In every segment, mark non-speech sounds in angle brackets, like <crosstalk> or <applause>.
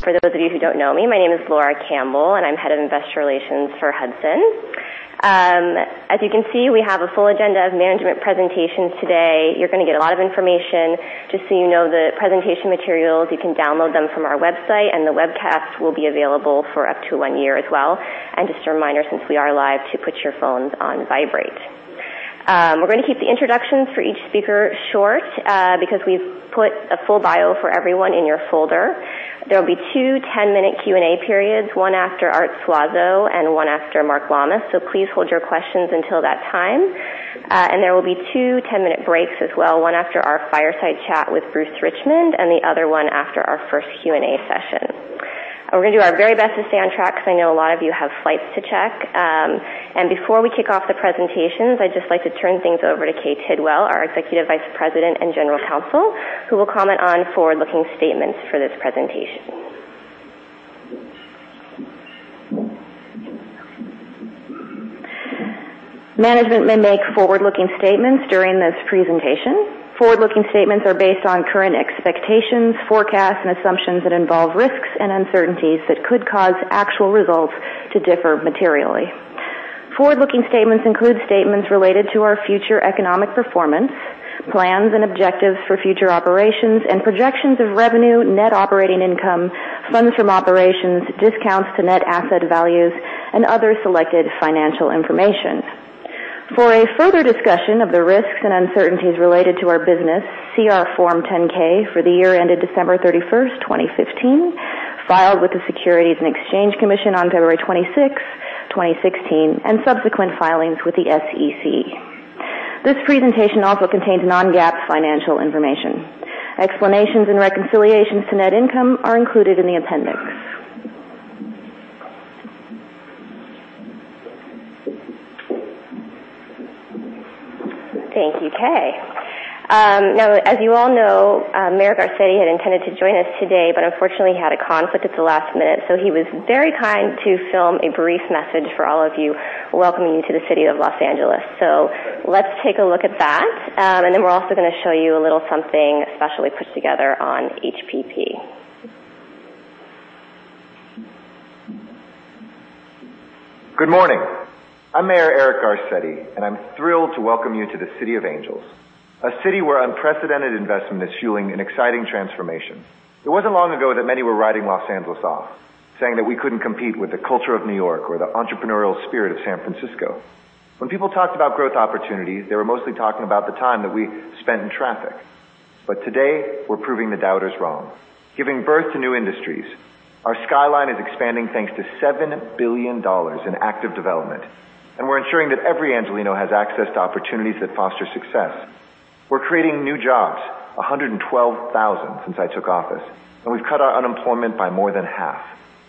For those of you who don't know me, my name is Laura Campbell, I'm Head of Investor Relations for Hudson. As you can see, we have a full agenda of management presentations today. You're going to get a lot of information. Just so you know, the presentation materials, you can download them from our website, and the webcast will be available for up to one year as well. Just a reminder, since we are live, to put your phones on vibrate. We're going to keep the introductions for each speaker short because we've put a full bio for everyone in your folder. There will be two 10-minute Q&A periods, one after Arthur Suazo and one after Mark Lammas, so please hold your questions until that time. There will be two 10-minute breaks as well, one after our fireside chat with Bruce Richmond and the other one after our first Q&A session. We're going to do our very best to stay on track because I know a lot of you have flights to check. Before we kick off the presentations, I'd just like to turn things over to Kay Tidwell, our Executive Vice President and General Counsel, who will comment on forward-looking statements for this presentation. Management may make forward-looking statements during this presentation. Forward-looking statements are based on current expectations, forecasts, and assumptions that involve risks and uncertainties that could cause actual results to differ materially. Forward-looking statements include statements related to our future economic performance, plans and objectives for future operations, and projections of revenue, net operating income, funds from operations, discounts to net asset values, and other selected financial information. For a further discussion of the risks and uncertainties related to our business, see our Form 10-K for the year ended December 31st, 2015, filed with the Securities and Exchange Commission on February 26th, 2016, and subsequent filings with the SEC. This presentation also contains non-GAAP financial information. Explanations and reconciliations to net income are included in the appendix. Thank you, Kay. As you all know, Mayor Garcetti had intended to join us today, but unfortunately, he had a conflict at the last minute, so he was very kind to film a brief message for all of you, welcoming you to the city of Los Angeles. Let's take a look at that, and then we're also going to show you a little something specially put together on HPP. Good morning. I'm Mayor Eric Garcetti. I'm thrilled to welcome you to the City of Angels, a city where unprecedented investment is fueling an exciting transformation. It wasn't long ago that many were writing Los Angeles off, saying that we couldn't compete with the culture of New York or the entrepreneurial spirit of San Francisco. When people talked about growth opportunities, they were mostly talking about the time that we spent in traffic. Today, we're proving the doubters wrong. Giving birth to new industries, our skyline is expanding thanks to $7 billion in active development. We're ensuring that every Angelino has access to opportunities that foster success. We're creating new jobs, 112,000 since I took office. We've cut our unemployment by more than half.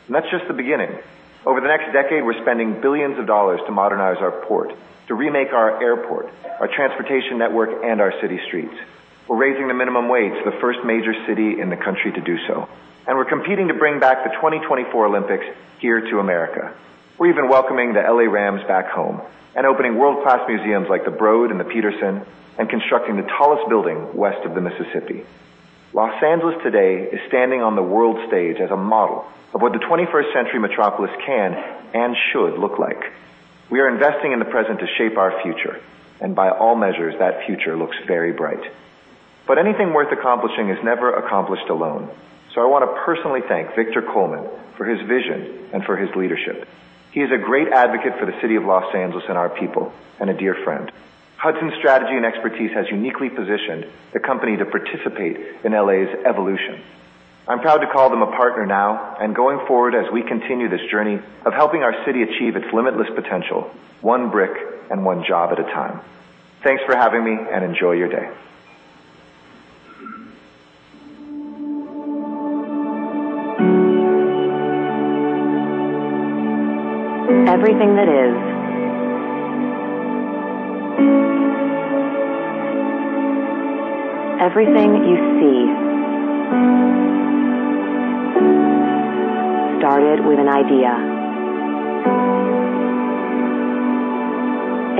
That's just the beginning. Over the next decade, we're spending billions of dollars to modernize our port, to remake our airport, our transportation network, and our city streets. We're raising the minimum wage, the first major city in the country to do so. We're competing to bring back the 2024 Olympics here to America. We're even welcoming the L.A. Rams back home and opening world-class museums like The Broad and the Petersen and constructing the tallest building west of the Mississippi. Los Angeles today is standing on the world stage as a model of what the 21st-century metropolis can and should look like. We are investing in the present to shape our future. By all measures, that future looks very bright. Anything worth accomplishing is never accomplished alone. I want to personally thank Victor Coleman for his vision and for his leadership. He is a great advocate for the city of Los Angeles and our people, a dear friend. Hudson's strategy and expertise has uniquely positioned the company to participate in L.A.'s evolution. I'm proud to call them a partner now and going forward as we continue this journey of helping our city achieve its limitless potential, one brick and one job at a time. Thanks for having me. Enjoy your day. Everything that is. Everything you see. Started with an idea.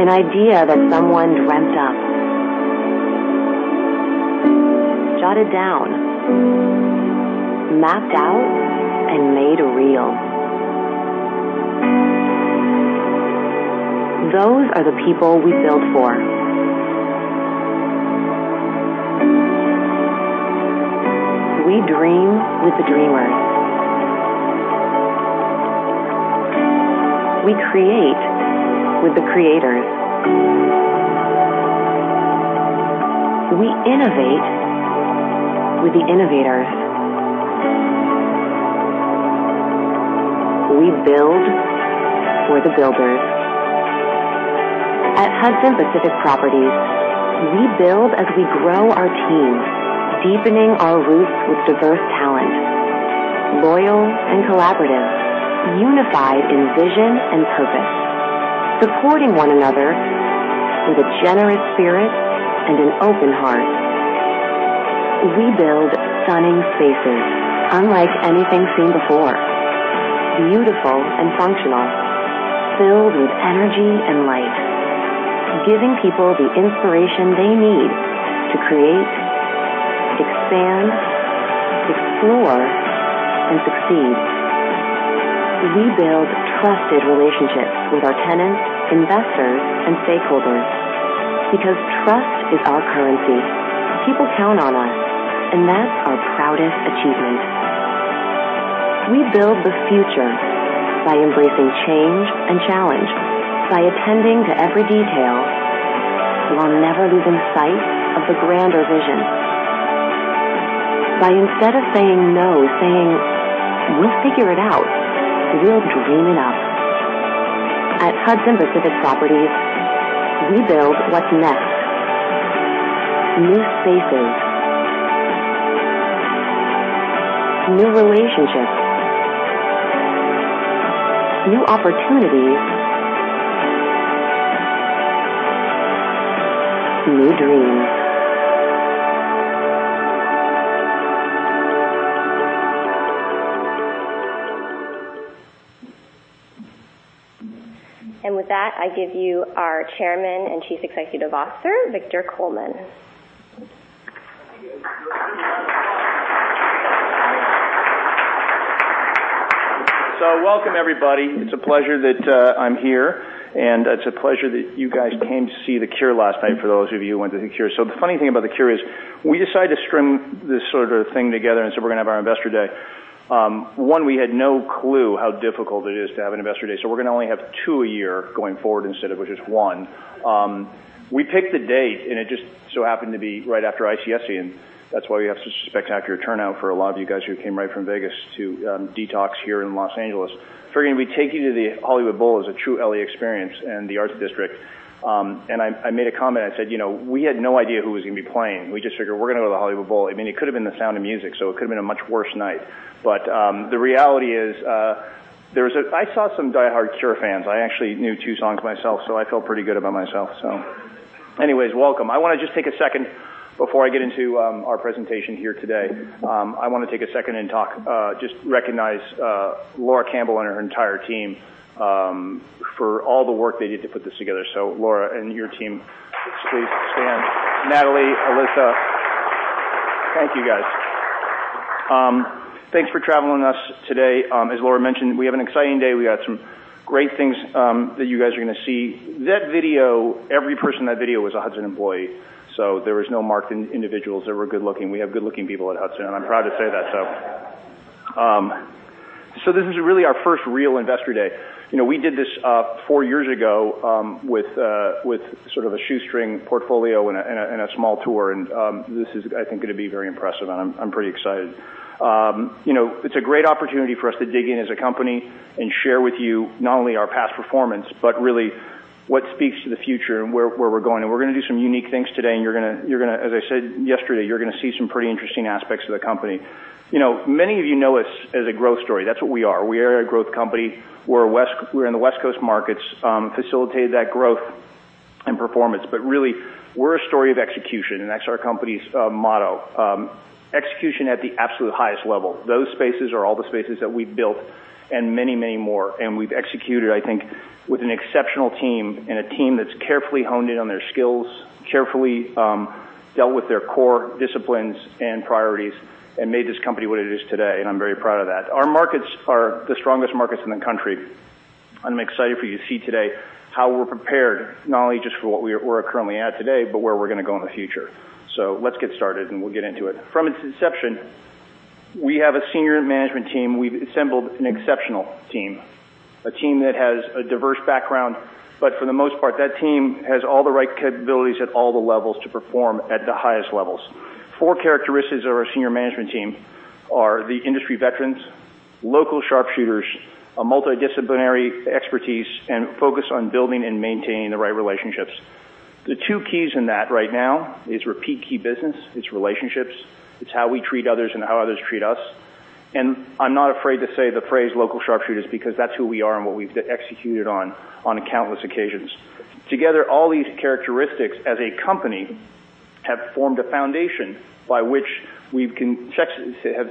An idea that someone dreamt up. Jotted down. Mapped out and made real. Those are the people we build for. We dream with the dreamers. We create with the creators. We innovate with the innovators. We build for the builders. At Hudson Pacific Properties, we build as we grow our teams, deepening our roots with diverse talent, loyal and collaborative, unified in vision and purpose, supporting one another with a generous spirit and an open heart. We build stunning spaces unlike anything seen before. Beautiful and functional, filled with energy and light, giving people the inspiration they need to create, expand, explore, and succeed. We build trusted relationships with our tenants, investors, and stakeholders, because trust is our currency. People count on us. That's our proudest achievement. We build the future by embracing change and challenge, by attending to every detail while never losing sight of the grander vision. By instead of saying no, saying, "We'll figure it out," we're dreaming up. At Hudson Pacific Properties, we build what's next. New spaces, new relationships, new opportunities, new dreams. With that, I give you our Chairman and Chief Executive Officer, Victor Coleman. Welcome, everybody. It's a pleasure that I'm here, and it's a pleasure that you guys came to see The Cure last night, for those of you who went to The Cure. The funny thing about The Cure is, we decided to string this sort of thing together, and so we're going to have our Investor Day. One, we had no clue how difficult it is to have an Investor Day, so we're going to only have two a year going forward instead of just one. We picked the date, and it just so happened to be right after ICSC, and that's why we have such a spectacular turnout for a lot of you guys who came right from Vegas to detox here in Los Angeles. Figured we'd take you to the Hollywood Bowl as a true L.A. experience and The Arts District. I made a comment, I said, "We had no idea who was going to be playing." We just figured, we're going to go to the Hollywood Bowl. It could've been The Sound of Music, it could've been a much worse night. The reality is, I saw some diehard Cure fans. I actually knew two songs myself, so I felt pretty good about myself, so. Anyways, welcome. I want to just take a second before I get into our presentation here today. I want to take a second and just recognize Laura Campbell and her entire team, for all the work they did to put this together. Laura and your team, please stand. Natalie, Alyssa, thank you, guys. Thanks for traveling with us today. As Laura mentioned, we have an exciting day. We've got some great things that you guys are going to see. That video, every person in that video was a Hudson employee. There was no marked individuals that were good-looking. We have good-looking people at Hudson, and I'm proud to say that. This is really our first real Investor Day. We did this four years ago, with sort of a shoestring portfolio and a small tour. This is, I think, going to be very impressive, and I'm pretty excited. It's a great opportunity for us to dig in as a company and share with you not only our past performance, but really what speaks to the future and where we're going. We're going to do some unique things today, and you're going to, as I said yesterday, you're going to see some pretty interesting aspects of the company. Many of you know us as a growth story. That's what we are. We are a growth company. We're in the West Coast markets, facilitated that growth and performance. Really, we're a story of execution, and that's our company's motto. Execution at the absolute highest level. Those spaces are all the spaces that we've built and many, many more, and we've executed, I think, with an exceptional team and a team that's carefully honed in on their skills, carefully dealt with their core disciplines and priorities and made this company what it is today, and I'm very proud of that. Our markets are the strongest markets in the country. I'm excited for you to see today how we're prepared, not only just for where we're currently at today, but where we're going to go in the future. Let's get started, and we'll get into it. From its inception, we have a senior management team. We've assembled an exceptional team, a team that has a diverse background. For the most part, that team has all the right capabilities at all the levels to perform at the highest levels. Four characteristics of our senior management team are the industry veterans, local sharpshooters, a multidisciplinary expertise, and focus on building and maintaining the right relationships. The two keys in that right now is repeat key business, it's relationships, it's how we treat others and how others treat us. I'm not afraid to say the phrase local sharpshooters because that's who we are and what we've executed on countless occasions. Together, all these characteristics as a company have formed a foundation by which we have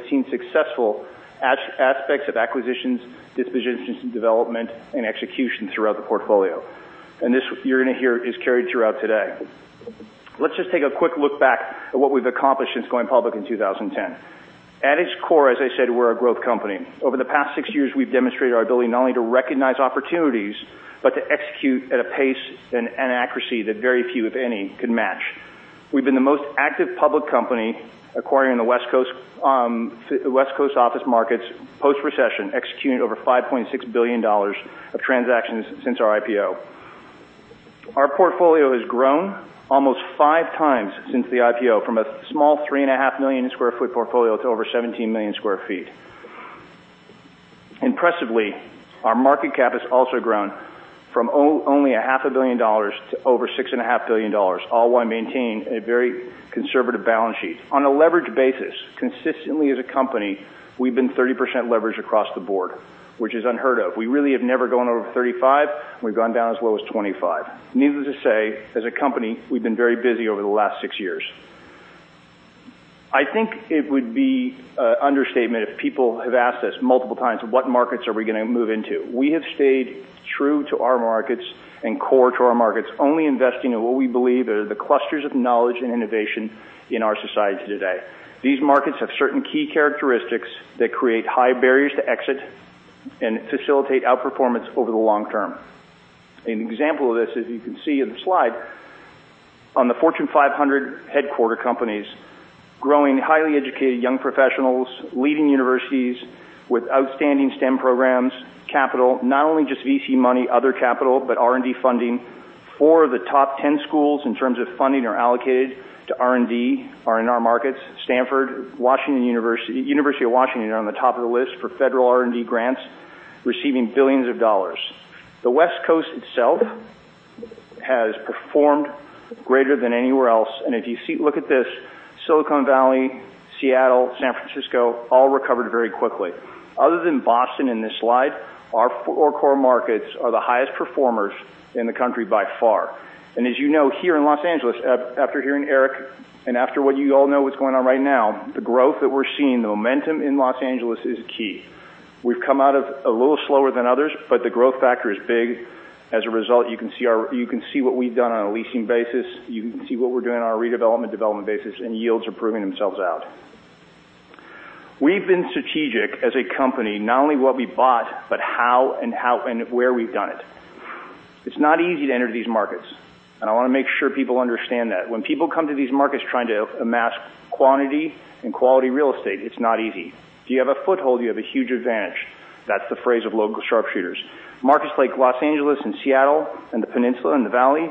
seen successful aspects of acquisitions, dispositions, and development, and execution throughout the portfolio. This, you're going to hear, is carried throughout today. Let's just take a quick look back at what we've accomplished since going public in 2010. At its core, as I said, we're a growth company. Over the past six years, we've demonstrated our ability not only to recognize opportunities, but to execute at a pace and accuracy that very few, if any, could match. We've been the most active public company acquiring the West Coast office markets post-recession, executing over $5.6 billion of transactions since our IPO. Our portfolio has grown almost five times since the IPO, from a small three and a half million square foot portfolio to over 17 million square feet. Impressively, our market cap has also grown from only a half a billion dollars to over six and a half billion dollars, all while maintaining a very conservative balance sheet. On a leverage basis, consistently as a company, we've been 30% leverage across the board, which is unheard of. We really have never gone over 35, and we've gone down as low as 25. Needless to say, as a company, we've been very busy over the last six years. I think it would be understatement if people have asked us multiple times, what markets are we going to move into? We have stayed true to our markets and core to our markets, only investing in what we believe are the clusters of knowledge and innovation in our society today. These markets have certain key characteristics that create high barriers to exit and facilitate outperformance over the long term. An example of this, as you can see in the slide, on the Fortune 500 headquarter companies, growing highly educated young professionals, leading universities with outstanding STEM programs, capital, not only just VC money, other capital, but R&D funding. Four of the top 10 schools in terms of funding are allocated to R&D, are in our markets. Stanford, University of Washington are on the top of the list for federal R&D grants, receiving billions of dollars. The West Coast itself has performed greater than anywhere else. If you look at this, Silicon Valley, Seattle, San Francisco, all recovered very quickly. Other than Boston in this slide, our four core markets are the highest performers in the country by far. As you know, here in Los Angeles, after hearing Eric, after what you all know what's going on right now, the growth that we're seeing, the momentum in Los Angeles is key. We've come out of a little slower than others, the growth factor is big. As a result, you can see what we've done on a leasing basis. You can see what we're doing on our redevelopment, development basis, yields are proving themselves out. We've been strategic as a company, not only what we bought, how and where we've done it. It's not easy to enter these markets, I want to make sure people understand that. When people come to these markets trying to amass quantity and quality real estate, it's not easy. If you have a foothold, you have a huge advantage. That's the phrase of local sharpshooters. Markets like Los Angeles and Seattle and the Peninsula and the Valley,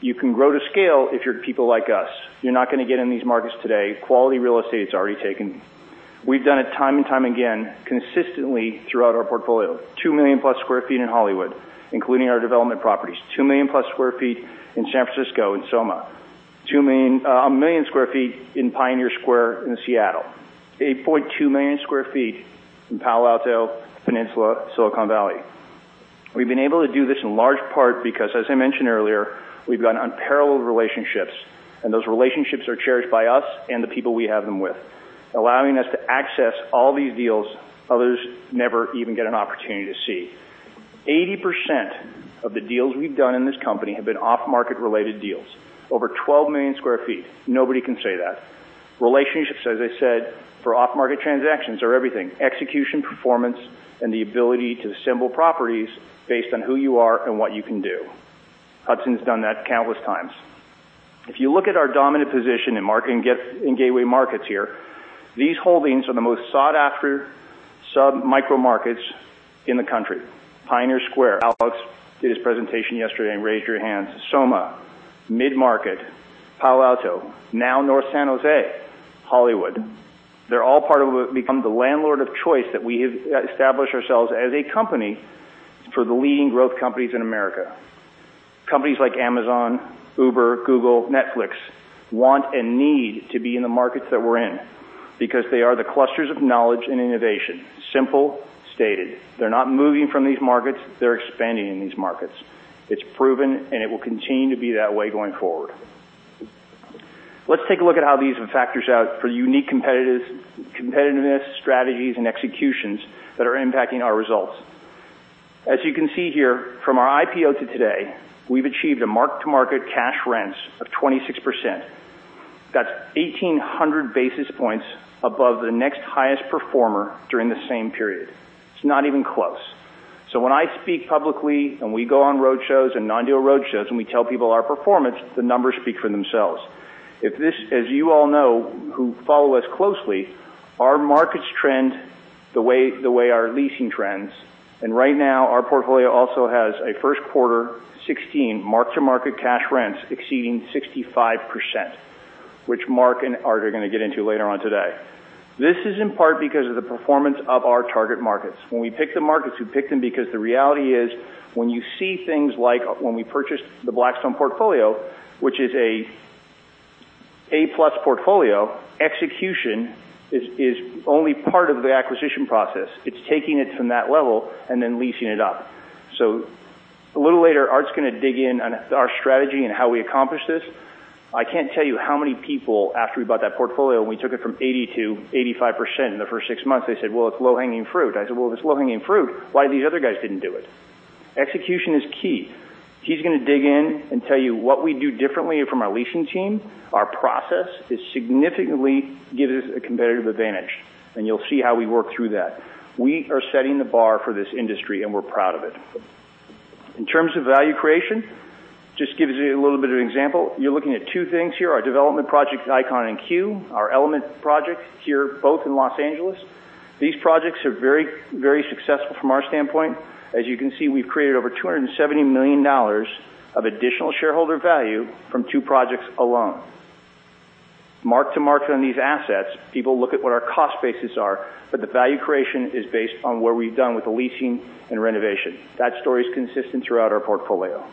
you can grow to scale if you're people like us. You're not going to get in these markets today. Quality real estate is already taken. We've done it time and time again, consistently throughout our portfolio. 2 million plus sq ft in Hollywood, including our development properties. 2 million plus sq ft in San Francisco, in SoMa. 1 million sq ft in Pioneer Square in Seattle. 8.2 million sq ft in Palo Alto, Peninsula, Silicon Valley. We've been able to do this in large part because, as I mentioned earlier, we've got unparalleled relationships, those relationships are cherished by us and the people we have them with, allowing us to access all these deals others never even get an opportunity to see. 80% of the deals we've done in this company have been off-market related deals, over 12 million sq ft. Nobody can say that. Relationships, as I said, for off-market transactions, are everything. Execution, performance, the ability to assemble properties based on who you are and what you can do. Hudson's done that countless times. If you look at our dominant position in gateway markets here, these holdings are the most sought after sub-micro markets in the country. Pioneer Square. Alex did his presentation yesterday, and raise your hands. SoMa, Mid-Market, Palo Alto, now North San Jose, Hollywood. They're all part of what become the landlord of choice that we have established ourselves as a company for the leading growth companies in America. Companies like Amazon, Uber, Google, Netflix, want and need to be in the markets that we're in because they are the clusters of knowledge and innovation. Simple, stated. They're not moving from these markets. They're expanding in these markets. It's proven. It will continue to be that way going forward. Let's take a look at how these factors out for unique competitiveness, strategies, and executions that are impacting our results. As you can see here, from our IPO to today, we've achieved a mark-to-market cash rents of 26%. That's 1,800 basis points above the next highest performer during the same period. It's not even close. When I speak publicly, we go on road shows and non-deal road shows, and we tell people our performance, the numbers speak for themselves. As you all know, who follow us closely, our markets trend the way our leasing trends. Right now, our portfolio also has a first quarter 16 mark-to-market cash rents exceeding 65%, which Mark and Art are going to get into later on today. This is in part because of the performance of our target markets. When we pick the markets, we pick them because the reality is, when you see things like when we purchased the Blackstone portfolio, which is A-plus portfolio, execution is only part of the acquisition process. It's taking it from that level and then leasing it up. A little later, Art's going to dig in on our strategy and how we accomplish this. I can't tell you how many people, after we bought that portfolio, and we took it from 80% to 85% in the first six months, they said, "Well, it's low-hanging fruit." I said, "Well, if it's low-hanging fruit, why these other guys didn't do it?" Execution is key. He's going to dig in and tell you what we do differently from our leasing team. Our process significantly gives us a competitive advantage. You'll see how we work through that. We are setting the bar for this industry. We're proud of it. In terms of value creation, just to give you a little bit of an example. You're looking at two things here, our development project, Icon and Cue, our Element project here, both in Los Angeles. These projects are very successful from our standpoint. As you can see, we've created over $270 million of additional shareholder value from two projects alone. Mark-to-market on these assets, people look at what our cost bases are, but the value creation is based on what we've done with the leasing and renovation. That story is consistent throughout our portfolio.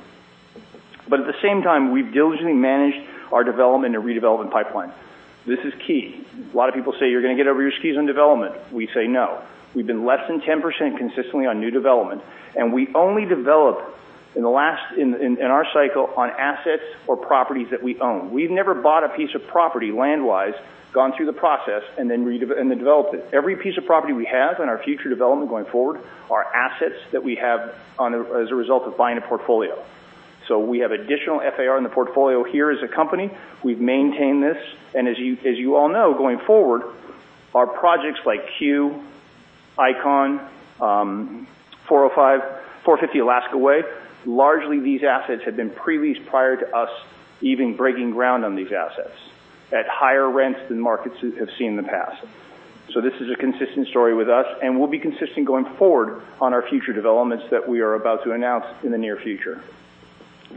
At the same time, we've diligently managed our development and redevelopment pipeline. This is key. A lot of people say, "You're going to get over your skis in development." We say, no. We've been less than 10% consistently on new development. We only develop in our cycle on assets or properties that we own. We've never bought a piece of property land-wise, gone through the process, and then developed it. Every piece of property we have in our future development going forward are assets that we have as a result of buying a portfolio. We have additional FAR in the portfolio here as a company. We've maintained this, and as you all know, going forward, our projects like Cue, Icon, 405, 450 Alaskan Way, largely, these assets had been pre-leased prior to us even breaking ground on these assets at higher rents than markets have seen in the past. This is a consistent story with us, and we'll be consistent going forward on our future developments that we are about to announce in the near future.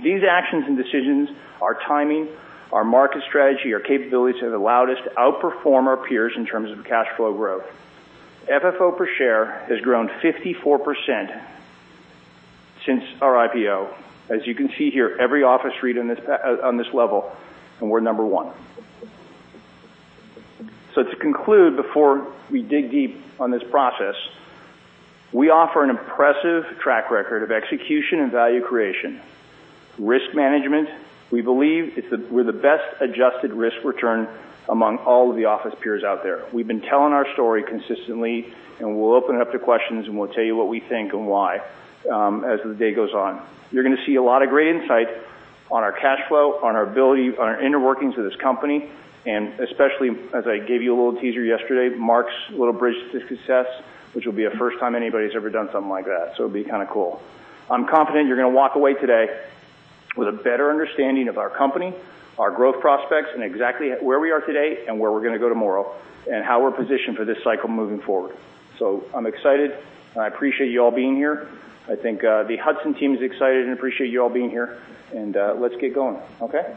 These actions and decisions, our timing, our market strategy, our capabilities have allowed us to outperform our peers in terms of cash flow growth. FFO per share has grown 54% since our IPO. As you can see here, every office REIT on this level, and we're number 1. To conclude, before we dig deep on this process, we offer an impressive track record of execution and value creation. Risk management, we believe we're the best-adjusted risk return among all of the office peers out there. We've been telling our story consistently, and we'll open it up to questions, and we'll tell you what we think and why, as the day goes on. You're going to see a lot of great insight on our cash flow, on our ability, on our inner workings of this company, and especially, as I gave you a little teaser yesterday, Mark's little bridge to success, which will be a first time anybody's ever done something like that, so it'll be kind of cool. I'm confident you're going to walk away today with a better understanding of our company, our growth prospects, and exactly where we are today and where we're going to go tomorrow, and how we're positioned for this cycle moving forward. I'm excited, and I appreciate you all being here. I think, the Hudson team is excited and appreciate you all being here. Let's get going. Okay?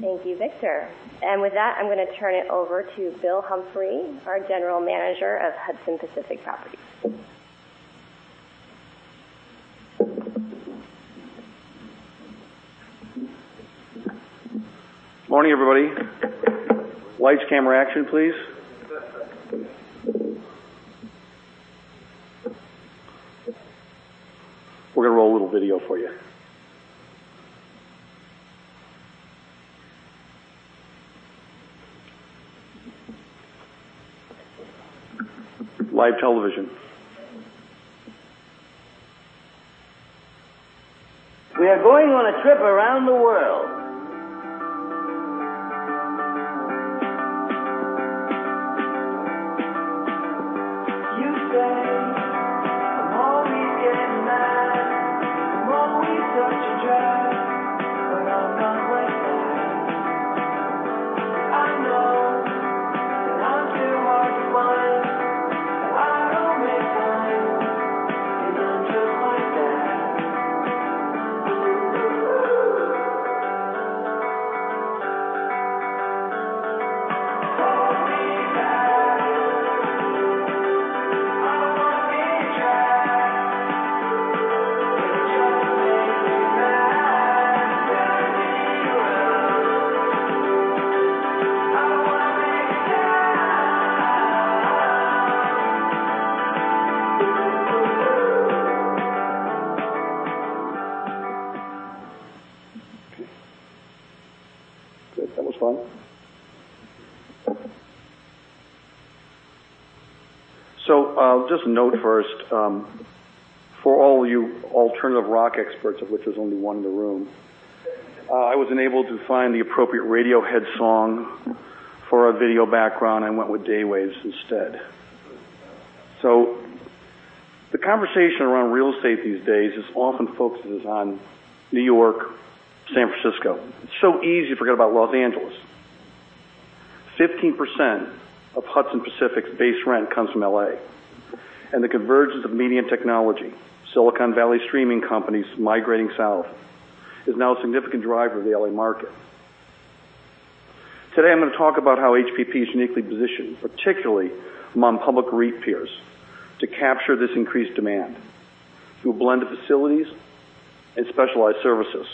Thank you, Victor. With that, I'm going to turn it over to Bill Humphrey, our General Manager of Hudson Pacific Properties. Morning, everybody. Lights, camera, action, please. We're going to roll a little video for you. Live television. We are going on a trip around the world. You say I'm always getting mad. I'm always such a drag. I'm not like that. I know that I'm too hard to find. I don't mind. I'm just like that. Ooh. Hold me back. I don't wanna be a drag. It just makes me mad. When you turn me around. I don't wanna be a drag. Ooh Okay. That was fun. Just a note first. For all you alternative rock experts, of which there's only one in the room, I was unable to find the appropriate Radiohead song for our video background. I went with Day Wave's instead. The conversation around real estate these days is often focuses on New York, San Francisco. It's so easy to forget about Los Angeles. 15% of Hudson Pacific's base rent comes from L.A., and the convergence of media and technology, Silicon Valley streaming companies migrating south, is now a significant driver of the L.A. market. Today, I'm going to talk about how HPP is uniquely positioned, particularly among public REIT peers, to capture this increased demand through a blend of facilities and specialized services.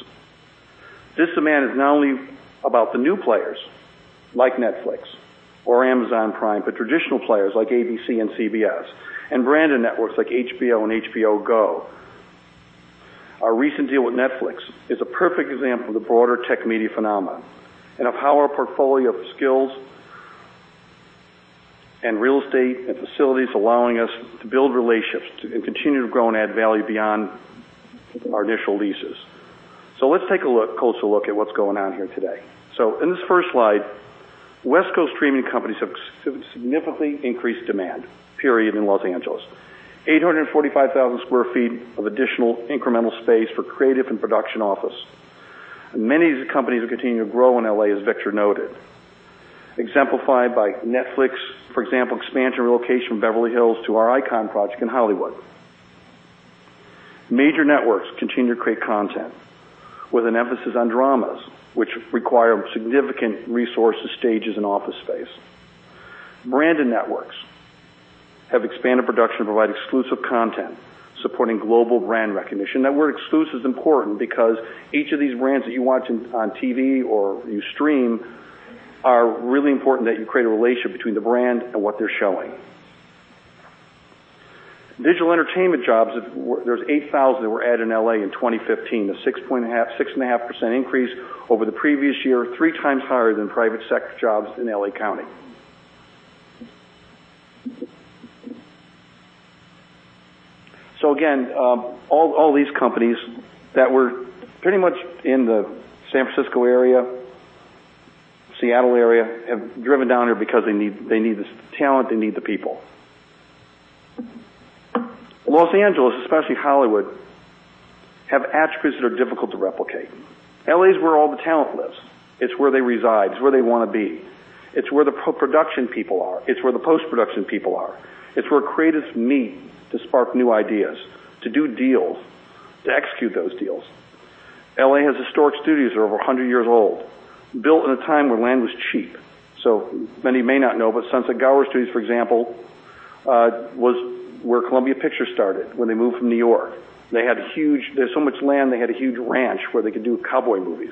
This demand is not only about the new players like Netflix or Amazon Prime, but traditional players like ABC and CBS and branded networks like HBO and HBO Go. Our recent deal with Netflix is a perfect example of the broader tech media phenomenon and of how our portfolio of skills and real estate and facilities allowing us to build relationships to continue to grow and add value beyond our initial leases. Let's take a closer look at what's going on here today. In this first slide, West Coast streaming companies have significantly increased demand, period, in Los Angeles. 845,000 square feet of additional incremental space for creative and production office. Many of these companies are continuing to grow in L.A., as Victor noted. Exemplified by Netflix, for example, expansion relocation from Beverly Hills to our Icon project in Hollywood. Major networks continue to create content with an emphasis on dramas, which require significant resources, stages, and office space. Branded networks have expanded production to provide exclusive content supporting global brand recognition. That word exclusive is important because each of these brands that you watch on TV or you stream are really important that you create a relationship between the brand and what they're showing. Digital entertainment jobs, there's 8,000 that were added in L.A. in 2015. A 6.5% increase over the previous year, three times higher than private sector jobs in L.A. County. Again, all these companies that were pretty much in the San Francisco area, Seattle area, have driven down here because they need the talent, they need the people. Los Angeles, especially Hollywood, have attributes that are difficult to replicate. L.A. is where all the talent lives. It's where they reside. It's where they want to be. It's where the production people are. It's where the post-production people are. It's where creatives meet to spark new ideas, to do deals, to execute those deals. L.A. has historic studios that are over 100 years old, built in a time where land was cheap. Many may not know, but Sunset Gower Studios, for example, was where Columbia Pictures started when they moved from New York. There's so much land, they had a huge ranch where they could do cowboy movies.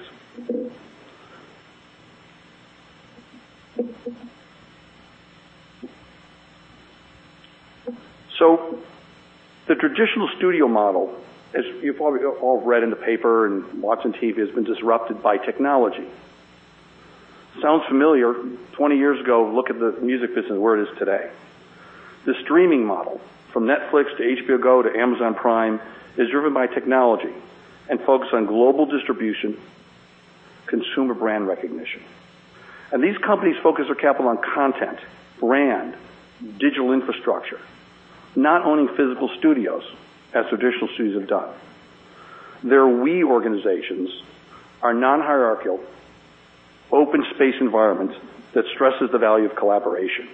The traditional studio model, as you've probably all read in the paper and watching TV, has been disrupted by technology. Sounds familiar. 20 years ago, look at the music business and where it is today. The streaming model, from Netflix to HBO Go to Amazon Prime, is driven by technology and focused on global distribution, consumer brand recognition. These companies focus their capital on content, brand, digital infrastructure, not owning physical studios as traditional studios have done. Their organizations are non-hierarchical, open space environments that stress the value of collaboration.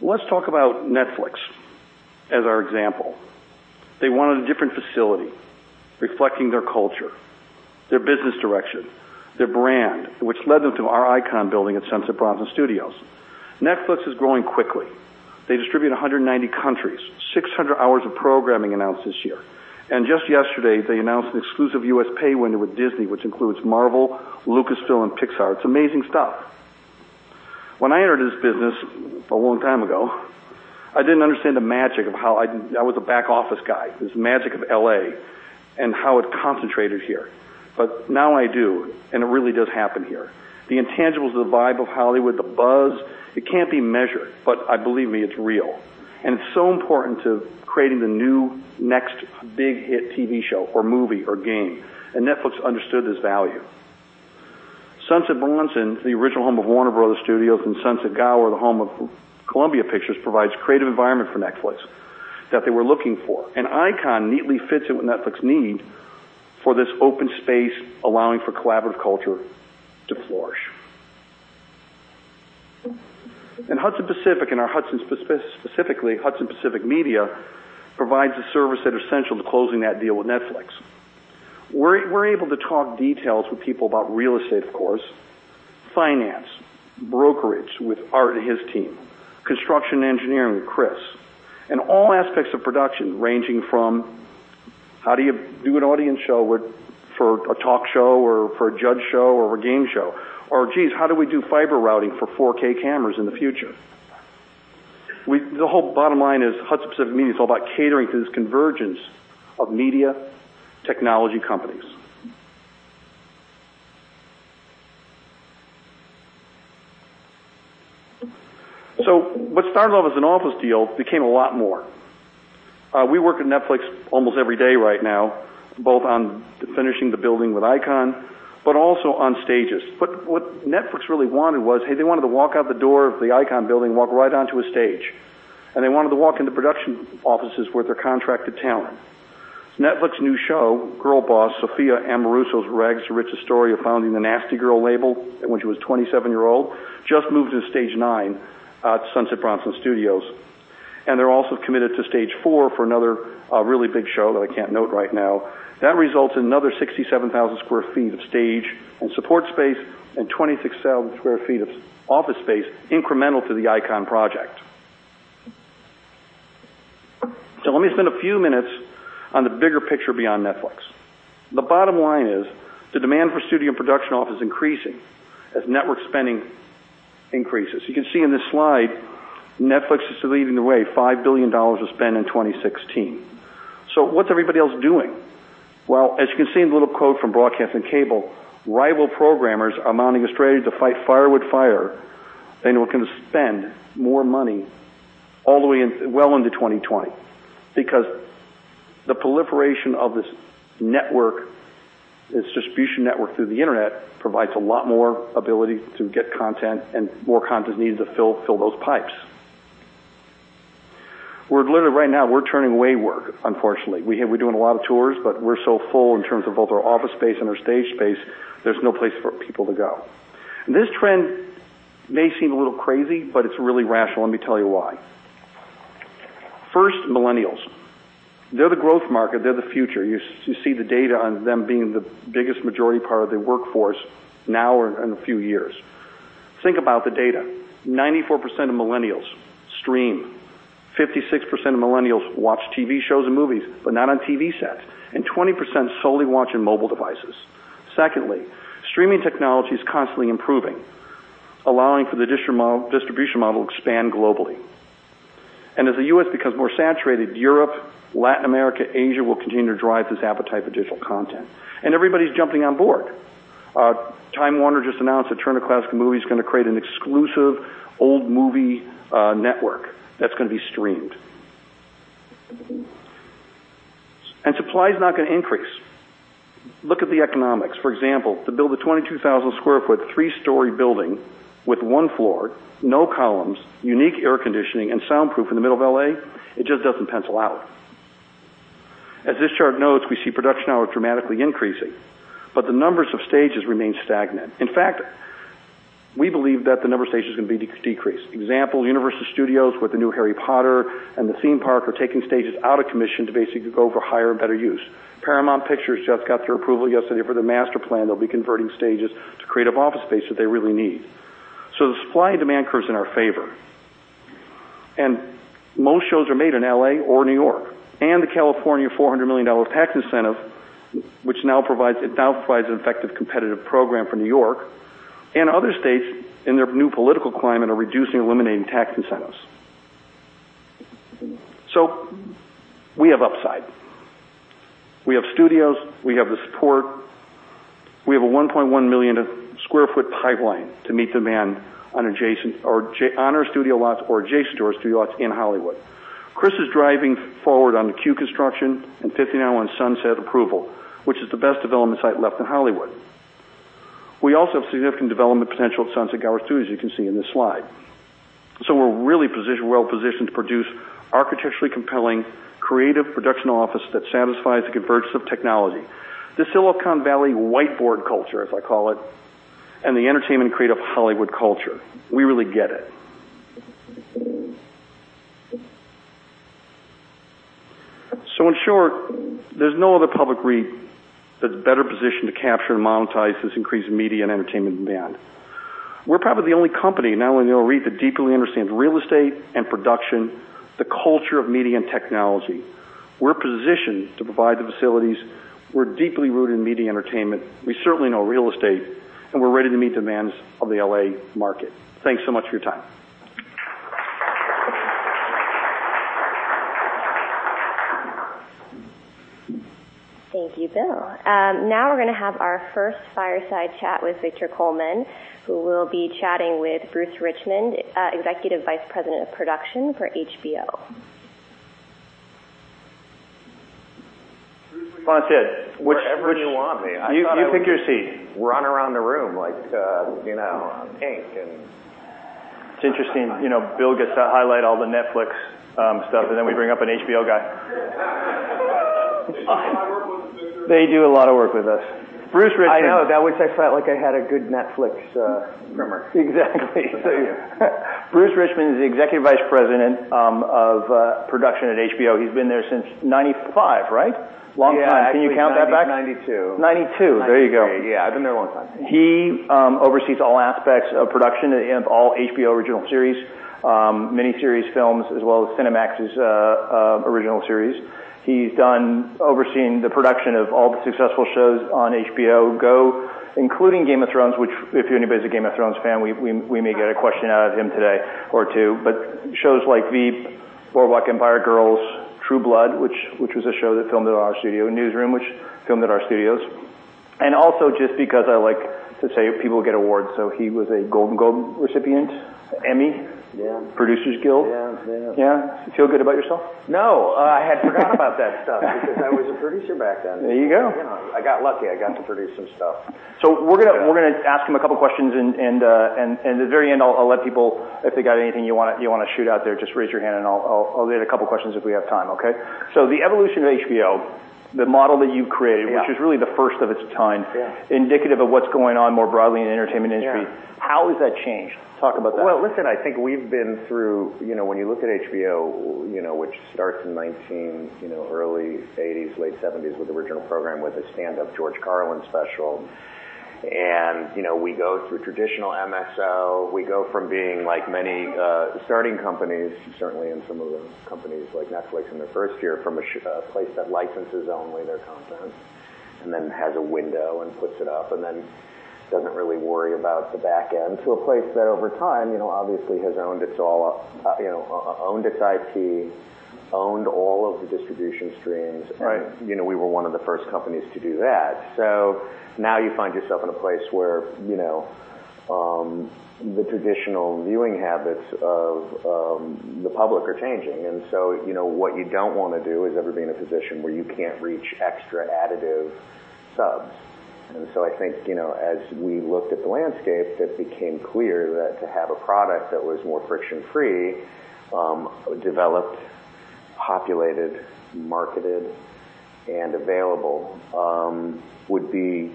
Let's talk about Netflix as our example. They wanted a different facility reflecting their culture, their business direction, their brand, which led them to our Icon building at Sunset Bronson Studios. Netflix is growing quickly. They distribute to 190 countries, 600 hours of programming announced this year. Just yesterday, they announced an exclusive U.S. pay window with Disney, which includes Marvel, Lucasfilm, and Pixar. It's amazing stuff. When I entered this business a long time ago, I didn't understand the magic. I was a back office guy. This magic of L.A. and how it concentrated here. Now I do, and it really does happen here. The intangibles of the vibe of Hollywood, the buzz, it can't be measured, but believe me, it's real. It's so important to creating the new next big hit TV show or movie or game. Netflix understood this value. Sunset Bronson, the original home of Warner Bros. Studios, and Sunset Gower, the home of Columbia Pictures, provides creative environment for Netflix that they were looking for. Icon neatly fits in with Netflix's need for this open space, allowing for collaborative culture to flourish. Hudson Pacific, and specifically Hudson Pacific Media, provides a service that is essential to closing that deal with Netflix. We're able to talk details with people about real estate, of course, finance, brokerage with Art and his team, construction engineering with Chris, and all aspects of production, ranging from how do you do an audience show for a talk show or for a judge show or a game show, or, geez, how do we do fiber routing for 4K cameras in the future? The whole bottom line is Hudson Pacific Media is all about catering to this convergence of media, technology companies. What started off as an office deal became a lot more. We work with Netflix almost every day right now, both on finishing the building with Icon, but also on stages. What Netflix really wanted was, hey, they wanted to walk out the door of the Icon building, walk right onto a stage, and they wanted to walk into production offices with their contracted talent. Netflix's new show, "Girlboss," Sophia Amoruso's rags to riches story of founding the Nasty Gal label when she was a 27-year-old, just moved into Stage 9 at Sunset Bronson Studios. They're also committed to Stage 4 for another really big show that I can't note right now. That results in another 67,000 sq ft of stage and support space and 26,000 sq ft of office space incremental to the Icon project. Let me spend a few minutes on the bigger picture beyond Netflix. The bottom line is the demand for studio production office is increasing as network spending increases. You can see in this slide, Netflix is leading the way, $5 billion was spent in 2016. What's everybody else doing? Well, as you can see in the little quote from Broadcasting & Cable, rival programmers are mounting a strategy to fight fire with fire. We're going to spend more money well into 2020 because the proliferation of this distribution network through the internet provides a lot more ability to get content. More content is needed to fill those pipes. Literally right now, we're turning away work, unfortunately. We're doing a lot of tours, but we're so full in terms of both our office space and our stage space, there's no place for people to go. This trend may seem a little crazy, but it's really rational. Let me tell you why. First, Millennials. They're the growth market. They're the future. You see the data on them being the biggest majority part of the workforce now or in a few years. Think about the data. 94% of millennials stream, 56% of millennials watch TV shows and movies, but not on TV sets. 20% solely watch on mobile devices. Secondly, streaming technology is constantly improving, allowing for the distribution model to expand globally. As the U.S. becomes more saturated, Europe, Latin America, Asia will continue to drive this appetite for digital content. Everybody's jumping on board. Time Warner Inc. just announced that Turner Classic Movies is going to create an exclusive old movie network that's going to be streamed. Supply is not going to increase. Look at the economics. For example, to build a 22,000 sq ft, three-story building with one floor, no columns, unique air conditioning, and soundproof in the middle of L.A., it just doesn't pencil out. As this chart notes, we see production hours dramatically increasing, but the numbers of stages remain stagnant. In fact, we believe that the number of stages is going to be decreased. Example, Universal Studios with the new Harry Potter and the theme park are taking stages out of commission to basically go for higher and better use. Paramount Pictures just got their approval yesterday for their master plan. They'll be converting stages to creative office space that they really need. The supply and demand curve's in our favor. Most shows are made in L.A. or New York. The California $400 million tax incentive, which now provides an effective competitive program for New York, other states in their new political climate are reducing or eliminating tax incentives. We have upside. We have studios, we have the support. We have a 1.1 million sq ft pipeline to meet demand on our studio lots or adjacent to our studio lots in Hollywood. Chris is driving forward on the Cue construction and 5901 Sunset approval, which is the best development site left in Hollywood. We also have significant development potential at Sunset Gower, too, as you can see in this slide. We're really well-positioned to produce architecturally compelling, creative production office that satisfies the convergence of technology. The Silicon Valley whiteboard culture, as I call it, the entertainment creative Hollywood culture. We really get it. In short, there's no other public REIT that's better positioned to capture and monetize this increased media and entertainment demand. We're probably the only company, not only in the REIT, that deeply understands real estate and production, the culture of media and technology. We're positioned to provide the facilities. We're deeply rooted in media entertainment. We certainly know real estate, and we're ready to meet demands of the L.A. market. Thanks so much for your time. Thank you, Bill. Now we're going to have our first fireside chat with Victor Coleman, who will be chatting with Bruce Richmond, Executive Vice President of Production for HBO. Bruce, where do you want me? Fantastic. You pick your seat. I thought I would run around the room like Hank. It's interesting. Bill gets to highlight all the Netflix stuff, and then we bring up an HBO guy. They do a lot of work with us, Victor. They do a lot of work with us. Bruce Richmond. I know. That way I felt like I had a good Netflix- <inaudible> Exactly. Bruce Richmond is the Executive Vice President of Production at HBO. He's been there since 1995, right? Long time. Yeah. Can you count that back? I believe it's 1992. 1992. There you go. Yeah. I've been there a long time. He oversees all aspects of production of all HBO original series, miniseries films, as well as Cinemax's original series. He's done overseeing the production of all the successful shows on HBO Go, including "Game of Thrones," which if anybody's a "Game of Thrones" fan, we may get a question out of him today or two. Shows like "Veep," "Boardwalk Empire," "Girls," "True Blood," which was a show that filmed at our studio, and "Newsroom," which filmed at our studios. Also just because I like to say people get awards. He was a Golden Globe recipient, Emmy. Yeah. Producers Guild. Yeah. Yeah. Feel good about yourself? No, I had forgot about that stuff because I was a producer back then. There you go. I got lucky. I got to produce some stuff. We're going to ask him a couple questions. At the very end, I'll let people, if they got anything you want to shoot out there, just raise your hand and I'll get a couple questions if we have time, okay? The evolution of HBO, the model that you created Yeah which is really the first of its kind Yeah indicative of what's going on more broadly in the entertainment industry. Yeah. How has that changed? Talk about that. Well, listen, I think we've been through. When you look at HBO, which starts in early '80s, late '70s with original program, with a stand-up George Carlin special. We go through traditional MSO. We go from being like many starting companies, certainly in some of the companies like Netflix in their first year, from a place that licenses only their content, then has a window and puts it up, then doesn't really worry about the back end, to a place that over time, obviously has owned its IP, owned all of the distribution streams. Right. We were one of the first companies to do that. Now you find yourself in a place where the traditional viewing habits of the public are changing. What you don't want to do is ever be in a position where you can't reach extra additive subs. I think, as we looked at the landscape, it became clear that to have a product that was more friction-free, developed, populated, marketed Available would be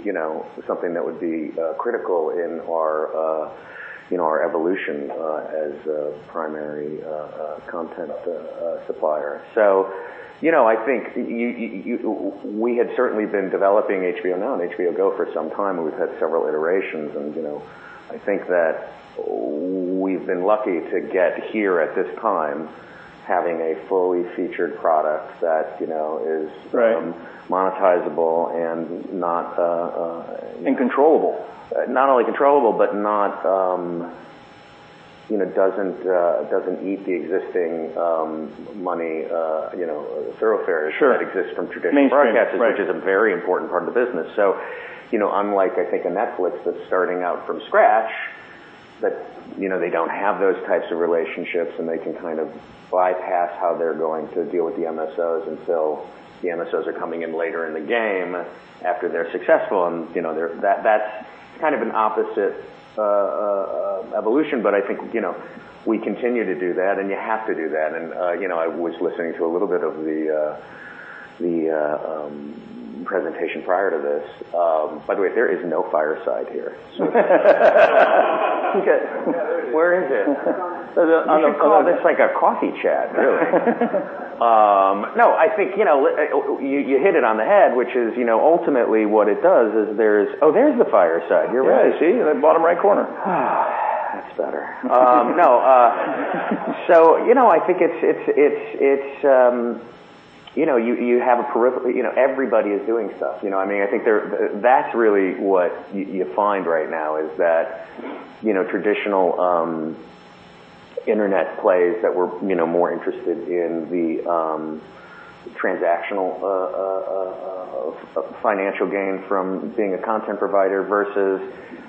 something that would be critical in our evolution as a primary content supplier. I think we had certainly been developing HBO Now and HBO Go for some time, and we've had several iterations and I think that we've been lucky to get here at this time, having a fully featured product that is Right monetizable and not Controllable not only controllable, but doesn't eat the existing money thoroughfares Sure that exist from traditional broadcasters Mainstream, right. which is a very important part of the business. Unlike, I think, a Netflix that's starting out from scratch, they don't have those types of relationships, and they can kind of bypass how they're going to deal with the MSOs until the MSOs are coming in later in the game after they're successful, and that's kind of an opposite evolution, but I think we continue to do that, and you have to do that. I was listening to a little bit of the presentation prior to this. By the way, there is no fireside here. Where is it? You could call this like a coffee chat, really. I think you hit it on the head, which is ultimately what it does is there's Oh, there's the fireside. Here we go. See? In the bottom right corner. That's better. I think everybody is doing stuff. I think that's really what you find right now is that traditional internet plays that were more interested in the transactional financial gain from being a content provider versus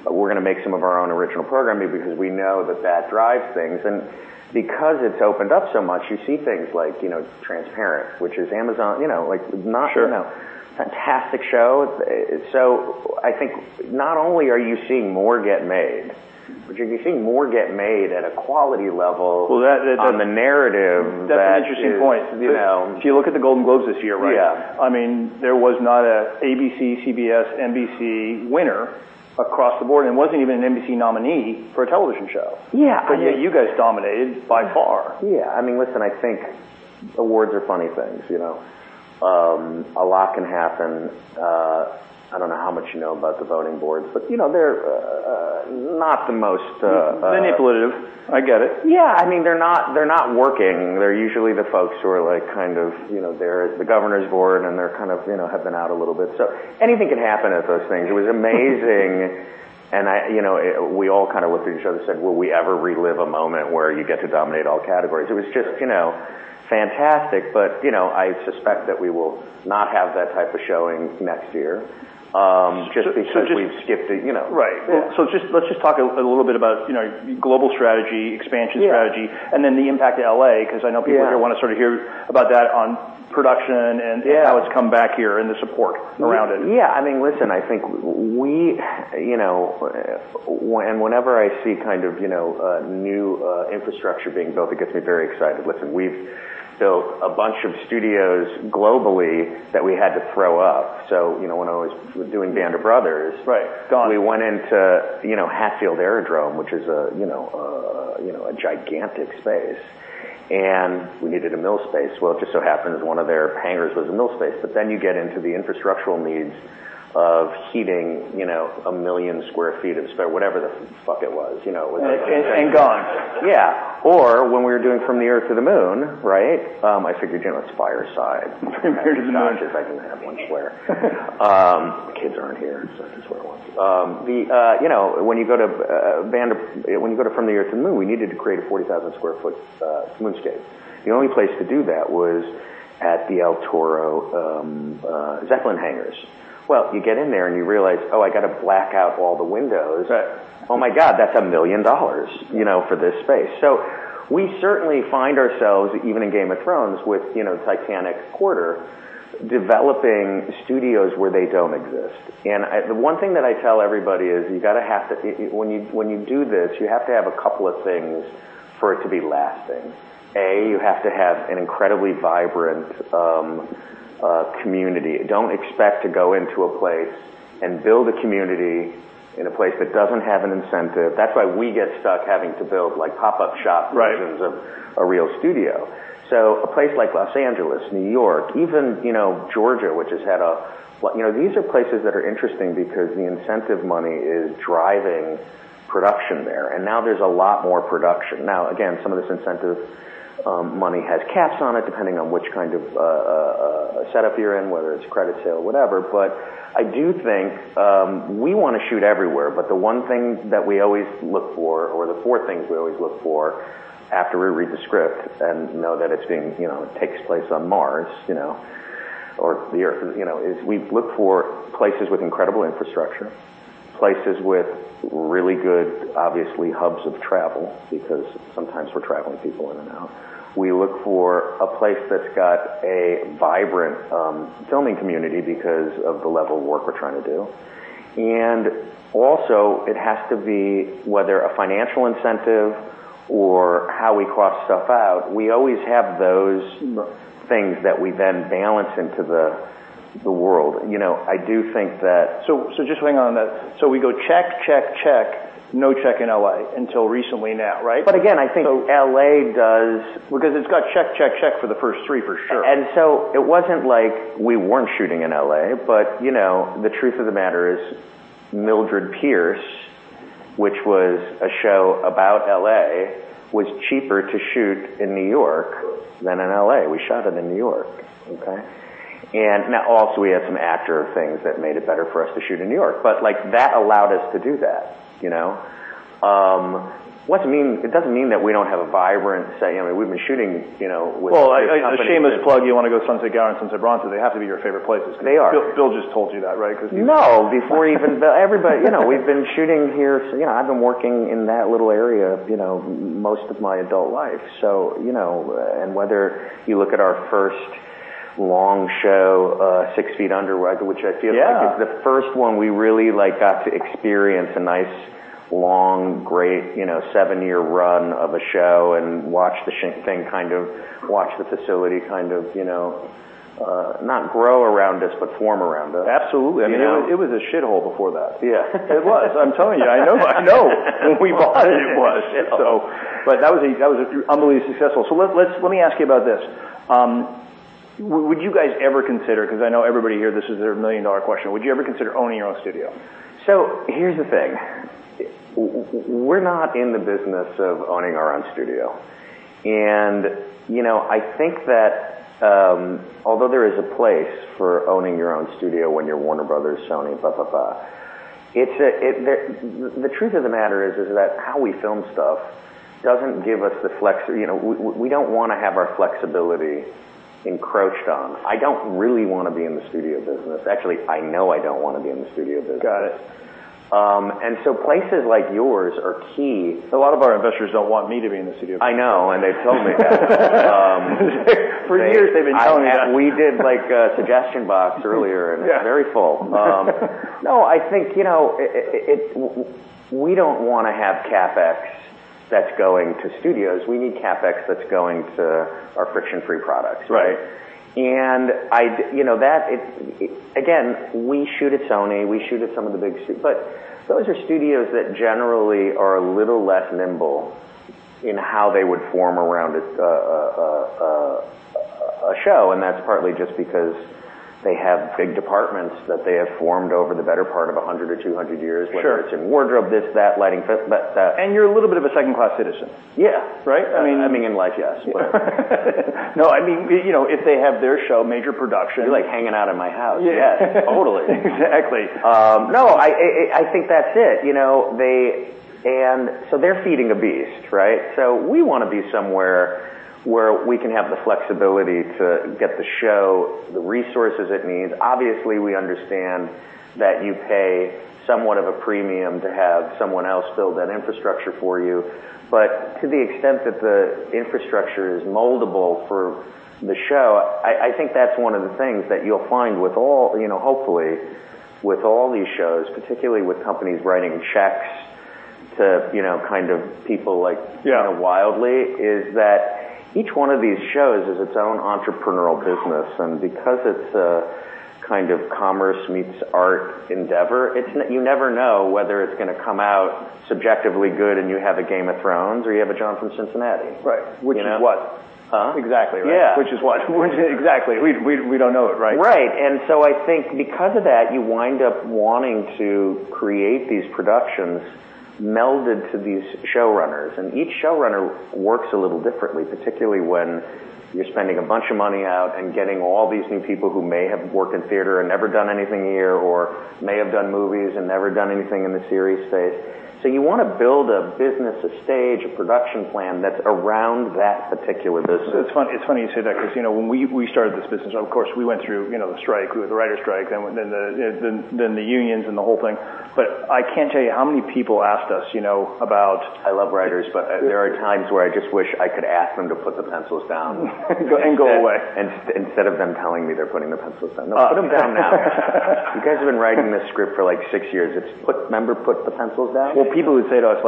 we're going to make some of our own original programming because we know that that drives things. Because it's opened up so much, you see things like "Transparent," which is Amazon. Sure. Fantastic show. I think not only are you seeing more get made, but you're seeing more get made at a quality level- Well, that- on the narrative that is- That's an interesting point. You know? If you look at the Golden Globes this year, right? Yeah. There was not an ABC, CBS, NBC winner across the board, and there wasn't even an NBC nominee for a television show. Yeah. Yet you guys dominated by far. Yeah. Listen, I think awards are funny things. A lot can happen. I don't know how much you know about the voting boards, but they're not the most- Manipulative. I get it. Yeah. They're not working. They're usually the folks who are like kind of, they're at the governor's board, and they're kind of have been out a little bit. Anything can happen at those things. It was amazing, and we all kind of looked at each other and said, "Will we ever relive a moment where you get to dominate all categories?" It was just fantastic. I suspect that we will not have that type of showing next year, just because we've skipped the- Right. Yeah. Let's just talk a little bit about global strategy, expansion strategy. Yeah. The impact to L.A., because I know people are going to want to sort of hear about that on production and- Yeah How it's come back here and the support around it. Yeah. Listen, I think whenever I see kind of a new infrastructure being built, it gets me very excited. Listen, we've built a bunch of studios globally that we had to throw up. When I was doing "Band of Brothers"- Right. Got it we went into Hatfield Aerodrome, which is a gigantic space, and we needed a mill space. It just so happened that one of their hangars was a mill space, but then you get into the infrastructural needs of heating 1 million square feet of space, whatever the fuck it was. Gone. Yeah. When we were doing From the Earth to the Moon, right? I figured, let's fireside. From the Earth to the Moon. As long as I can have one swear. The kids aren't here, so I can swear once. When you go to "From the Earth to the Moon," we needed to create a 40,000 sq ft moon stage. The only place to do that was at the El Toro Zeppelin hangars. Well, you get in there and you realize, oh, I got to black out all the windows. Oh my God, that's $1 million for this space. We certainly find ourselves, even in "Game of Thrones" with Titanic Quarter, developing studios where they don't exist. The one thing that I tell everybody is when you do this, you have to have a couple of things for it to be lasting. A, you have to have an incredibly vibrant community. Don't expect to go into a place and build a community in a place that doesn't have an incentive. That's why we get stuck having to build like pop-up shop versions. Right of a real studio. A place like Los Angeles, New York, even Georgia, which has had These are places that are interesting because the incentive money is driving production there, and now there's a lot more production. Again, some of this incentive money has caps on it depending on which kind of a setup you're in, whether it's credits or whatever. I do think we want to shoot everywhere, but the one thing that we always look for, or the four things we always look for after we read the script and know that it takes place on Mars or the Earth, is we look for places with incredible infrastructure, places with really good, obviously, hubs of travel, because sometimes we're traveling people in and out. We look for a place that's got a vibrant filming community because of the level of work we're trying to do. Also, it has to be whether a financial incentive or how we cross stuff out, we always have those things that we then balance into the world. I do think that. Just hang on that. We go check, check, no check in L.A. until recently now, right? Again, I think L.A. does Because it's got check, check for the first three for sure. It wasn't like we weren't shooting in L.A., but the truth of the matter is, "Mildred Pierce," which was a show about L.A., was cheaper to shoot in New York than in L.A. We shot it in New York. Okay? Now also we had some actor things that made it better for us to shoot in New York. That allowed us to do that. It doesn't mean that we don't have a vibrant We've been shooting with companies that. Well, a shameless plug, you want to go Sunset Gower and Sunset Bronson. They have to be your favorite places. They are. Bill just told you that, right? Because he. No, before even Bill. We've been shooting here, I've been working in that little area most of my adult life. Whether you look at our first long show, "Six Feet Under," which I feel like. Yeah is the first one we really got to experience a nice, long, great seven-year run of a show and watch the thing kind of, watch the facility kind of, not grow around us, but form around us. Absolutely. You know? It was a shithole before that. Yeah. It was. I'm telling you. I know. I know. When we bought it was. That was unbelievably successful. Let me ask you about this. Would you guys ever consider, because I know everybody here this is their million-dollar question, would you ever consider owning your own studio? Here's the thing. We're not in the business of owning our own studio. I think that although there is a place for owning your own studio when you're Warner Bros., Sony, blah, blah, the truth of the matter is that how we film stuff doesn't give us. We don't want to have our flexibility encroached on. I don't really want to be in the studio business. Actually, I know I don't want to be in the studio business. Got it. places like yours are key. A lot of our investors don't want me to be in the studio business. I know, they've told me that. For years they've been telling me that. We did a suggestion box earlier. Yeah It's very full. No, I think, we don't want to have CapEx that's going to studios. We need CapEx that's going to our friction-free products. Right. Again, we shoot at Sony, we shoot at some of the big studios, but those are studios that generally are a little less nimble in how they would form around a show, and that's partly just because they have big departments that they have formed over the better part of 100 or 200 years. Sure whether it's in wardrobe, this, that, lighting, that. You're a little bit of a second-class citizen. Yeah. Right? I mean. I mean, in life, yes. Whatever. If they have their show. You're like, "Hang out in my house. Yes. Totally. Exactly. I think that's it. They're feeding a beast, right? We want to be somewhere where we can have the flexibility to get the show the resources it needs. Obviously, we understand that you pay somewhat of a premium to have someone else build that infrastructure for you. To the extent that the infrastructure is moldable for the show, I think that's one of the things that you'll find with all, hopefully, with all these shows, particularly with companies writing checks to people. Yeah wildly, is that each one of these shows is its own entrepreneurial business. Because it's a kind of commerce-meets-art endeavor, you never know whether it's going to come out subjectively good and you have a "Game of Thrones," or you have a "John from Cincinnati. Right. Which is what? Huh? Exactly, right? Yeah. Which is what? Exactly. We don't know it, right? Right. I think because of that, you wind up wanting to create these productions melded to these showrunners, and each showrunner works a little differently, particularly when you're spending a bunch of money out and getting all these new people who may have worked in theater and never done anything here or may have done movies and never done anything in the series space. You want to build a business, a stage, a production plan that's around that particular business. It's funny you say that because when we started this business, of course, we went through the strike, we went through the writer's strike, then the unions and the whole thing. I can't tell you how many people asked us about- I love writers, but there are times where I just wish I could ask them to put the pencils down. Go away. Instead of them telling me they're putting the pencils down. "No, put them down now. You guys have been writing this script for six years. Remember, put the pencils down. Well, people would say to us,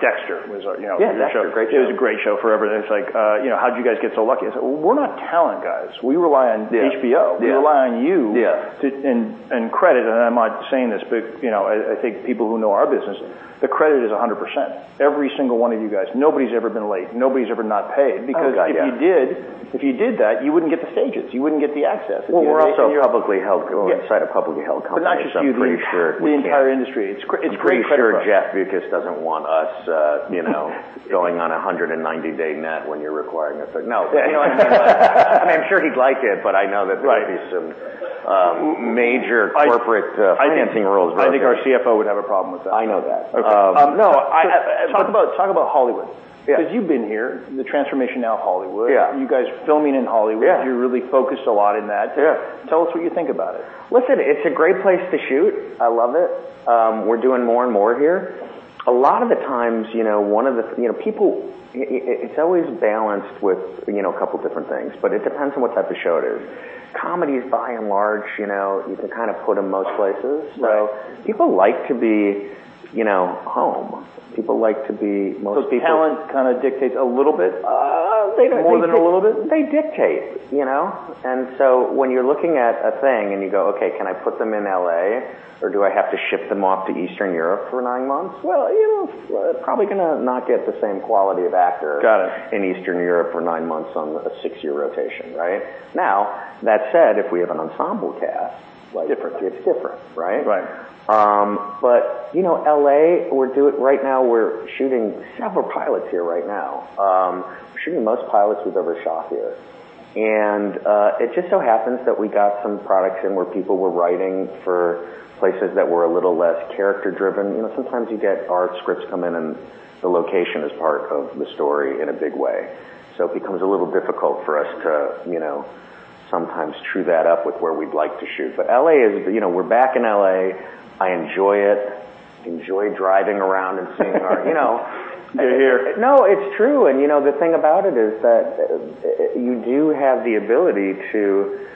Dexter was our show. Yeah, Dexter. Great show. It was a great show for everybody, and it's like, "How'd you guys get so lucky?" I said, "Well, we're not talent guys. We rely on HBO. Yeah. We rely on you. Yeah. credit, I'm not saying this, but I think people who know our business, the credit is 100%. Every single one of you guys, nobody's ever been late, nobody's ever not paid. Oh, God, yeah. If you did that, you wouldn't get the stages, you wouldn't get the access. Well, we're also inside a publicly held company. Not just you. I'm pretty sure we can't The entire industry. It's great credit. I'm pretty sure Jeff Bewkes doesn't want us going on a 190-day net when you're requiring us. No. I mean, I'm sure he'd like it, but I know that there'd be some major corporate financing rules broken. I think our CFO would have a problem with that. I know that. Okay. No, talk about Hollywood. Yeah. Because you've been here, the transformation now of Hollywood. Yeah. You guys filming in Hollywood. Yeah. You're really focused a lot in that. Yeah. Tell us what you think about it. Listen, it's a great place to shoot. I love it. We're doing more and more here. A lot of the times, it's always balanced with a couple different things, but it depends on what type of show it is. Comedies, by and large, you can put in most places. Right. People like to be home. Most people- Talent kind of dictates a little bit? They dictate. More than a little bit? They dictate. When you're looking at a thing and you go, "Okay, can I put them in L.A. or do I have to ship them off to Eastern Europe for nine months?" You're probably going to not get the same quality of Got it in Eastern Europe for nine months on a six-year rotation, right? That said, if we have an ensemble Different it's different, right? Right. L.A., right now we're shooting several pilots here right now. We're shooting the most pilots we've ever shot here. It just so happens that we got some products in where people were writing for places that were a little less character-driven. Sometimes you get art scripts come in and the location is part of the story in a big way, so it becomes a little difficult for us to sometimes true that up with where we'd like to shoot. We're back in L.A. I enjoy it. I enjoy driving around and seeing. You're here. No, it's true, the thing about it is that you do have the ability to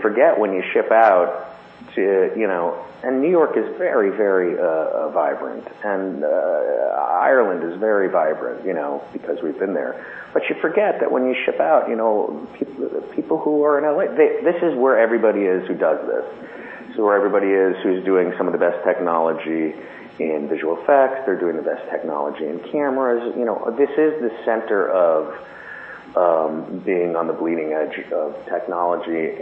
forget when you ship out. New York is very vibrant, and Ireland is very vibrant, because we've been there. You forget that when you ship out, people who are in L.A., this is where everybody is who does this. This is where everybody is who's doing some of the best technology in visual effects. They're doing the best technology in cameras. This is the center of being on the bleeding edge of technology,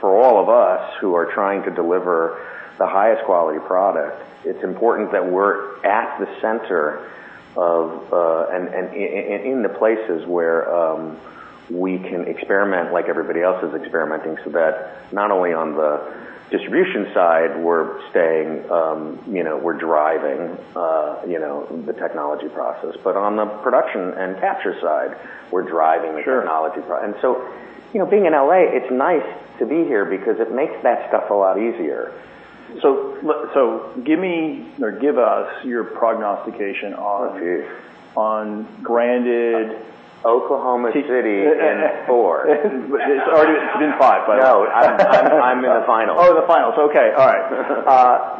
for all of us who are trying to deliver the highest quality product, it's important that we're at the center of, and in the places where we can experiment like everybody else is experimenting so that not only on the distribution side, we're driving the technology process. On the production and capture side, we're driving the technology process. Sure. being in L.A., it's nice to be here because it makes that stuff a lot easier. give us your prognostication on Oh, geez on branded Oklahoma City in four. It's already been five, by the way. No, I'm in the finals. Oh, the finals. Okay. All right.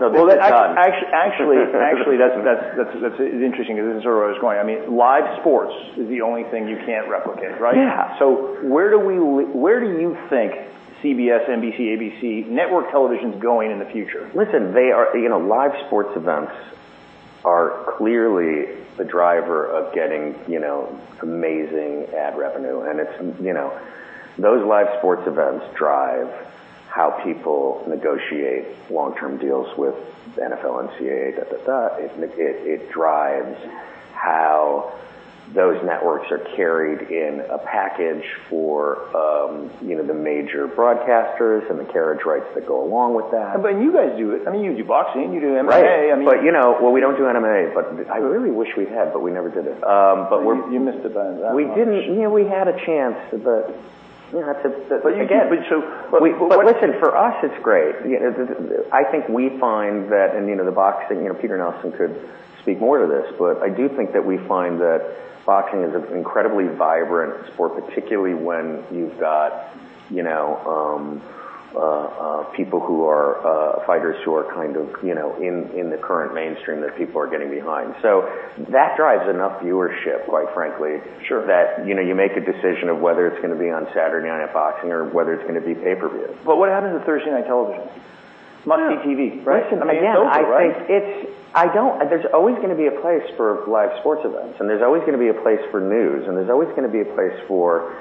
No, it's done. Actually, that's interesting. This is where I was going. Live sports is the only thing you can't replicate, right? Yeah. Where do you think CBS, NBC, ABC network television's going in the future? Listen, live sports events are clearly the driver of getting amazing ad revenue, and those live sports events drive how people negotiate long-term deals with NFL, NCAA, da, da. It drives how those networks are carried in a package for the major broadcasters and the carriage rights that go along with that. You guys do it. You do boxing, you do MMA. Right. Well, we don't do MMA, but I really wish we had, but we never did it. You missed the boat on that one. We had a chance, but that's it. Again. Listen, for us, it's great. I think we find that, and the boxing, Peter Nelson could speak more to this, I do think that we find that boxing is an incredibly vibrant sport, particularly when you've got fighters who are in the current mainstream that people are getting behind. That drives enough viewership, quite frankly. Sure You make a decision of whether it's going to be on Saturday night boxing or whether it's going to be pay-per-view. What happens to Thursday night television? Must-see TV, right? Listen, again. I mean, it's over, right? There's always going to be a place for live sports events, and there's always going to be a place for news, and there's always going to be a place for,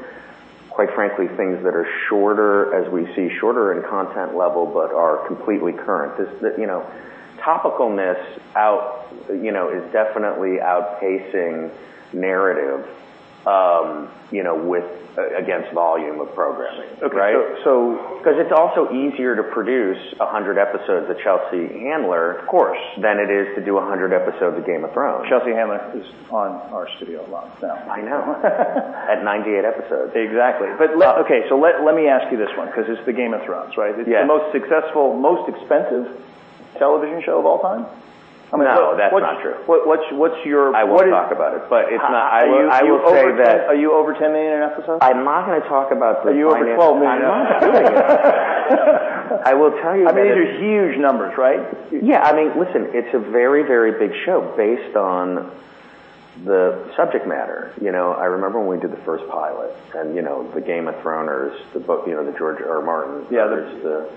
quite frankly, things that are shorter as we see shorter in content level but are completely current. Topical-ness is definitely outpacing narrative against volume of programming. Okay. It's also easier to produce 100 episodes of Chelsea Handler. Of course than it is to do 100 episodes of "Game of Thrones. Chelsea Handler is on our studio a lot now. I know. At 98 episodes. Exactly. Okay, let me ask you this one, because it's the "Game of Thrones," right? Yeah. It's the most successful, most expensive television show of all time? No, that's not true. What's your- I won't talk about it, but it's not. I will say that- Are you over $10 million an episode? I'm not going to talk about the finances. Are you over $12 million? I'm not. I will tell you that. I mean, they're huge numbers, right? Yeah. Listen, it's a very big show based on the subject matter. I remember when we did the first pilot, and the Game of Thrones or Martin. Yeah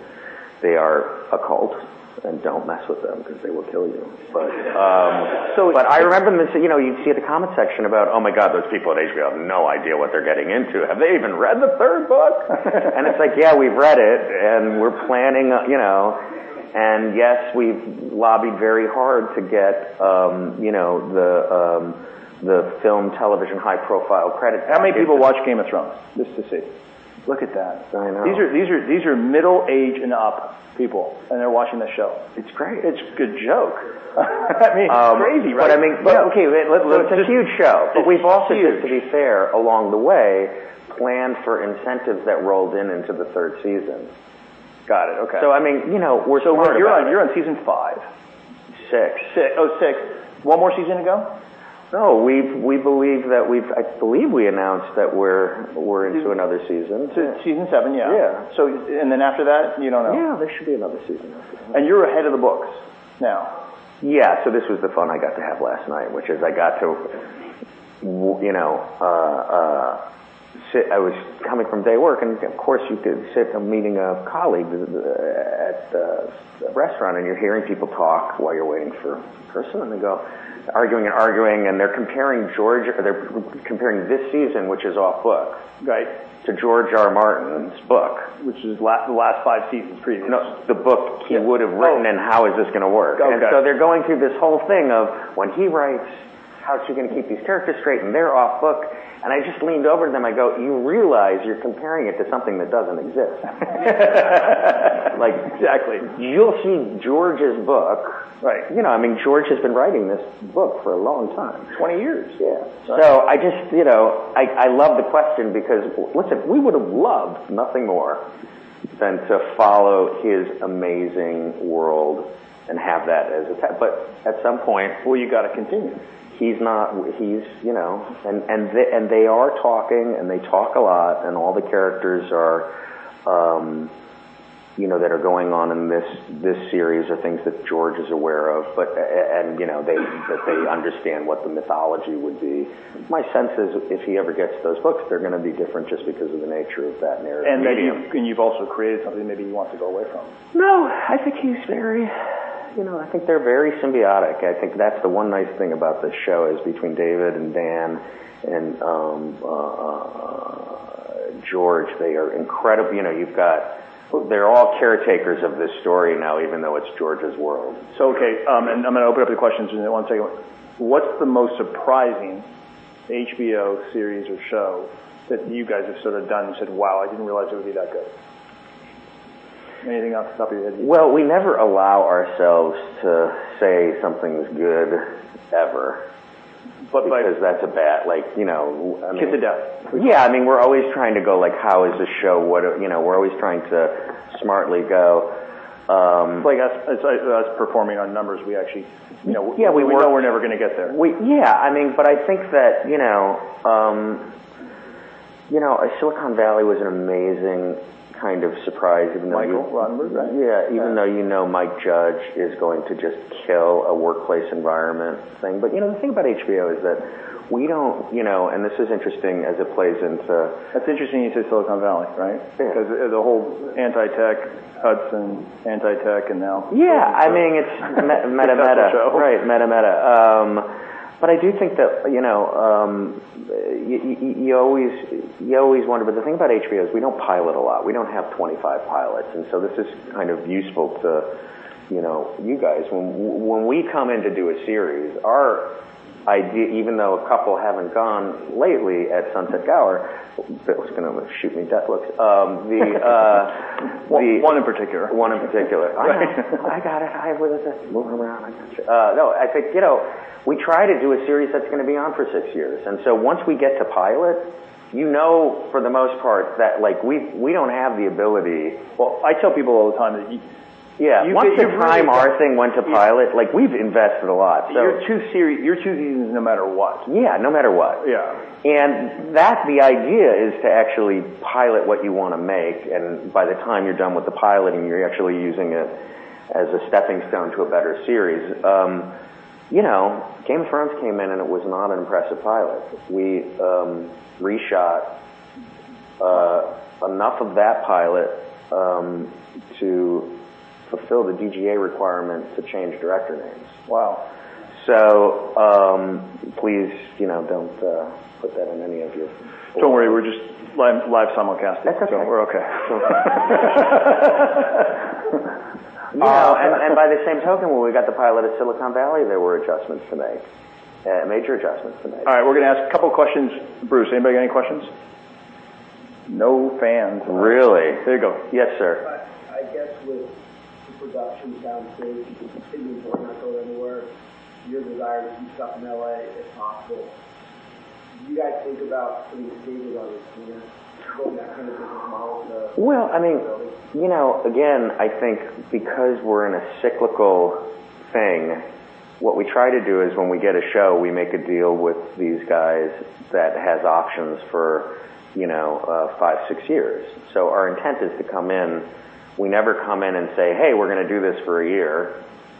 They are a cult, and don't mess with them because they will kill you. I remember you'd see the comment section about, "Oh my God, those people at HBO have no idea what they're getting into. Have they even read the third book?" It's like, yeah, we've read it, and we're planning. Yes, we've lobbied very hard to get the film television high profile credit. How many people watch "Game of Thrones?" Just to see. Look at that. I know. These are middle-age and up people, and they're watching this show. It's great. It's a good joke. I mean, it's crazy, right? Okay, let's. It's a huge show. It's huge. We've also, to be fair, along the way, planned for incentives that rolled in into the third season. Got it. Okay. We're talking about- You're on season five. Six. Oh, six. One more season to go? No. I believe we announced that we're into another season. Season seven, yeah. Yeah. After that, you don't know? Yeah, there should be another season after that. You're ahead of the books now? Yeah. This was the fun I got to have last night, which is I was coming from day work, of course, you sit in a meeting of colleagues at the restaurant, you're hearing people talk while you're waiting for a person. They go arguing and arguing, they're comparing this season, which is off-book- Right to George R.R. Martin's book. Which is the last five seasons previously. No, the book he would've written. Oh How is this going to work? Okay. They're going through this whole thing of when he writes, how is she going to keep these characters straight, and they're off-book. I just leaned over to them, I go, "You realize you're comparing it to something that doesn't exist. Exactly. You'll see George's book. Right. George has been writing this book for a long time. 20 years. Yeah. So. I love the question because, listen, we would've loved nothing more than to follow his amazing world and have that as a template. At some point, well, you got to continue. They are talking, and they talk a lot, and all the characters that are going on in this series are things that George is aware of. They understand what the mythology would be. My sense is if he ever gets to those books, they're going to be different just because of the nature of that narrative medium. You've also created something maybe you want to go away from. I think they're very symbiotic. I think that's the one nice thing about this show is between David and Dan and George, they're all caretakers of this story now, even though it's George's world. Okay. I'm going to open up the questions in one second. What's the most surprising HBO series or show that you guys have done and said, "Wow, I didn't realize it would be that good"? Anything off the top of your head? We never allow ourselves to say something's good, ever. But like- Because that's a bad. Keep the doubt. Yeah. We're always trying to go like, how is this show? We're always trying to smartly. Like us performing on numbers, we. Yeah. We know we're never going to get there. Yeah. I think that, Silicon Valley was an amazing kind of surprise. Make all numbers, right? Yeah. Even though you know Mike Judge is going to just kill a workplace environment thing. The thing about HBO is that we don't, and this is interesting as it plays into- It's interesting you said Silicon Valley, right? Yeah. The whole anti-tech, Hudson, anti-tech, and now- Yeah. It's meta-meta. The meta show. Right. Meta-meta. I do think that you always wonder. The thing about HBO is we don't pilot a lot. We don't have 25 pilots. This is kind of useful to you guys. When we come in to do a series, even though a couple haven't gone lately at Sunset Gower. Phil is going to shoot me death looks. One in particular. One in particular. Right. I got it. Where was I? Moving around. I'm not sure. No. I think we try to do a series that's going to be on for six years. Once we get to pilot, you know for the most part that we don't have the ability. Well, I tell people all the time that. Yeah. Once you prime our thing, once you pilot, we've invested a lot. You're too in no matter what. Yeah. No matter what. Yeah. The idea is to actually pilot what you want to make, and by the time you're done with the pilot and you're actually using it as a stepping stone to a better series. Game of Thrones came in, and it was not an impressive pilot. We reshot enough of that pilot to fulfill the DGA requirements to change director names. Wow. Please don't put that in any of your. Don't worry, we're just live simulcasting. That's okay. We're okay. By the same token, when we got the pilot at Silicon Valley, there were adjustments to make, major adjustments to make. All right. We're going to ask a couple of questions. Bruce, anybody got any questions? No. Fans. Really? There you go. Yes, sir. I guess with the production down south, with Sydney and Baltimore not going anywhere, your desire to do stuff in L.A. if possible, do you guys think about putting stages out in? <inaudible> Going that kind of business model. Well, again, I think because we're in a cyclical thing, what we try to do is when we get a show, we make a deal with these guys that has options for five, six years. Our intent is to come in. We never come in and say, "Hey, we're going to do this for a year.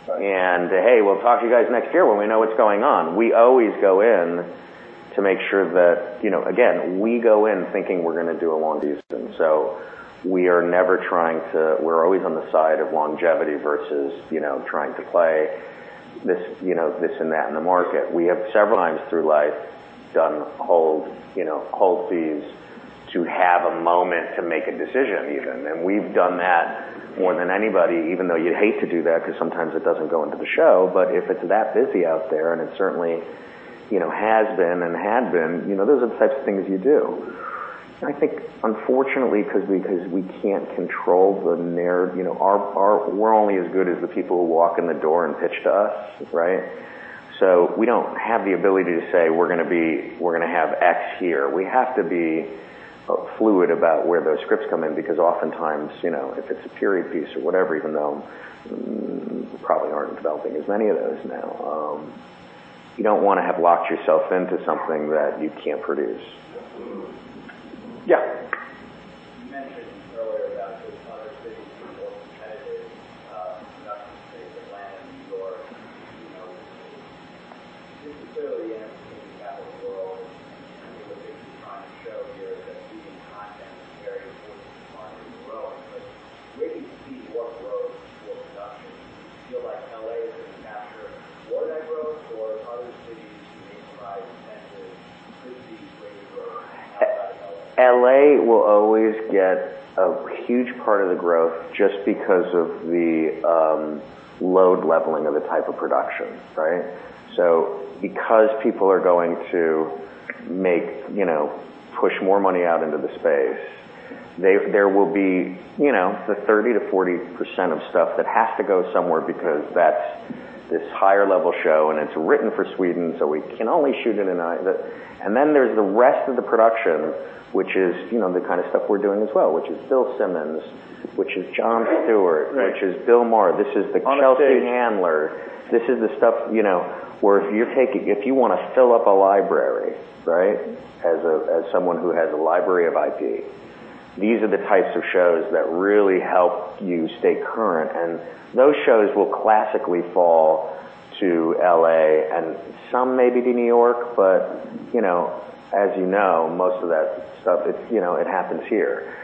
Right. Hey, we'll talk to you guys next year when we know what's going on." We always go in to make sure that, again, we go in thinking we're going to do a long season. We're always on the side of longevity versus trying to play this and that in the market. We have several times through life done, <inaudible> to have a moment to make a decision, even, and we've done that more than anybody, even though you hate to do that because sometimes it doesn't go into the show. If it's that busy out there, and it certainly has been and had been, those are the types of things you do. I think unfortunately, because we can't control the narrative, we're only as good as the people who walk in the door and pitch to us, right? We don't have the ability to say we're going to have X here. We have to be fluid about where those scripts come in because oftentimes, if it's a period piece or whatever, even though we probably aren't developing as many of those now, you don't want to have locked yourself into something that you can't produce. Yeah. You mentioned earlier about those other cities being more competitive, production states, Atlanta, New York. This is clearly the entertainment capital of the world, and I know what HBO is trying to show here is that feeding content is a very important part of growing. Maybe to see what growth for production, do you feel like L.A. is going to capture more of that growth or other cities with major incentives could be waiting for an out-of-L.A. production? L.A. will always get a huge part of the growth just because of the load leveling of the type of production, right? Because people are going to push more money out into the space, there will be the 30%-40% of stuff that has to go somewhere because that's this higher-level show, and it's written for Sweden, so we can only shoot it. Then there's the rest of the production, which is the kind of stuff we're doing as well, which is Bill Simmons, which is Jon Stewart, which is Bill Maher. This is the Chelsea Handler. This is the stuff where if you want to fill up a library, as someone who has a library of IP, these are the types of shows that really help you stay current. Those shows will classically fall to L.A., and some may be to New York, but as you know, most of that stuff, it happens here.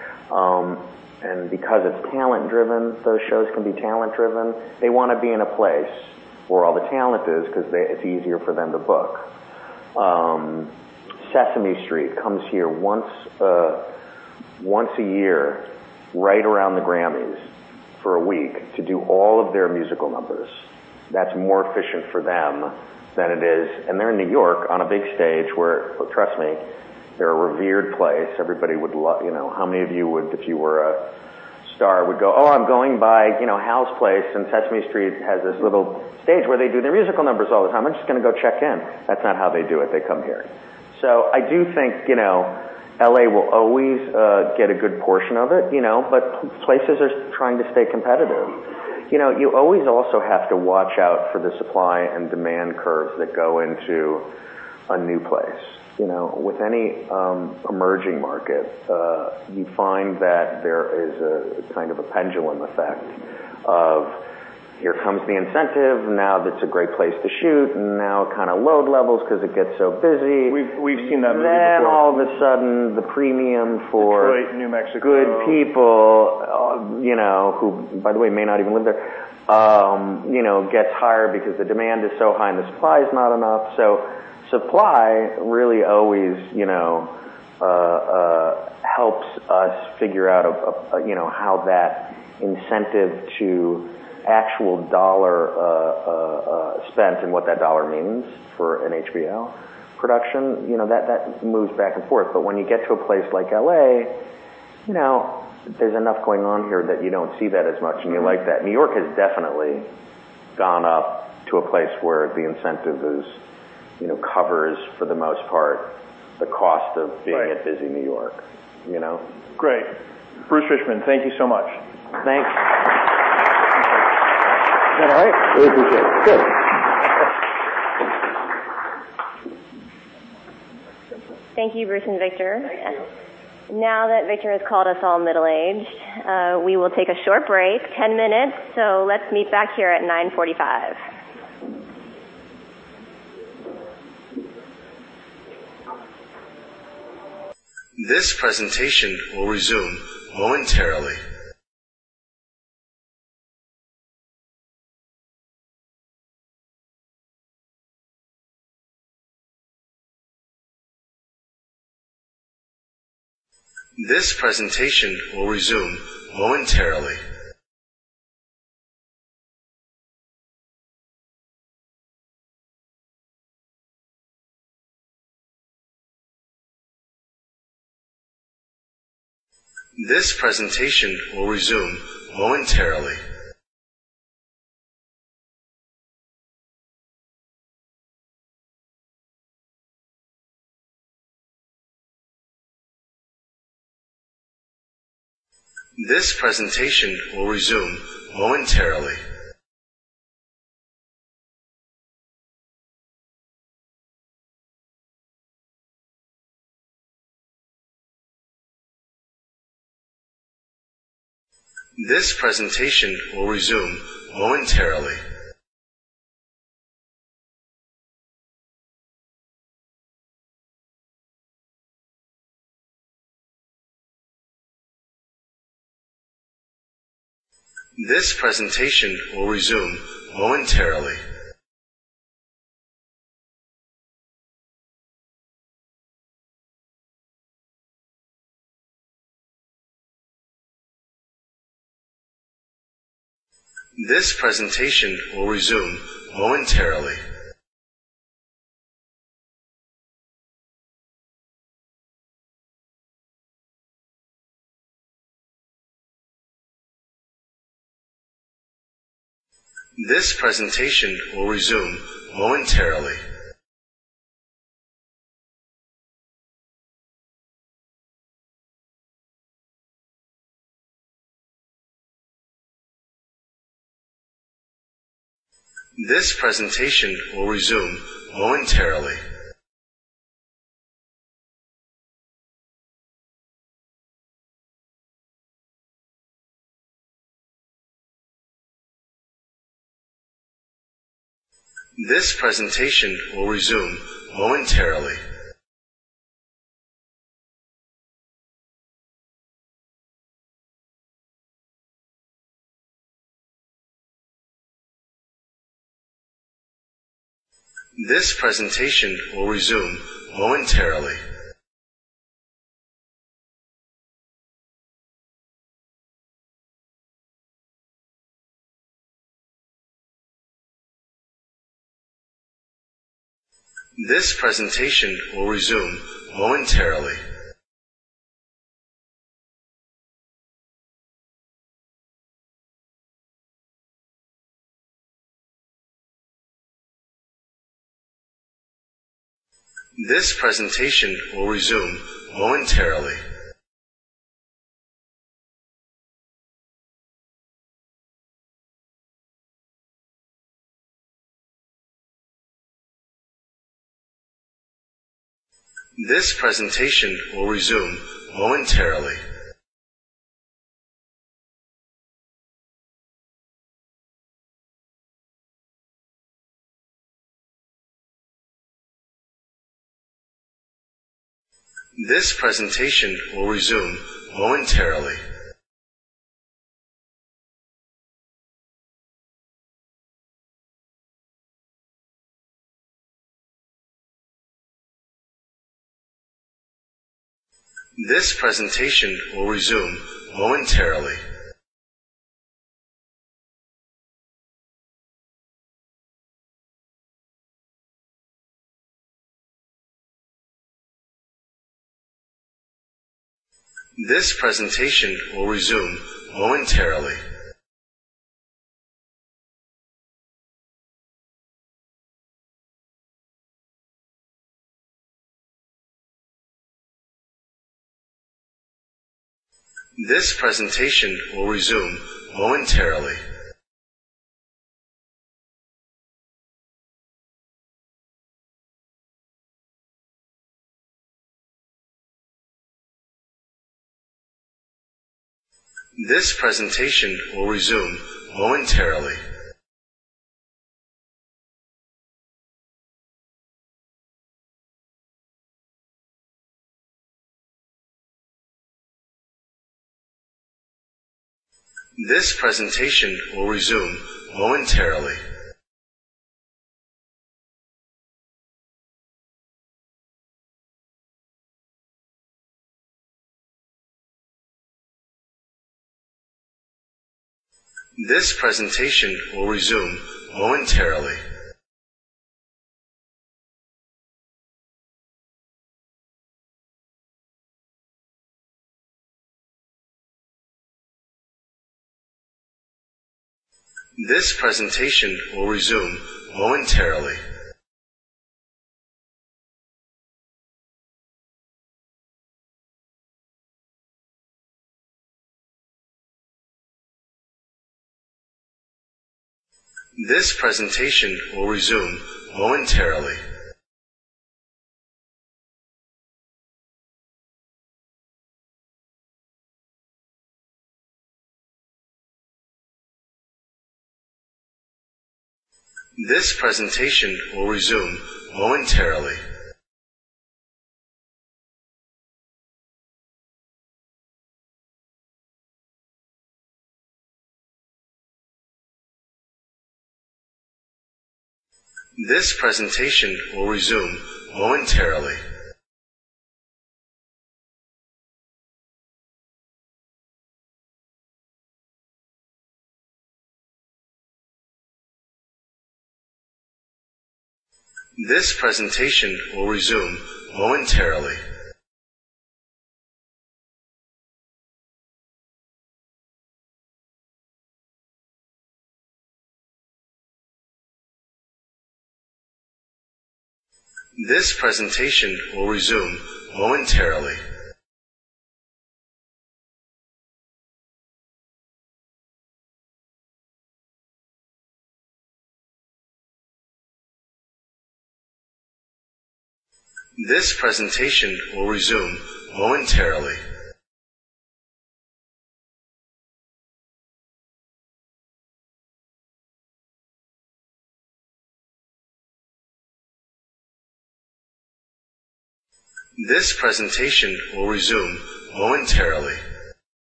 Because it's talent-driven, those shows can be talent-driven. They want to be in a place where all the talent is because it's easier for them to book. Sesame Street comes here once a year, right around the Grammy Awards, for a week to do all of their musical numbers. That's more efficient for them than it is. They're in New York on a big stage where, trust me, they're a revered place. Everybody would love. How many of you, if you were a star, would go, "Oh, I'm going by Hal's Place, and Sesame Street has this little stage where they do their musical numbers all the time. I'm just going to go check in." That's not how they do it. They come here. I do think L.A. will always get a good portion of it, but places are trying to stay competitive. You always also have to watch out for the supply and demand curves that go into a new place. With any emerging market, you find that there is a kind of a pendulum effect of, here comes the incentive, now it's a great place to shoot, now it kind of load levels because it gets so busy. We've seen that movie before. All of a sudden, the premium for. It's really New Mexico good people, who, by the way, may not even live there, gets higher because the demand is so high and the supply is not enough. Supply really always helps us figure out how that incentive to actual dollar spent and what that dollar means for an HBO production. That moves back and forth. When you get to a place like L.A., there's enough going on here that you don't see that as much, and you like that. New York has definitely gone up to a place where the incentive covers, for the most part, the cost of being a busy New York. Great. Bruce Richmond, thank you so much. Thanks. Is that all right? I appreciate it. Good. Thank you, Bruce and Victor. Thank you. Now that Victor has called us all middle-aged, we will take a short break, 10 minutes. Let's meet back here at 9:45.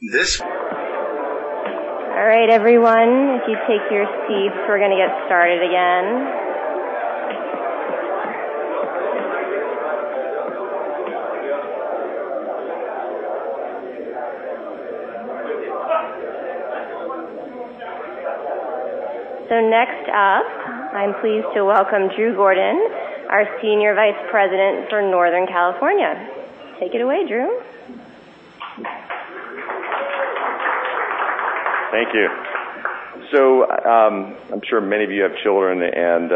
All right, everyone, if you take your seats, we're going to get started again. Next up, I'm pleased to welcome Drew Gordon, our Senior Vice President for Northern California. Take it away, Drew. Thank you. I'm sure many of you have children, and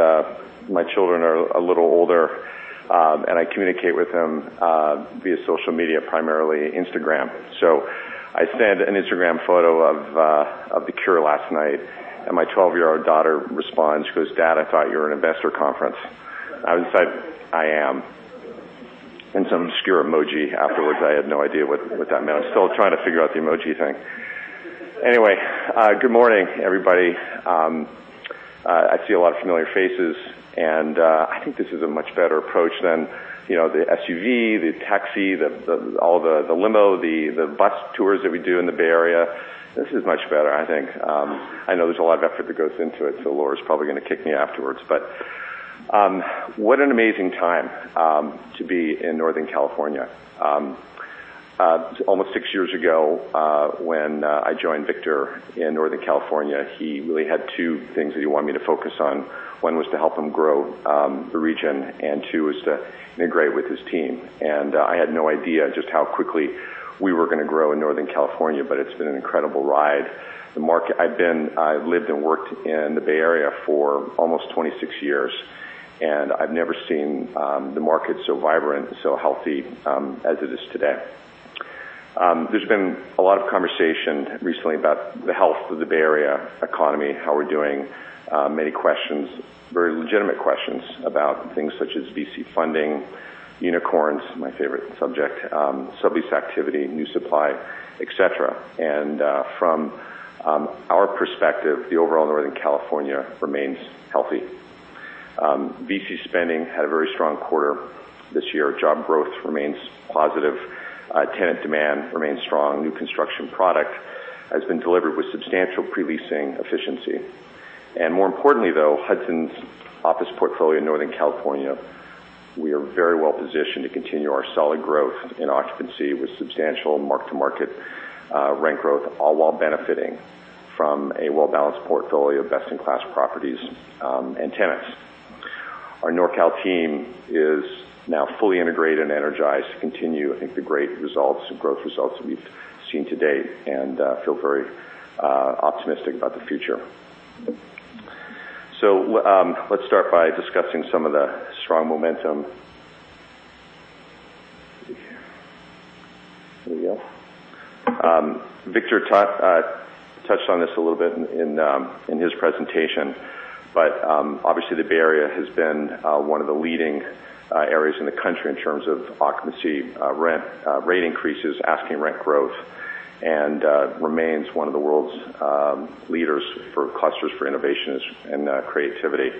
my children are a little older, and I communicate with them via social media, primarily Instagram. I send an Instagram photo of The Cure last night, and my 12-year-old daughter responds. She goes, "Dad, I thought you were at an investor conference." I was like, "I am," and some obscure emoji afterwards. I have no idea what that meant. I'm still trying to figure out the emoji thing. Anyway, good morning, everybody. I see a lot of familiar faces, and I think this is a much better approach than the SUV, the taxi, the limo, the bus tours that we do in the Bay Area. This is much better, I think. I know there's a lot of effort that goes into it, so Laura's probably going to kick me afterwards. What an amazing time to be in Northern California. Almost six years ago, when I joined Victor in Northern California, he really had two things that he wanted me to focus on. One was to help him grow the region, and two was to integrate with his team. I had no idea just how quickly we were going to grow in Northern California, but it's been an incredible ride. I've lived and worked in the Bay Area for almost 26 years, and I've never seen the market so vibrant and so healthy as it is today. There's been a lot of conversation recently about the health of the Bay Area economy, how we're doing. Many questions, very legitimate questions, about things such as VC funding, unicorns, my favorite subject, sublease activity, new supply, et cetera. From our perspective, the overall Northern California remains healthy. VC spending had a very strong quarter this year. Job growth remains positive. Tenant demand remains strong. New construction product has been delivered with substantial pre-leasing efficiency. More importantly, though, Hudson's office portfolio in Northern California, we are very well positioned to continue our solid growth in occupancy with substantial mark-to-market rank growth, all while benefiting from a well-balanced portfolio of best-in-class properties and tenants. Our Nor Cal team is now fully integrated and energized to continue, I think, the great results and growth results that we've seen to date and feel very optimistic about the future. Let's start by discussing some of the strong momentum. Here we go. Victor touched on this a little bit in his presentation. Obviously, the Bay Area has been one of the leading areas in the country in terms of occupancy, rent rate increases, asking rent growth, and remains one of the world's leaders for clusters for innovations and creativity.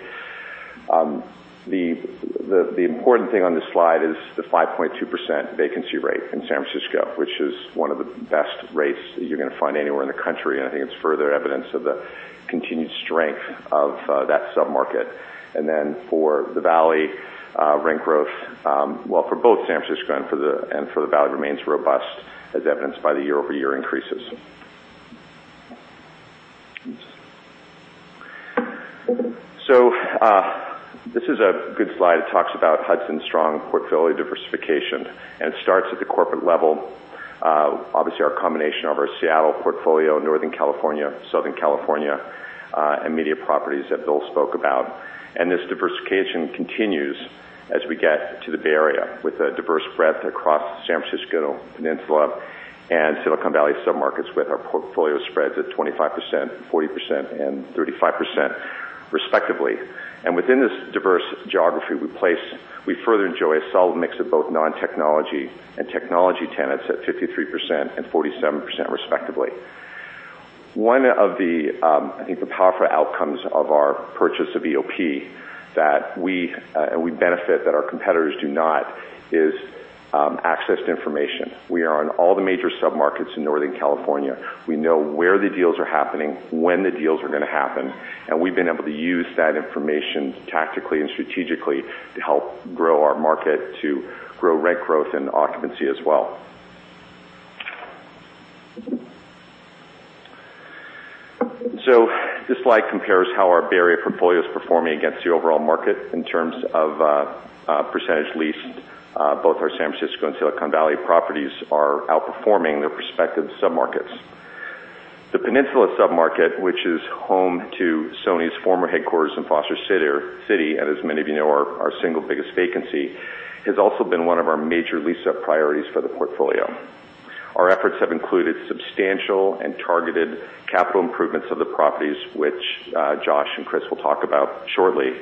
The important thing on this slide is the 5.2% vacancy rate in San Francisco, which is one of the best rates that you're going to find anywhere in the country. I think it's further evidence of the continued strength of that sub-market. Then for the Valley, rent growth, well, for both San Francisco and for the Valley, remains robust, as evidenced by the year-over-year increases. This is a good slide. It talks about Hudson's strong portfolio diversification, and it starts at the corporate level. Obviously, our combination of our Seattle portfolio, Northern California, Southern California, and media properties that Bill spoke about. This diversification continues as we get to the Bay Area with a diverse breadth across San Francisco, Peninsula, and Silicon Valley submarkets, with our portfolio spreads at 25%, 40%, and 35%, respectively. Within this diverse geography we place, we further enjoy a solid mix of both non-technology and technology tenants at 53% and 47%, respectively. One of the, I think, the powerful outcomes of our purchase of EOP, we benefit that our competitors do not, is access to information. We are in all the major submarkets in Northern California. We know where the deals are happening, when the deals are going to happen, and we've been able to use that information tactically and strategically to help grow our market, to grow rent growth and occupancy as well. This slide compares how our Bay Area portfolio is performing against the overall market in terms of percentage leased. Both our San Francisco and Silicon Valley properties are outperforming their respective submarkets. The Peninsula submarket, which is home to Sony's former headquarters in Foster City, and as many of you know, our single biggest vacancy, has also been one of our major lease-up priorities for the portfolio. Our efforts have included substantial and targeted capital improvements of the properties, which Josh and Chris will talk about shortly,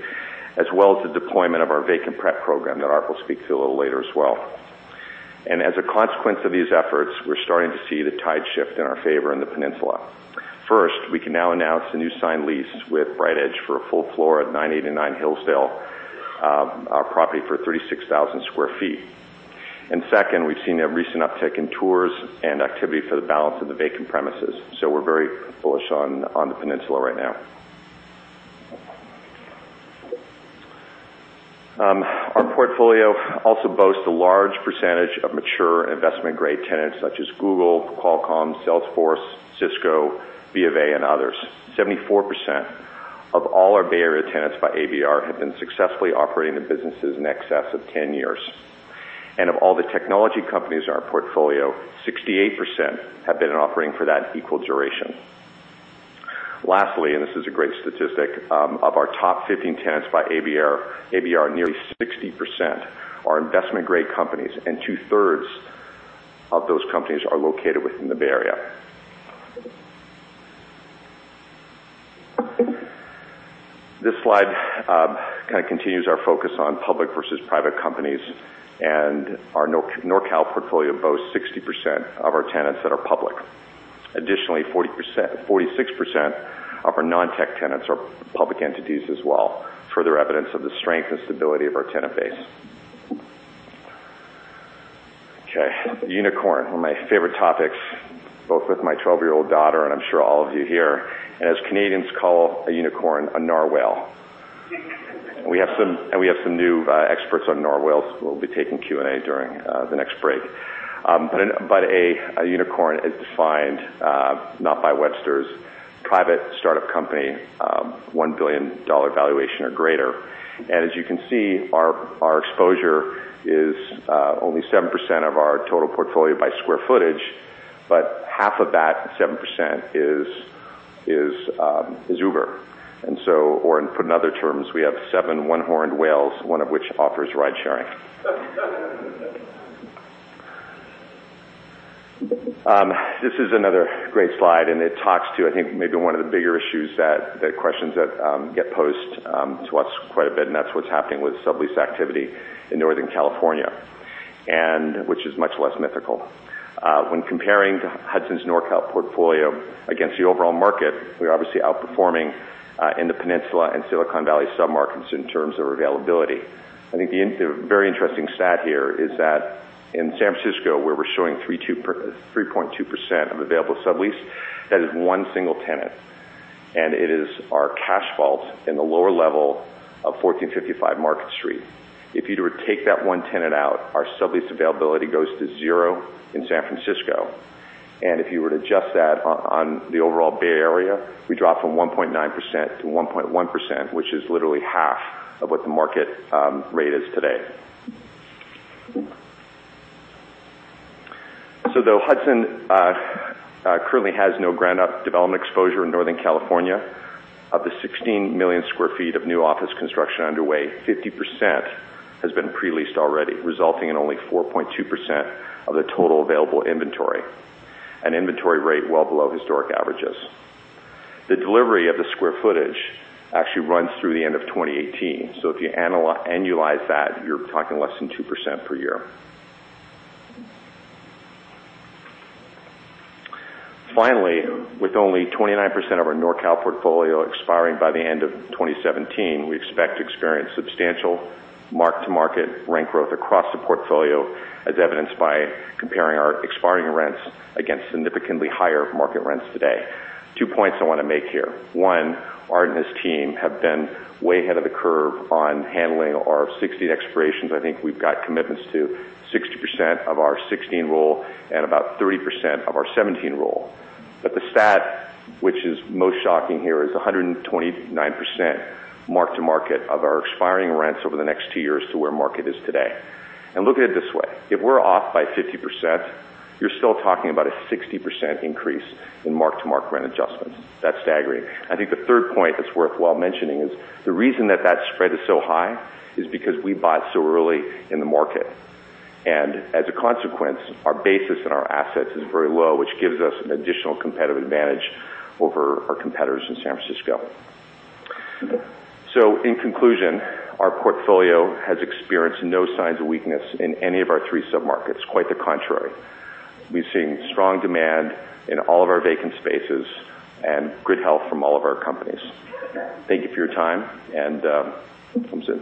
as well as the deployment of our Vacant Suite Prep program that Art will speak to a little later as well. As a consequence of these efforts, we're starting to see the tide shift in our favor in the Peninsula. First, we can now announce the new signed lease with BrightEdge for a full floor at 989 Hillsdale, our property for 36,000 sq ft. Second, we've seen a recent uptick in tours and activity for the balance of the vacant premises. We're very bullish on the Peninsula right now. Our portfolio also boasts a large percentage of mature investment-grade tenants such as Google, Qualcomm, Salesforce, Cisco, B of A, and others. 74% of all our Bay Area tenants by ABR have been successfully operating their businesses in excess of 10 years. Of all the technology companies in our portfolio, 68% have been operating for that equal duration. Lastly, this is a great statistic, of our top 15 tenants by ABR, nearly 60% are investment-grade companies, and two-thirds of those companies are located within the Bay Area. This slide continues our focus on public versus private companies, our Nor Cal portfolio boasts 60% of our tenants that are public. Additionally, 46% of our non-tech tenants are public entities as well, further evidence of the strength and stability of our tenant base. Unicorn, one of my favorite topics, both with my 12-year-old daughter and I'm sure all of you here. As Canadians call a unicorn a narwhal. We have some new experts on narwhals who will be taking Q&A during the next break. A unicorn is defined, not by Webster's, private startup company, $1 billion valuation or greater. As you can see, our exposure is only 7% of our total portfolio by square footage, but half of that 7% is Uber. Or put in other terms, we have seven one-horned whales, one of which offers ride sharing. This is another great slide, it talks to, I think, one of the bigger issues, the questions that get posed to us quite a bit, that's what's happening with sublease activity in Northern California. Which is much less mythical. When comparing Hudson's NorCal portfolio against the overall market, we're obviously outperforming in the Peninsula and Silicon Valley sub-markets in terms of availability. I think the very interesting stat here is that in San Francisco, where we're showing 3.2% of available sublease, that is one single tenant, and it is our cash vault in the lower level of 1455 Market Street. If you were to take that one tenant out, our sublease availability goes to zero in San Francisco. If you were to adjust that on the overall Bay Area, we drop from 1.9% to 1.1%, which is literally half of what the market rate is today. Though Hudson currently has no ground-up development exposure in Northern California, of the 16 million square feet of new office construction underway, 50% has been pre-leased already, resulting in only 4.2% of the total available inventory. An inventory rate well below historic averages. The delivery of the square footage actually runs through the end of 2018, so if you annualize that, you're talking less than 2% per year. Finally, with only 29% of our NorCal portfolio expiring by the end of 2017, we expect to experience substantial mark-to-market rent growth across the portfolio, as evidenced by comparing our expiring rents against significantly higher market rents today. Two points I want to make here. One, Art and his team have been way ahead of the curve on handling our 2016 expirations. I think we've got commitments to 60% of our 2016 roll and about 30% of our 2017 roll. The stat which is most shocking here is 129% mark-to-market of our expiring rents over the next two years to where market is today. Look at it this way. If we're off by 50%, you're still talking about a 60% increase in mark-to-market rent adjustments. That's staggering. I think the third point that's worthwhile mentioning is the reason that spread is so high is because we bought so early in the market. As a consequence, our basis and our assets is very low, which gives us an additional competitive advantage over our competitors in San Francisco. In conclusion, our portfolio has experienced no signs of weakness in any of our three sub-markets. Quite the contrary. We've seen strong demand in all of our vacant spaces and good health from all of our companies. Thank you for your time, and come soon.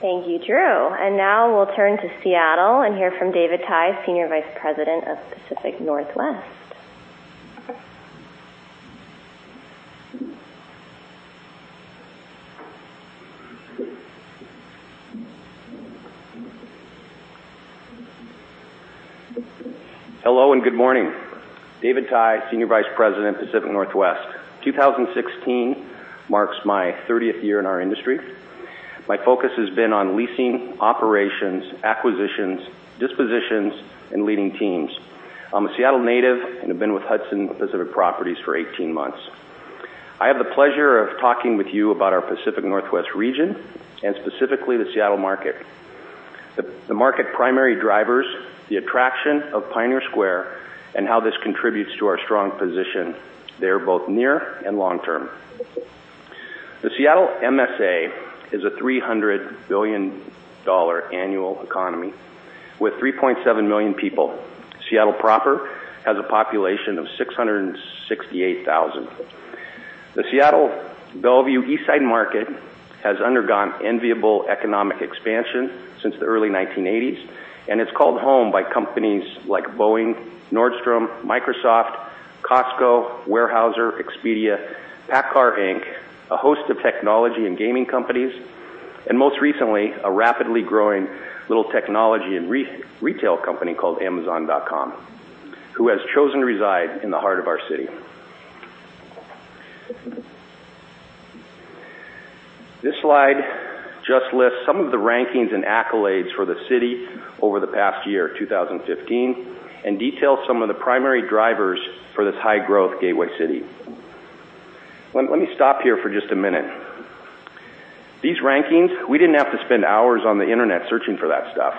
Thank you, Drew. Now we'll turn to Seattle and hear from David Tai, Senior Vice President of Pacific Northwest. Hello, and good morning. David Tai, Senior Vice President, Pacific Northwest. 2016 marks my 30th year in our industry. My focus has been on leasing, operations, acquisitions, dispositions, and leading teams. I'm a Seattle native and have been with Hudson Pacific Properties for 18 months. I have the pleasure of talking with you about our Pacific Northwest region, and specifically the Seattle market. The market primary drivers, the attraction of Pioneer Square, and how this contributes to our strong position there, both near and long-term. The Seattle MSA is a $300 billion annual economy with 3.7 million people. Seattle proper has a population of 668,000. The Seattle Bellevue Eastside market has undergone enviable economic expansion since the early 1980s, and it's called home by companies like Boeing, Nordstrom, Microsoft, Costco, Weyerhaeuser, Expedia, PACCAR Inc., a host of technology and gaming companies, and most recently, a rapidly growing little technology and retail company called Amazon.com, who has chosen to reside in the heart of our city. This slide just lists some of the rankings and accolades for the city over the past year, 2015, and details some of the primary drivers for this high-growth gateway city. Let me stop here for just a minute. These rankings, we didn't have to spend hours on the Internet searching for that stuff.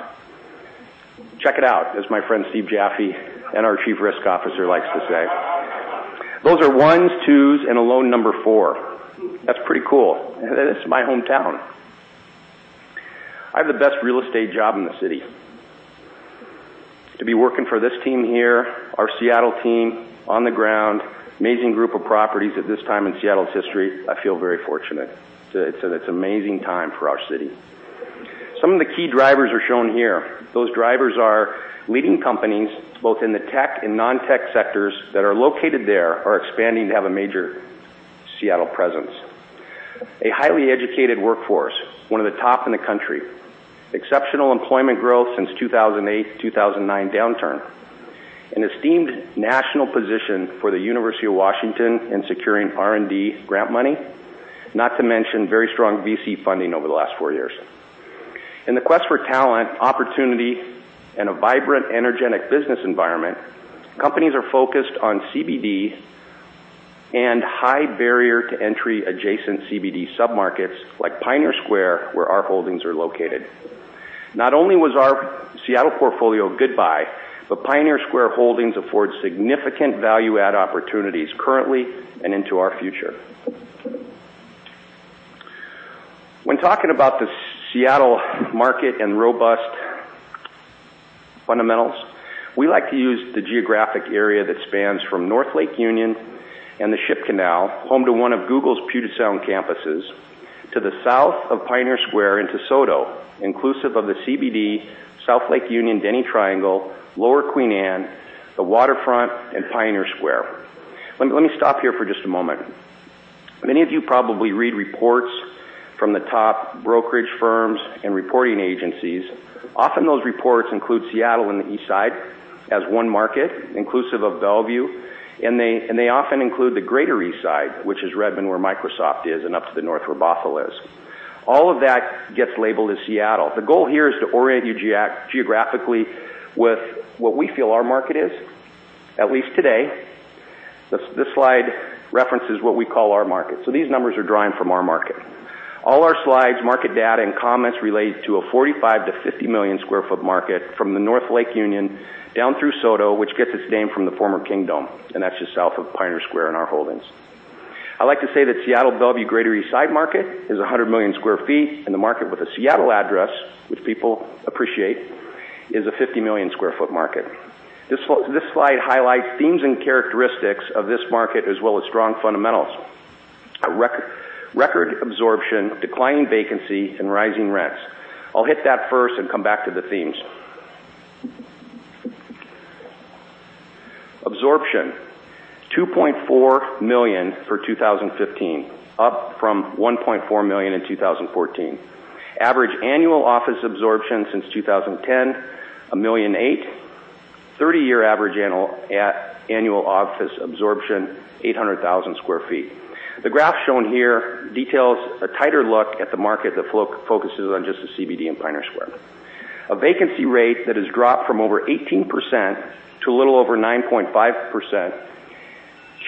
Check it out, as my friend Steve Jaffe and our Chief Risk Officer likes to say. Those are ones, twos, and a low number four. That's pretty cool. It's my hometown. I have the best real estate job in the city. To be working for this team here, our Seattle team on the ground, amazing group of properties at this time in Seattle's history, I feel very fortunate. It's an amazing time for our city. Some of the key drivers are shown here. Those drivers are leading companies, both in the tech and non-tech sectors that are located there, are expanding to have a major Seattle presence. A highly educated workforce, one of the top in the country. Exceptional employment growth since 2008, 2009 downturn. An esteemed national position for the University of Washington in securing R&D grant money, not to mention very strong VC funding over the last four years. In the quest for talent, opportunity, and a vibrant, energetic business environment, companies are focused on CBD and high barrier to entry adjacent CBD submarkets, like Pioneer Square, where our holdings are located. Not only was our Seattle portfolio a good buy, Pioneer Square holdings afford significant value add opportunities currently and into our future. When talking about the Seattle market and robust fundamentals, we like to use the geographic area that spans from North Lake Union and the Ship Canal, home to one of Google's Puget Sound campuses, to the south of Pioneer Square into SoDo, inclusive of the CBD, South Lake Union Denny Triangle, Lower Queen Anne, the Waterfront, and Pioneer Square. Let me stop here for just a moment. Many of you probably read reports from the top brokerage firms and reporting agencies. Often, those reports include Seattle and the Eastside as one market, inclusive of Bellevue. They often include the Greater Eastside, which is Redmond, where Microsoft is, up to the north, where Bothell is. All of that gets labeled as Seattle. The goal here is to orient you geographically with what we feel our market is, at least today. This slide references what we call our market. These numbers are drawing from our market. All our slides, market data, and comments relate to a 45-50 million sq ft market from the North Lake Union down through SoDo, which gets its name from the former Kingdome. That's just south of Pioneer Square and our holdings. I like to say that Seattle Bellevue Greater Eastside market is 100 million sq ft. The market with a Seattle address, which people appreciate, is a 50 million sq ft market. This slide highlights themes and characteristics of this market, as well as strong fundamentals, record absorption, declining vacancy, and rising rents. I'll hit that first and come back to the themes. Absorption, 2.4 million for 2015, up from 1.4 million in 2014. Average annual office absorption since 2010, 1.8 million. 30-year average annual office absorption, 800,000 sq ft. The graph shown here details a tighter look at the market that focuses on just the CBD and Pioneer Square. A vacancy rate that has dropped from over 18% to a little over 9.5%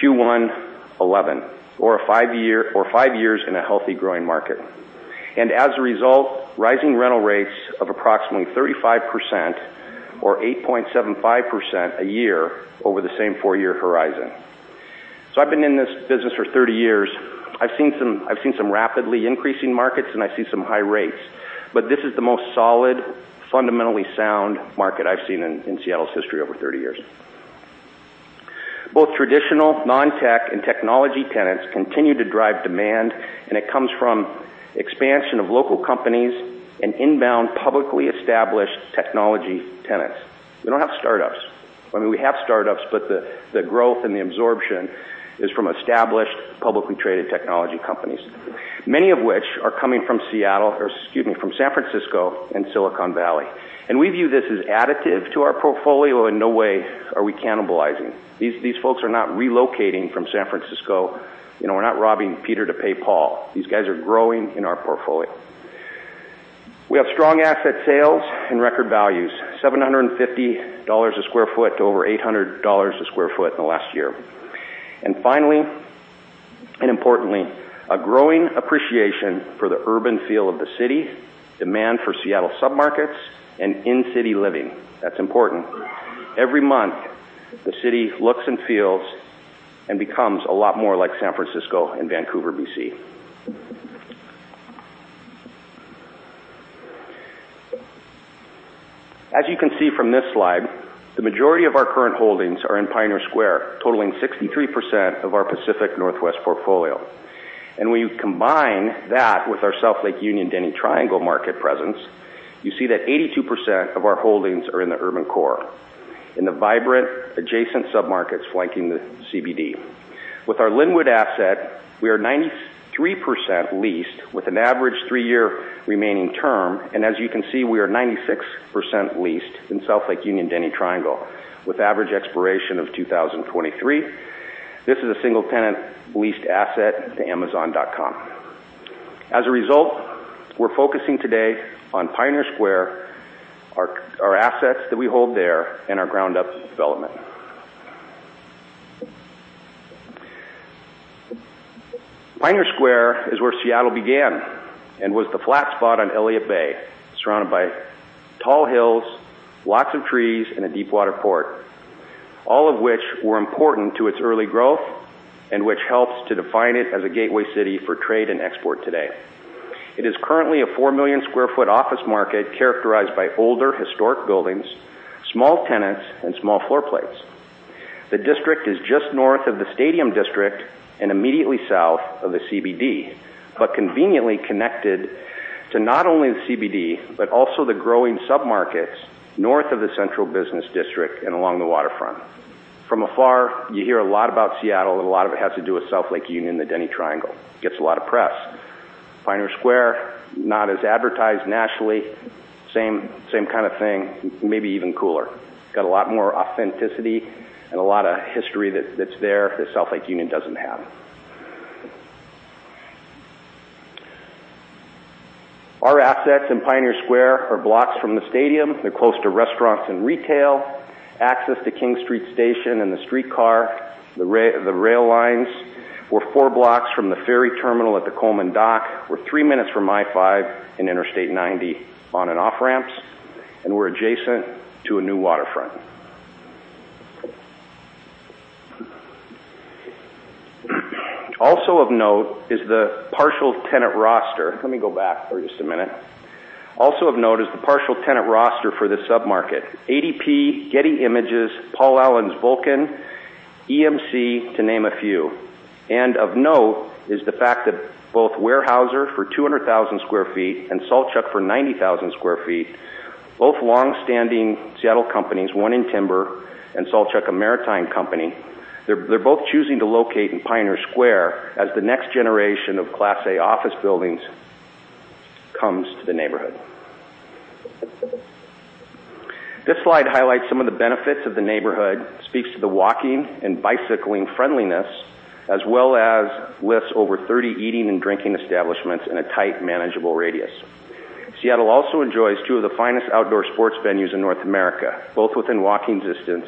Q1 2011, or five years in a healthy growing market. As a result, rising rental rates of approximately 35% or 8.75% a year over the same 4-year horizon. I've been in this business for 30 years. I've seen some rapidly increasing markets, and I've seen some high rates. This is the most solid, fundamentally sound market I've seen in Seattle's history over 30 years. Both traditional non-tech and technology tenants continue to drive demand. It comes from expansion of local companies and inbound publicly established technology tenants. We don't have startups. I mean, we have startups, the growth and the absorption is from established publicly traded technology companies, many of which are coming from San Francisco and Silicon Valley. We view this as additive to our portfolio. In no way are we cannibalizing. These folks are not relocating from San Francisco. We're not robbing Peter to pay Paul. These guys are growing in our portfolio. We have strong asset sales and record values, $750 a sq ft to over $800 a sq ft in the last year. Finally, importantly, a growing appreciation for the urban feel of the city, demand for Seattle submarkets, and in-city living. That's important. Every month, the city looks and feels and becomes a lot more like San Francisco and Vancouver, B.C. As you can see from this slide, the majority of our current holdings are in Pioneer Square, totaling 63% of our Pacific Northwest portfolio. When you combine that with our South Lake Union Denny Triangle market presence, you see that 82% of our holdings are in the urban core, in the vibrant adjacent submarkets flanking the CBD. With our Lynnwood asset, we are 93% leased with an average three-year remaining term, and as you can see, we are 96% leased in South Lake Union Denny Triangle with average expiration of 2023. This is a single-tenant leased asset to Amazon.com. As a result, we're focusing today on Pioneer Square, our assets that we hold there, and our ground-up development. Pioneer Square is where Seattle began and was the flat spot on Elliott Bay, surrounded by tall hills, lots of trees, and a deepwater port, all of which were important to its early growth and which helps to define it as a gateway city for trade and export today. It is currently a 4 million sq ft office market characterized by older historic buildings, small tenants, and small floor plates. The district is just north of the Stadium District and immediately south of the CBD, but conveniently connected to not only the CBD but also the growing submarkets north of the Central Business District and along the waterfront. From afar, you hear a lot about Seattle, and a lot of it has to do with South Lake Union, the Denny Triangle. Gets a lot of press. Pioneer Square, not as advertised nationally, same kind of thing, maybe even cooler. Got a lot more authenticity and a lot of history that's there that South Lake Union doesn't have. Our assets in Pioneer Square are blocks from the stadium. They're close to restaurants and retail, access to King Street Station and the streetcar, the rail lines. We're four blocks from the ferry terminal at the Colman Dock. We're three minutes from I-5 and Interstate 90 on and off ramps, and we're adjacent to a new waterfront. Also of note is the partial tenant roster. Let me go back for just a minute. Also of note is the partial tenant roster for this submarket. ADP, Getty Images, Paul Allen's Vulcan, EMC, to name a few. Of note is the fact that both Weyerhaeuser, for 200,000 sq ft, and Saltchuk, for 90,000 sq ft, both longstanding Seattle companies, one in timber and Saltchuk a maritime company, they're both choosing to locate in Pioneer Square as the next generation of Class A office buildings comes to the neighborhood. This slide highlights some of the benefits of the neighborhood, speaks to the walking and bicycling friendliness, as well as lists over 30 eating and drinking establishments in a tight, manageable radius. Seattle also enjoys two of the finest outdoor sports venues in North America, both within walking distance,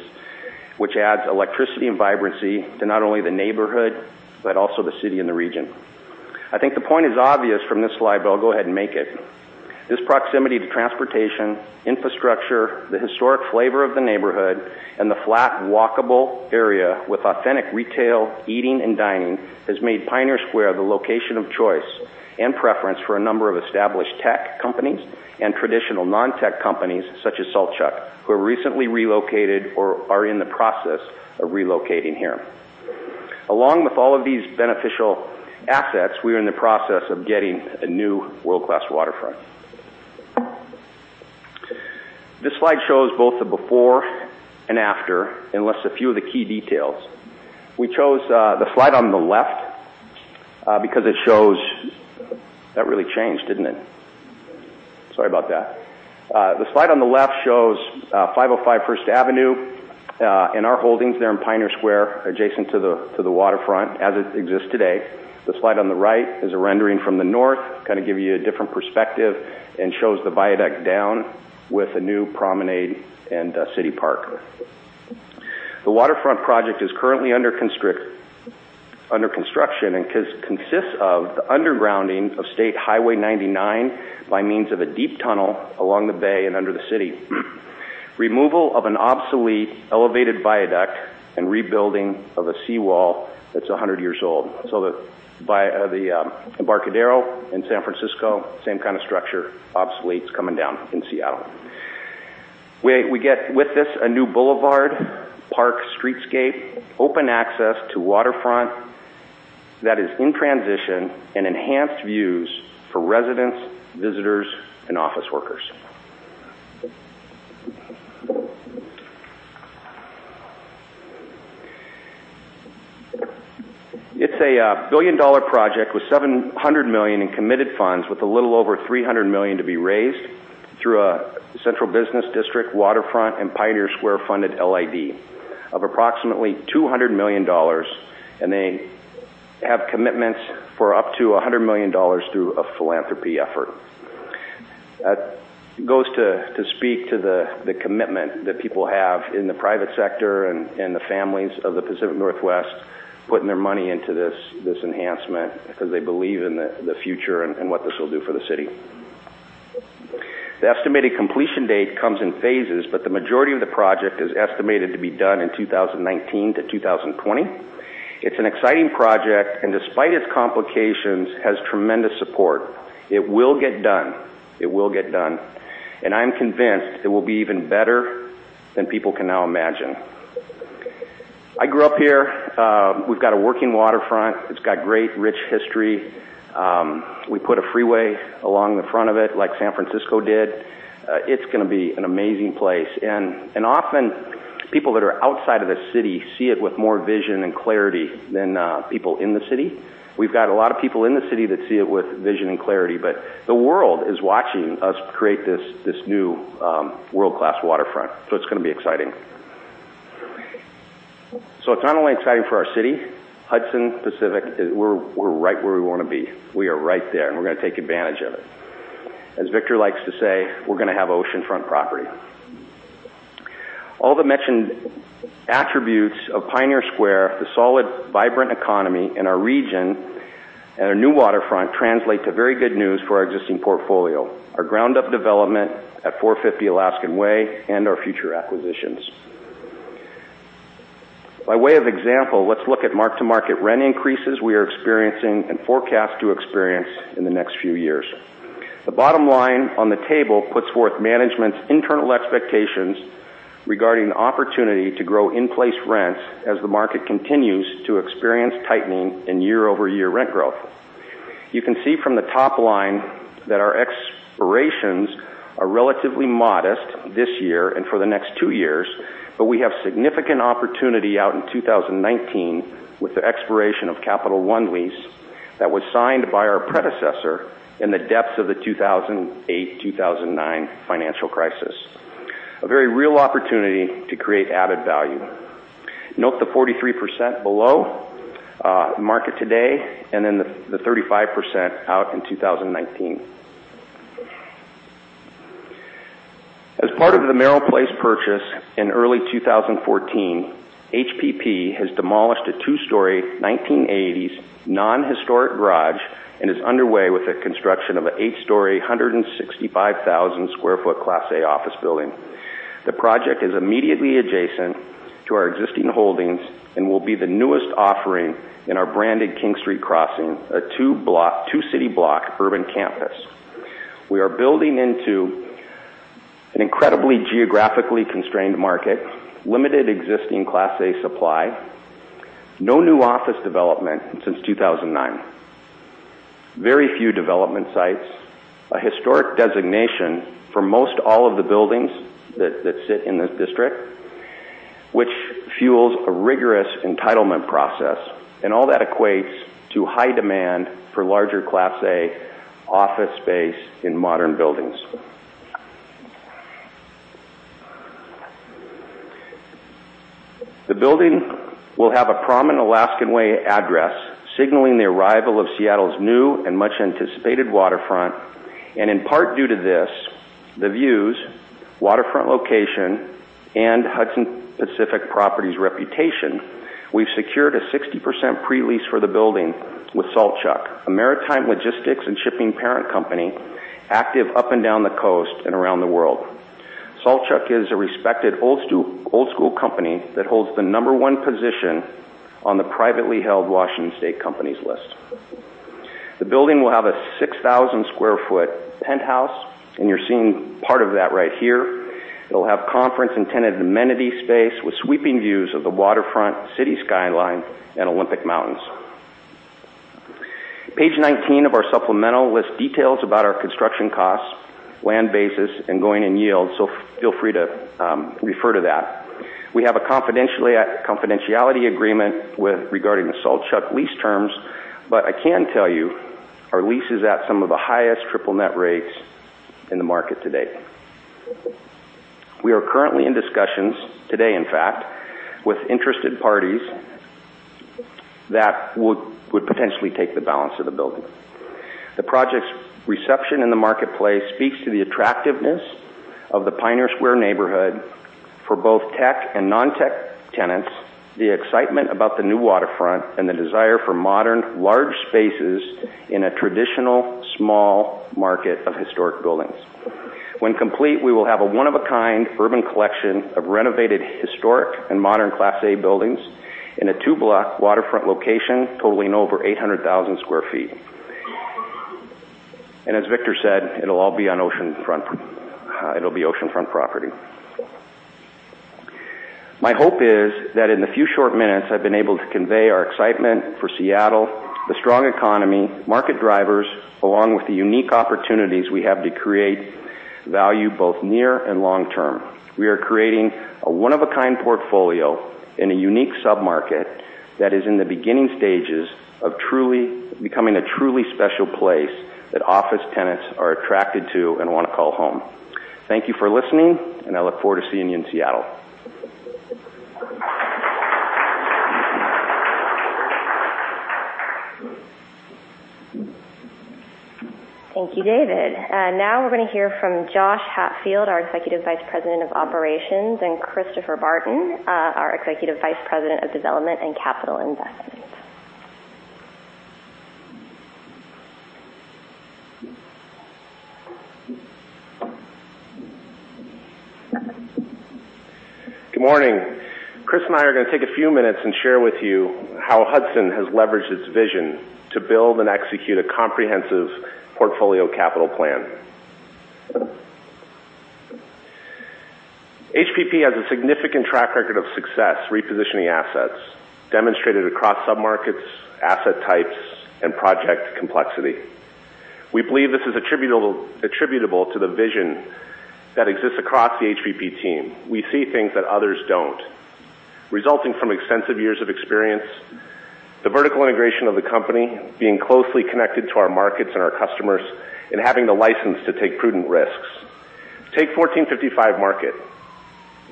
which adds electricity and vibrancy to not only the neighborhood but also the city and the region. I think the point is obvious from this slide, but I'll go ahead and make it. This proximity to transportation, infrastructure, the historic flavor of the neighborhood, and the flat, walkable area with authentic retail, eating, and dining has made Pioneer Square the location of choice and preference for a number of established tech companies and traditional non-tech companies such as Saltchuk, who have recently relocated or are in the process of relocating here. Along with all of these beneficial assets, we are in the process of getting a new world-class waterfront. This slide shows both the before and after and lists a few of the key details. We chose the slide on the left because it shows That really changed, didn't it? Sorry about that. The slide on the left shows 505 First Avenue and our holdings there in Pioneer Square adjacent to the waterfront as it exists today. The slide on the right is a rendering from the north, kind of give you a different perspective, shows the viaduct down with a new promenade and a city park. The waterfront project is currently under construction and consists of the undergrounding of State Highway 99 by means of a deep tunnel along the bay and under the city, removal of an obsolete elevated viaduct, and rebuilding of a seawall that's 100 years old. The Embarcadero in San Francisco, same kind of structure, obsolete. It's coming down in Seattle. We get with this a new boulevard, park streetscape, open access to waterfront that is in transition, and enhanced views for residents, visitors, and office workers. It's a billion-dollar project with $700 million in committed funds, with a little over $300 million to be raised through a Central Business District Waterfront and Pioneer Square funded LID of approximately $200 million. They have commitments for up to $100 million through a philanthropy effort. That goes to speak to the commitment that people have in the private sector and the families of the Pacific Northwest, putting their money into this enhancement because they believe in the future and what this will do for the city. The estimated completion date comes in phases, but the majority of the project is estimated to be done in 2019 to 2020. It's an exciting project, and despite its complications, has tremendous support. It will get done. It will get done. I'm convinced it will be even better than people can now imagine. I grew up here. We've got a working waterfront. It's got great, rich history. We put a freeway along the front of it like San Francisco did. It's going to be an amazing place. Often, people that are outside of the city see it with more vision and clarity than people in the city. We've got a lot of people in the city that see it with vision and clarity, but the world is watching us create this new world-class waterfront. It's going to be exciting. It's not only exciting for our city. Hudson Pacific, we're right where we want to be. We are right there, and we're going to take advantage of it. As Victor likes to say, we're going to have oceanfront property. All the mentioned attributes of Pioneer Square, the solid, vibrant economy in our region, and our new waterfront translate to very good news for our existing portfolio, our ground-up development at 450 Alaskan Way, and our future acquisitions. By way of example, let's look at mark-to-market rent increases we are experiencing and forecast to experience in the next few years. The bottom line on the table puts forth management's internal expectations regarding the opportunity to grow in-place rents as the market continues to experience tightening and year-over-year rent growth. You can see from the top line that our expirations are relatively modest this year and for the next two years, we have significant opportunity out in 2019 with the expiration of Capital One lease that was signed by our predecessor in the depths of the 2008-2009 financial crisis. A very real opportunity to create added value. Note the 43% below market today, then the 35% out in 2019. As part of the Merrill Place purchase in early 2014, HPP has demolished a two-story, 1980s non-historic garage and is underway with the construction of an eight-story, 165,000 sq ft Class A office building. The project is immediately adjacent to our existing holdings and will be the newest offering in our branded King Street Crossing, a two-city block urban campus. We are building into an incredibly geographically constrained market, limited existing Class A supply, no new office development since 2009. Very few development sites, a historic designation for most all of the buildings that sit in this district, which fuels a rigorous entitlement process, and all that equates to high demand for larger Class A office space in modern buildings. The building will have a prominent Alaskan Way address, signaling the arrival of Seattle's new and much-anticipated waterfront. In part due to this, the views, waterfront location, and Hudson Pacific Properties' reputation, we've secured a 60% pre-lease for the building with Saltchuk, a maritime logistics and shipping parent company, active up and down the coast and around the world. Saltchuk is a respected old-school company that holds the number one position on the privately held Washington State companies list. The building will have a 6,000 sq ft penthouse, and you're seeing part of that right here. It'll have conference and tenant amenity space with sweeping views of the waterfront, city skyline, and Olympic Mountains. Page 19 of our supplemental lists details about our construction costs, land basis, and going-in yield, so feel free to refer to that. We have a confidentiality agreement regarding the Saltchuk lease terms, I can tell you our lease is at some of the highest triple net rates in the market today. We are currently in discussions, today in fact, with interested parties that would potentially take the balance of the building. The project's reception in the marketplace speaks to the attractiveness of the Pioneer Square neighborhood for both tech and non-tech tenants, the excitement about the new waterfront, and the desire for modern, large spaces in a traditional, small market of historic buildings. When complete, we will have a one-of-a-kind urban collection of renovated historic and modern Class A buildings in a two-block waterfront location totaling over 800,000 sq ft. As Victor said, it'll be oceanfront property. My hope is that in the few short minutes, I've been able to convey our excitement for Seattle, the strong economy, market drivers, along with the unique opportunities we have to create value both near and long term. We are creating a one-of-a-kind portfolio in a unique submarket that is in the beginning stages of becoming a truly special place that office tenants are attracted to and want to call home. Thank you for listening, and I look forward to seeing you in Seattle. Thank you, David. We're going to hear from Joshua Hatfield, our Executive Vice President of Operations, and Christopher Barton, our Executive Vice President of Development and Capital Investments. Good morning. Chris and I are going to take a few minutes and share with you how Hudson Pacific Properties has leveraged its vision to build and execute a comprehensive portfolio capital plan. HPP has a significant track record of success repositioning assets, demonstrated across submarkets, asset types, and project complexity. We believe this is attributable to the vision that exists across the HPP team. We see things that others don't, resulting from extensive years of experience, the vertical integration of the company, being closely connected to our markets and our customers, and having the license to take prudent risks. Take 1455 Market.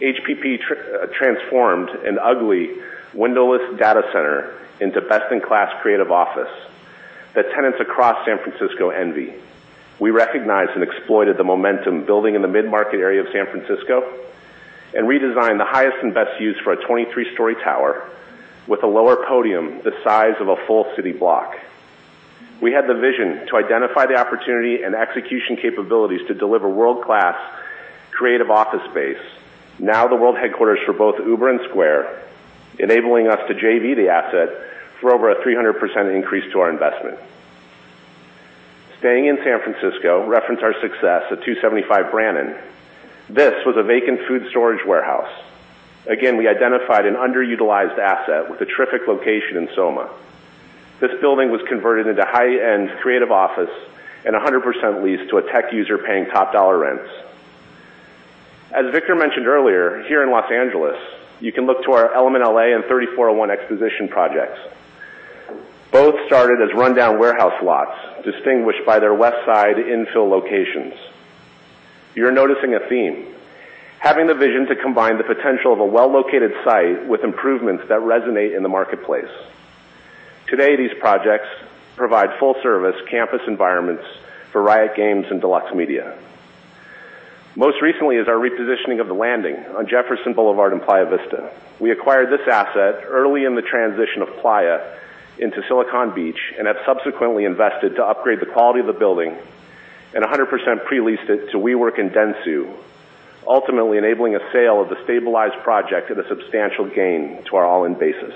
HPP transformed an ugly, windowless data center into best-in-class creative office that tenants across San Francisco envy. We recognized and exploited the momentum building in the mid-market area of San Francisco and redesigned the highest and best use for a 23-story tower with a lower podium the size of a full city block. We had the vision to identify the opportunity and execution capabilities to deliver world-class creative office space. Now the world headquarters for both Uber and Square, enabling us to JV the asset for over a 300% increase to our investment. Staying in San Francisco, reference our success at 275 Brannan. This was a vacant food storage warehouse. Again, we identified an underutilized asset with a terrific location in SoMa. This building was converted into high-end creative office and 100% leased to a tech user paying top dollar rents. As Victor mentioned earlier, here in Los Angeles, you can look to our Element LA and 3401 Exposition projects. Both started as rundown warehouse lots, distinguished by their west side infill locations. You're noticing a theme. Having the vision to combine the potential of a well-located site with improvements that resonate in the marketplace. Today, these projects provide full-service campus environments for Riot Games and Deluxe Media. Most recently is our repositioning of The Landing on Jefferson Boulevard in Playa Vista. We acquired this asset early in the transition of Playa into Silicon Beach, and have subsequently invested to upgrade the quality of the building and 100% pre-leased it to WeWork and Dentsu, ultimately enabling a sale of the stabilized project at a substantial gain to our all-in basis.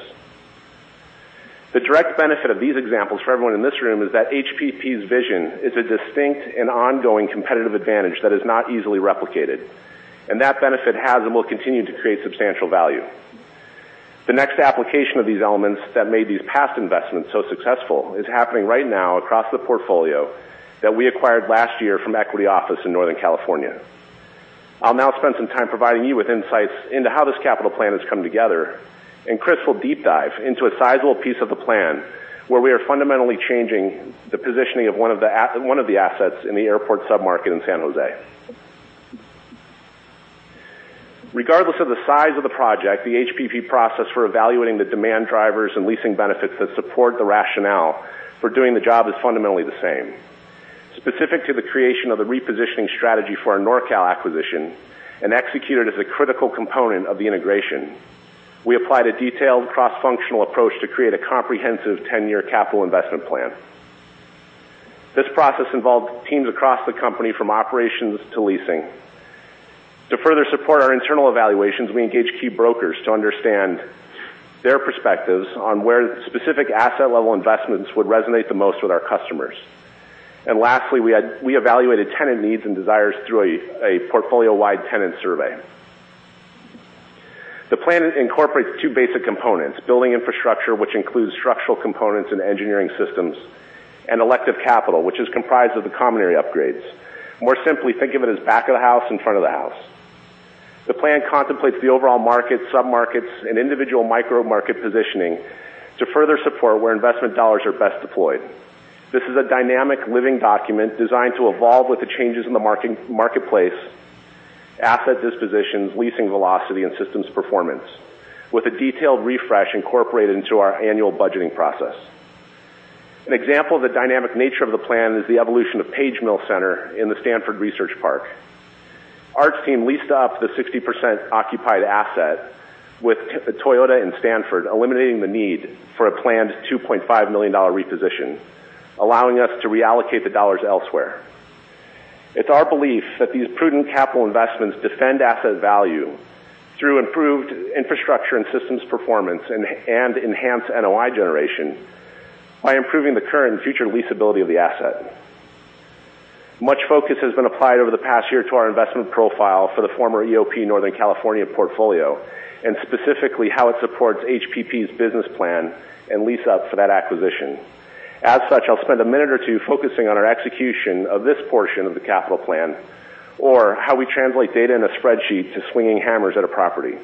The direct benefit of these examples for everyone in this room is that HPP's vision is a distinct and ongoing competitive advantage that is not easily replicated, and that benefit has and will continue to create substantial value. The next application of these elements that made these past investments so successful is happening right now across the portfolio that we acquired last year from Equity Office in Northern California. I'll now spend some time providing you with insights into how this capital plan has come together, and Chris will deep dive into a sizable piece of the plan where we are fundamentally changing the positioning of one of the assets in the airport sub-market in San Jose. Regardless of the size of the project, the HPP process for evaluating the demand drivers and leasing benefits that support the rationale for doing the job is fundamentally the same. Specific to the creation of the repositioning strategy for our NorCal acquisition and executed as a critical component of the integration, we applied a detailed cross-functional approach to create a comprehensive 10-year capital investment plan. This process involved teams across the company from operations to leasing. To further support our internal evaluations, we engaged key brokers to understand their perspectives on where specific asset-level investments would resonate the most with our customers. Lastly, we evaluated tenant needs and desires through a portfolio-wide tenant survey. The plan incorporates two basic components, building infrastructure, which includes structural components and engineering systems, and elective capital, which is comprised of the common area upgrades. More simply, think of it as back of the house and front of the house. The plan contemplates the overall market, sub-markets, and individual micro-market positioning to further support where investment dollars are best deployed. This is a dynamic living document designed to evolve with the changes in the marketplace, asset dispositions, leasing velocity, and systems performance, with a detailed refresh incorporated into our annual budgeting process. An example of the dynamic nature of the plan is the evolution of Page Mill Center in the Stanford Research Park. Our team leased up the 60% occupied asset with Toyota and Stanford, eliminating the need for a planned $2.5 million reposition, allowing us to reallocate the dollars elsewhere. It's our belief that these prudent capital investments defend asset value through improved infrastructure and systems performance, and enhance NOI generation by improving the current and future leasability of the asset. Much focus has been applied over the past year to our investment profile for the former EOP Northern California portfolio, and specifically how it supports HPP's business plan and lease-up for that acquisition. As such, I'll spend a minute or two focusing on our execution of this portion of the capital plan, or how we translate data in a spreadsheet to swinging hammers at a property.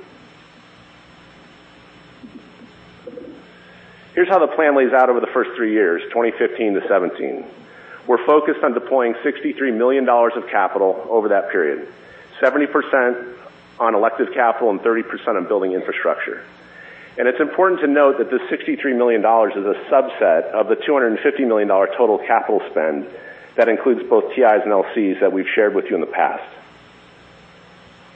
Here's how the plan lays out over the first three years, 2015 to 2017. We're focused on deploying $63 million of capital over that period, 70% on elective capital and 30% on building infrastructure. It's important to note that the $63 million is a subset of the $250 million total capital spend. That includes both TIs and LCs that we've shared with you in the past.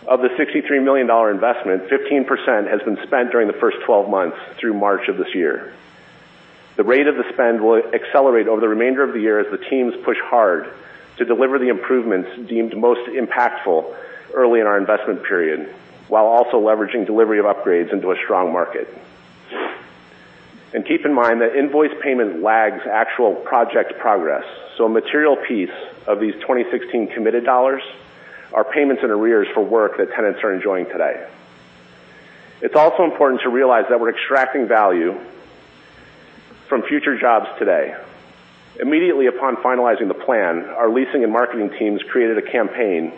Of the $63 million investment, 15% has been spent during the first 12 months through March of this year. The rate of the spend will accelerate over the remainder of the year as the teams push hard to deliver the improvements deemed most impactful early in our investment period, while also leveraging delivery of upgrades into a strong market. Keep in mind that invoice payment lags actual project progress, so a material piece of these 2016 committed dollars are payments in arrears for work that tenants are enjoying today. It's also important to realize that we're extracting value from future jobs today. Immediately upon finalizing the plan, our leasing and marketing teams created a campaign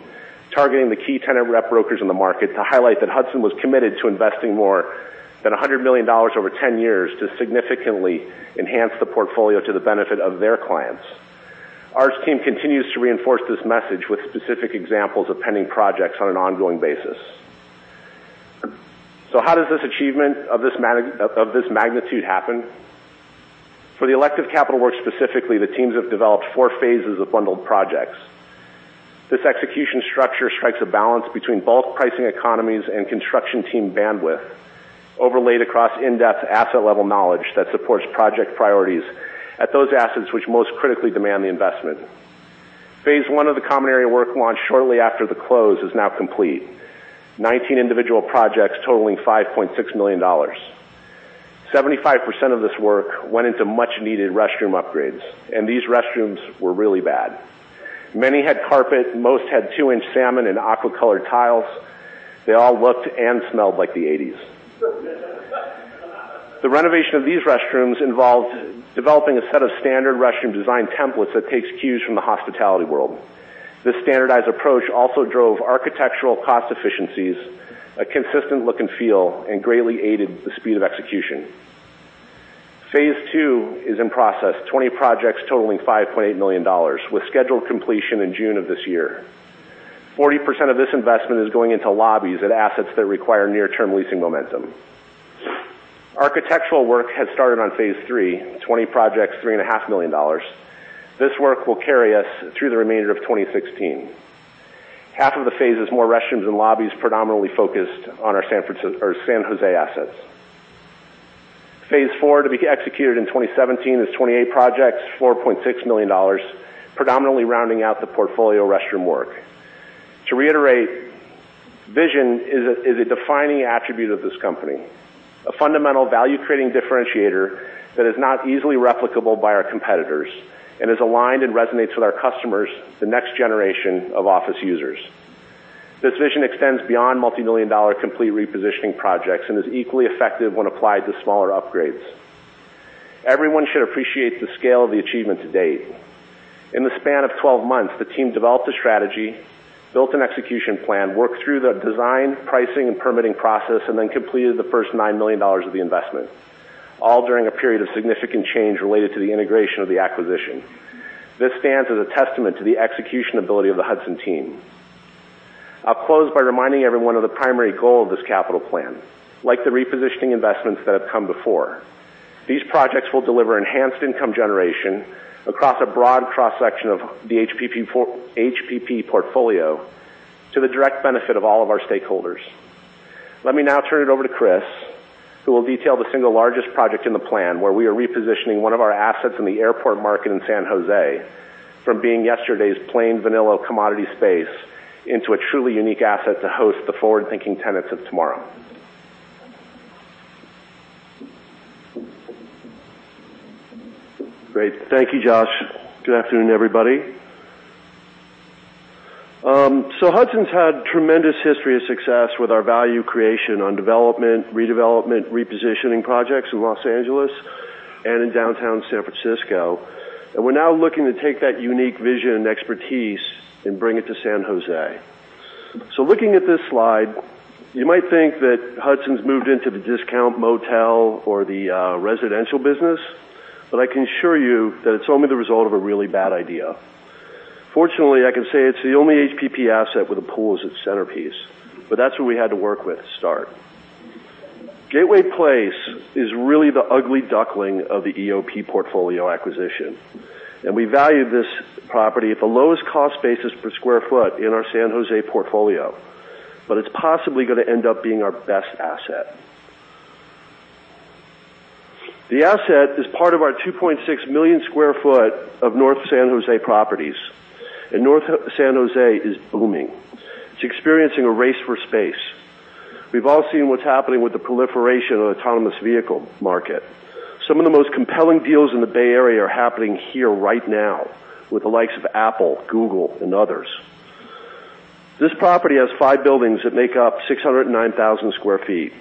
targeting the key tenant rep brokers in the market to highlight that Hudson was committed to investing more than $100 million over 10 years to significantly enhance the portfolio to the benefit of their clients. Our team continues to reinforce this message with specific examples of pending projects on an ongoing basis. How does this achievement of this magnitude happen? For the elective capital work specifically, the teams have developed four phases of bundled projects. This execution structure strikes a balance between bulk pricing economies and construction team bandwidth, overlaid across in-depth asset-level knowledge that supports project priorities at those assets which most critically demand the investment. Phase 1 of the common area work launched shortly after the close is now complete. 19 individual projects totaling $5.6 million. 75% of this work went into much-needed restroom upgrades. These restrooms were really bad. Many had carpet. Most had 2-inch salmon and aqua-colored tiles. They all looked and smelled like the '80s. The renovation of these restrooms involved developing a set of standard restroom design templates that takes cues from the hospitality world. This standardized approach also drove architectural cost efficiencies, a consistent look and feel, and greatly aided the speed of execution. Phase 2 is in process. 20 projects totaling $5.8 million, with scheduled completion in June of this year. 40% of this investment is going into lobbies at assets that require near-term leasing momentum. Architectural work has started on Phase 3, 20 projects, $3.5 million. This work will carry us through the remainder of 2016. Half of the phase is more restrooms and lobbies predominantly focused on our San Jose assets. Phase 4, to be executed in 2017, is 28 projects, $4.6 million, predominantly rounding out the portfolio restroom work. To reiterate, vision is a defining attribute of this company, a fundamental value-creating differentiator that is not easily replicable by our competitors and is aligned and resonates with our customers, the next generation of office users. This vision extends beyond multimillion-dollar complete repositioning projects and is equally effective when applied to smaller upgrades. Everyone should appreciate the scale of the achievement to date. In the span of 12 months, the team developed a strategy, built an execution plan, worked through the design, pricing, and permitting process, and then completed the first $9 million of the investment, all during a period of significant change related to the integration of the acquisition. This stands as a testament to the execution ability of the Hudson team. I'll close by reminding everyone of the primary goal of this capital plan. Like the repositioning investments that have come before, these projects will deliver enhanced income generation across a broad cross-section of the HPP portfolio to the direct benefit of all of our stakeholders. Let me now turn it over to Chris, who will detail the single largest project in the plan, where we are repositioning one of our assets in the airport market in San Jose from being yesterday's plain vanilla commodity space into a truly unique asset to host the forward-thinking tenants of tomorrow. Great. Thank you, Josh. Good afternoon, everybody. Hudson's had tremendous history of success with our value creation on development, redevelopment, repositioning projects in Los Angeles and in downtown San Francisco. We're now looking to take that unique vision and expertise and bring it to San Jose. Looking at this slide, you might think that Hudson's moved into the discount motel or the residential business, but I can assure you that it's only the result of a really bad idea. Fortunately, I can say it's the only HPP asset with a pool as its centerpiece, but that's what we had to work with to start. Gateway Place is really the ugly duckling of the EOP portfolio acquisition, and we value this property at the lowest cost basis per sq ft in our San Jose portfolio, but it's possibly going to end up being our best asset. The asset is part of our 2.6 million sq ft of North San Jose properties. North San Jose is booming. It's experiencing a race for space. We've all seen what's happening with the proliferation of the autonomous vehicle market. Some of the most compelling deals in the Bay Area are happening here right now with the likes of Apple, Google, and others. This property has five buildings that make up 609,000 sq ft,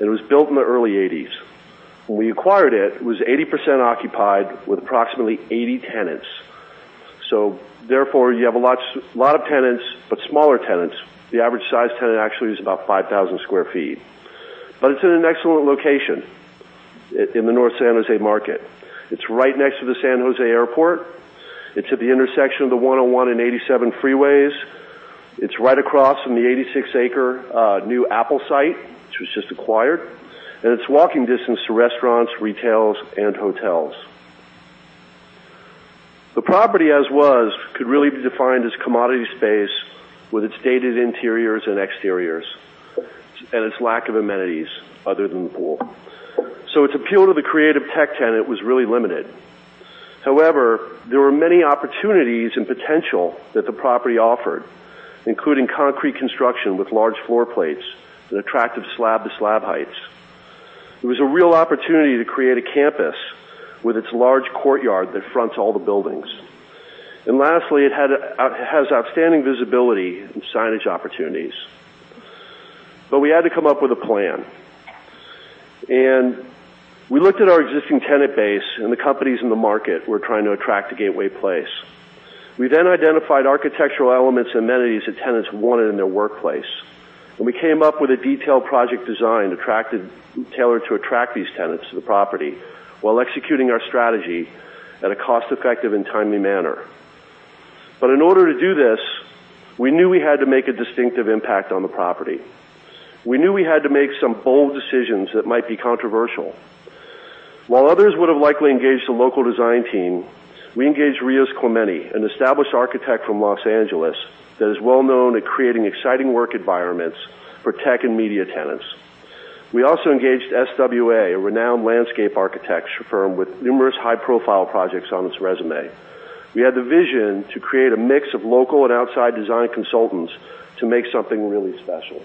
and it was built in the early '80s. When we acquired it was 80% occupied with approximately 80 tenants. Therefore, you have a lot of tenants, but smaller tenants. The average size tenant actually is about 5,000 sq ft. It's in an excellent location in the North San Jose market. It's right next to the San Jose Airport. It's at the intersection of the 101 and 87 freeways. It is right across from the 86-acre new Apple site, which was just acquired, and it is walking distance to restaurants, retail, and hotels. The property as was, could really be defined as commodity space with its dated interiors and exteriors and its lack of amenities other than the pool. So its appeal to the creative tech tenant was really limited. However, there were many opportunities and potential that the property offered, including concrete construction with large floor plates and attractive slab-to-slab heights. It was a real opportunity to create a campus with its large courtyard that fronts all the buildings. Lastly, it has outstanding visibility and signage opportunities. We had to come up with a plan. We looked at our existing tenant base and the companies in the market we are trying to attract to Gateway Place. We then identified architectural elements, amenities that tenants wanted in their workplace, and we came up with a detailed project design tailored to attract these tenants to the property while executing our strategy at a cost-effective and timely manner. In order to do this, we knew we had to make a distinctive impact on the property. We knew we had to make some bold decisions that might be controversial. While others would have likely engaged a local design team, we engaged Rios Clementi, an established architect from Los Angeles that is well known at creating exciting work environments for tech and media tenants. We also engaged SWA, a renowned landscape architecture firm with numerous high-profile projects on its resume. We had the vision to create a mix of local and outside design consultants to make something really special.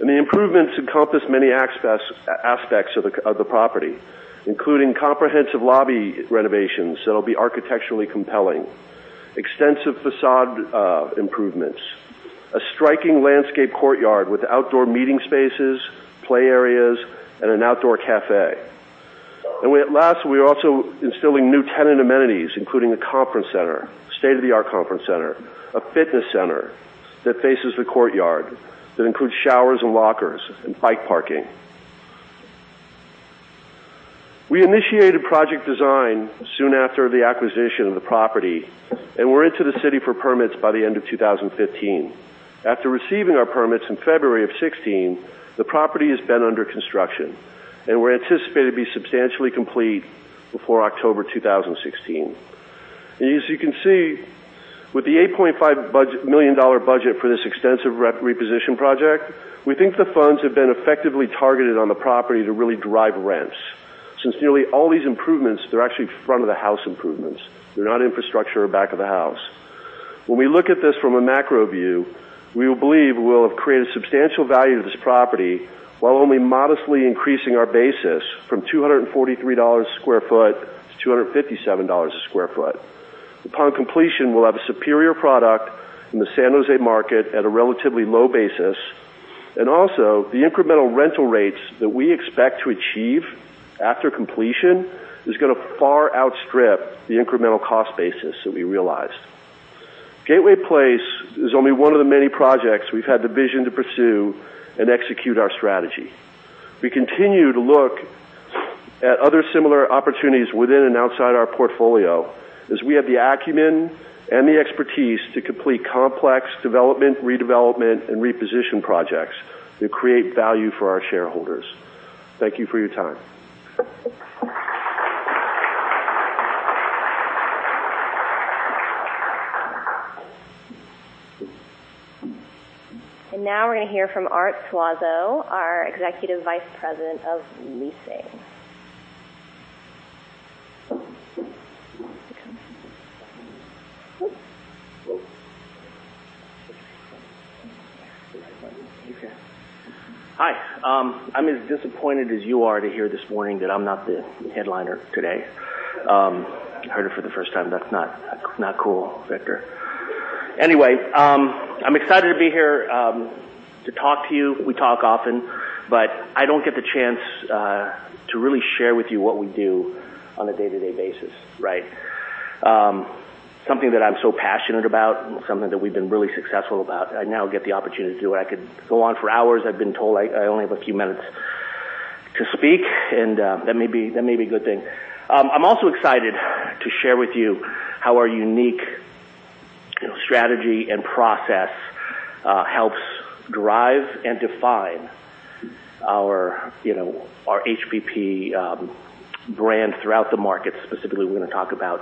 The improvements encompass many aspects of the property, including comprehensive lobby renovations that will be architecturally compelling, extensive facade improvements, a striking landscape courtyard with outdoor meeting spaces, play areas, and an outdoor cafe. Last, we are also instilling new tenant amenities, including a conference center, state-of-the-art conference center, a fitness center that faces the courtyard, that includes showers and lockers and bike parking. We initiated project design soon after the acquisition of the property, and went to the city for permits by the end of 2015. After receiving our permits in February of 2016, the property has been under construction, and we are anticipated to be substantially complete before October 2016. As you can see, with the $8.5 million budget for this extensive reposition project, we think the funds have been effectively targeted on the property to really drive rents. Since nearly all these improvements, they are actually front-of-the-house improvements. They are not infrastructure or back of the house. When we look at this from a macro view, we believe we will have created substantial value to this property, while only modestly increasing our basis from $243 a square foot to $257 a square foot. Upon completion, we will have a superior product in the San Jose market at a relatively low basis. Also, the incremental rental rates that we expect to achieve after completion is going to far outstrip the incremental cost basis that we realized. Gateway Place is only one of the many projects we have had the vision to pursue and execute our strategy. We continue to look at other similar opportunities within and outside our portfolio, as we have the acumen and the expertise to complete complex development, redevelopment, and reposition projects that create value for our shareholders. Thank you for your time. Now we're going to hear from Arthur Suazo, our Executive Vice President of Leasing. He wants to come here. Okay. Hi. I'm as disappointed as you are to hear this morning that I'm not the headliner today. I heard it for the first time. That's not cool, Victor. I'm excited to be here to talk to you. We talk often, but I don't get the chance to really share with you what we do on a day-to-day basis. Something that I'm so passionate about, something that we've been really successful about. I now get the opportunity to do it. I could go on for hours. I've been told I only have a few minutes to speak, and that may be a good thing. I'm also excited to share with you how our unique strategy and process helps drive and define our HPP brand throughout the market. We're going to talk about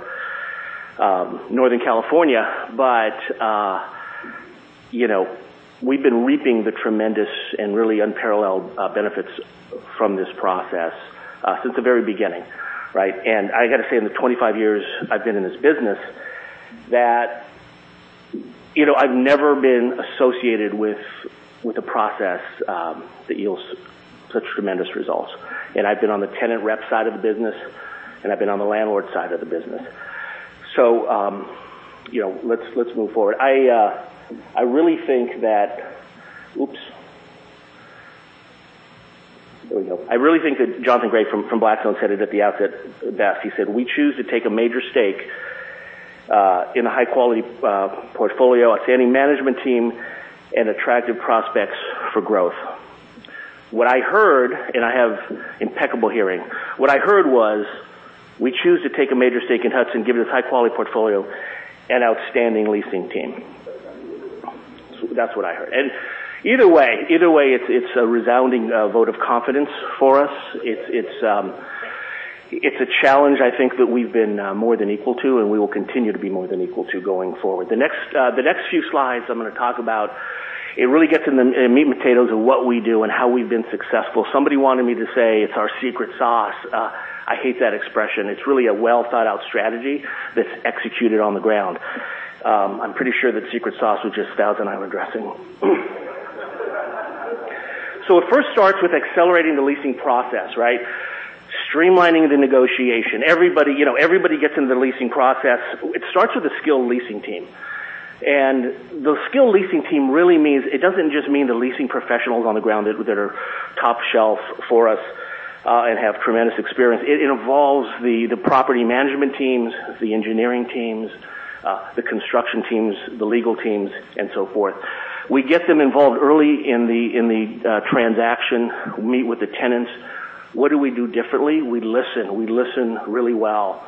Northern California, but we've been reaping the tremendous and really unparalleled benefits from this process since the very beginning. I got to say, in the 25 years I've been in this business, that I've never been associated with a process that yields such tremendous results. I've been on the tenant rep side of the business, and I've been on the landlord side of the business. Let's move forward. Oops. There we go. I really think that Jonathan Gray from Blackstone said it at the outset best. He said, "We choose to take a major stake in a high-quality portfolio, outstanding management team, and attractive prospects for growth." What I heard, and I have impeccable hearing. What I heard was, we choose to take a major stake in Hudson given its high-quality portfolio and outstanding leasing team. That's what I heard. Either way, it's a resounding vote of confidence for us. It's a challenge, I think that we've been more than equal to, and we will continue to be more than equal to going forward. The next few slides I'm going to talk about, it really gets in the meat and potatoes of what we do and how we've been successful. Somebody wanted me to say it's our secret sauce. I hate that expression. It's really a well-thought-out strategy that's executed on the ground. I'm pretty sure that secret sauce was just Thousand Island dressing. It first starts with accelerating the leasing process. Streamlining the negotiation. Everybody gets into the leasing process. It starts with a skilled leasing team. The skilled leasing team really means, it doesn't just mean the leasing professionals on the ground that are top-shelf for us and have tremendous experience. It involves the property management teams, the engineering teams, the construction teams, the legal teams, and so forth. We get them involved early in the transaction, meet with the tenants. What do we do differently? We listen. We listen really well.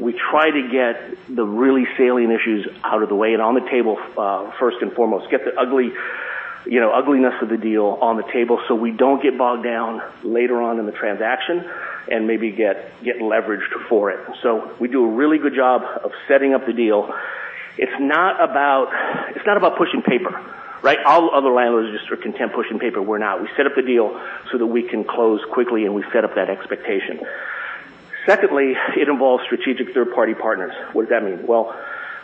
We try to get the really salient issues out of the way and on the table first and foremost. Get the ugly Ugliness of the deal on the table, we don't get bogged down later on in the transaction and maybe get leveraged for it. We do a really good job of setting up the deal. It's not about pushing paper. All other landlords just are content pushing paper. We're not. We set up the deal so that we can close quickly, and we set up that expectation. Secondly, it involves strategic third-party partners. What does that mean? Well,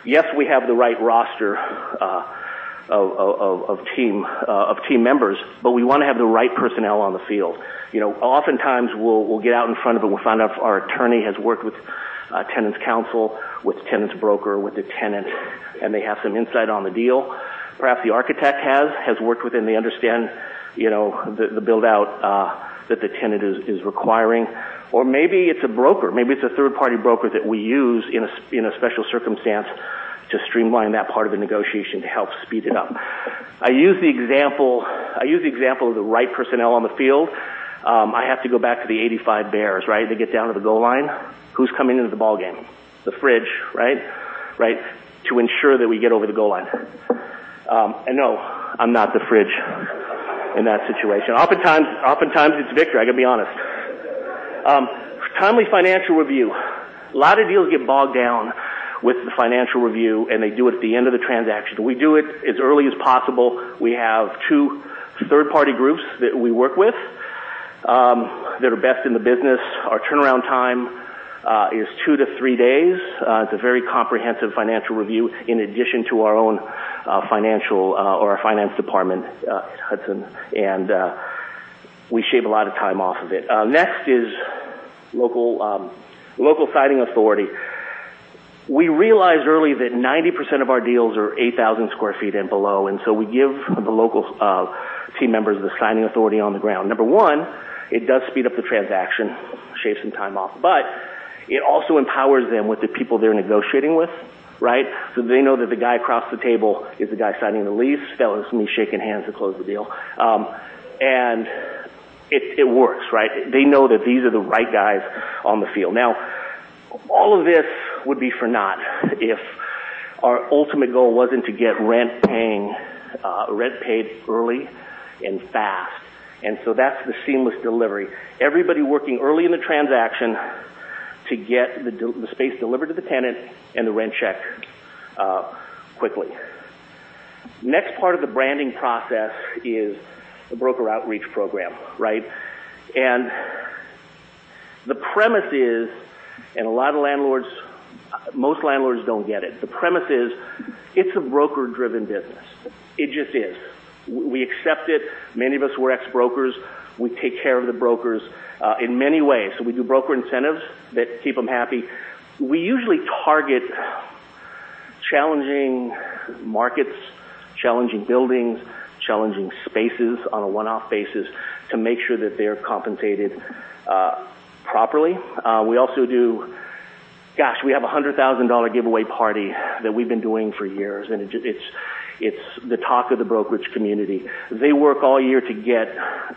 yes, we have the right roster of team members, but we want to have the right personnel on the field. Oftentimes, we'll get out in front of it. We'll find out if our attorney has worked with a tenant's counsel, with the tenant's broker, with the tenant, and they have some insight on the deal. Perhaps the architect has worked with them. They understand the build-out that the tenant is requiring. Or maybe it's a broker. Maybe it's a third-party broker that we use in a special circumstance to streamline that part of the negotiation to help speed it up. I use the example of the right personnel on the field. I have to go back to the '85 Bears. They get down to the goal line. Who's coming into the ballgame? The Fridge, to ensure that we get over the goal line. No, I'm not The Fridge in that situation. Oftentimes it's Victor, I got to be honest. Timely financial review. A lot of deals get bogged down with the financial review, and they do it at the end of the transaction. We do it as early as possible. We have two third-party groups that we work with, that are best in the business. Our turnaround time is two to three days. It's a very comprehensive financial review, in addition to our own financial or our finance department at Hudson, we shave a lot of time off of it. Next is local signing authority. We realized early that 90% of our deals are 8,000 sq ft and below, we give the local team members the signing authority on the ground. Number one, it does speed up the transaction, shave some time off, but it also empowers them with the people they're negotiating with. They know that the guy across the table is the guy signing the lease. That was me shaking hands to close the deal. It works. They know that these are the right guys on the field. Now, all of this would be for naught if our ultimate goal wasn't to get rent paid early and fast. That's the seamless delivery. Everybody working early in the transaction to get the space delivered to the tenant and the rent check quickly. Next part of the branding process is the broker outreach program. The premise is, and a lot of landlords, most landlords don't get it. The premise is, it's a broker-driven business. It just is. We accept it. Many of us were ex-brokers. We take care of the brokers, in many ways. We do broker incentives that keep them happy. We usually target challenging markets, challenging buildings, challenging spaces on a one-off basis to make sure that they're compensated properly. We also do Gosh, we have a $100,000 giveaway party that we've been doing for years, and it's the talk of the brokerage community. They work all year to get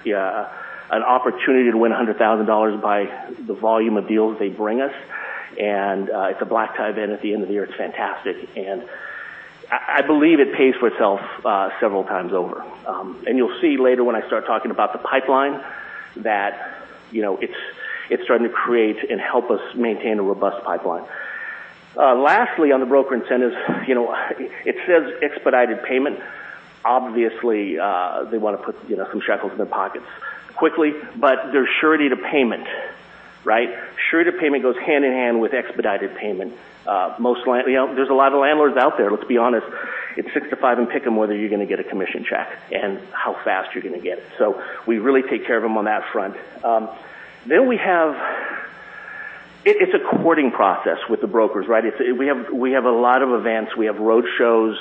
an opportunity to win $100,000 by the volume of deals they bring us, and it's a black-tie event at the end of the year. It's fantastic, and I believe it pays for itself several times over. You'll see later when I start talking about the pipeline that it's starting to create and help us maintain a robust pipeline. Lastly, on the broker incentives, it says expedited payment. Obviously, they want to put some shekels in their pockets quickly, but there's surety to payment. Surety to payment goes hand-in-hand with expedited payment. There's a lot of landlords out there, let's be honest, it's six to five, and pick them whether you're going to get a commission check and how fast you're going to get it. We really take care of them on that front. It's a courting process with the brokers. We have a lot of events. We have road shows.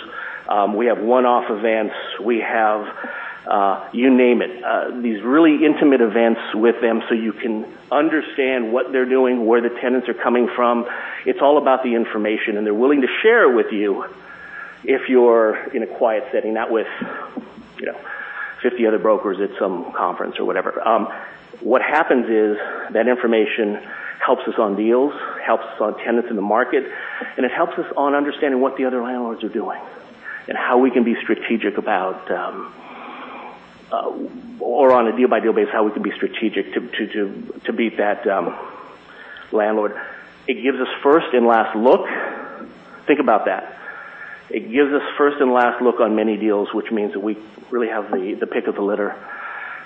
We have one-off events. We have, you name it, these really intimate events with them so you can understand what they're doing, where the tenants are coming from. It's all about the information, and they're willing to share it with you if you're in a quiet setting, not with 50 other brokers at some conference or whatever. What happens is, that information helps us on deals, helps us on tenants in the market, and it helps us on understanding what the other landlords are doing and how we can be strategic on a deal-by-deal basis, how we can be strategic to beat that landlord. It gives us first and last look. Think about that. It gives us first and last look on many deals, which means that we really have the pick of the litter.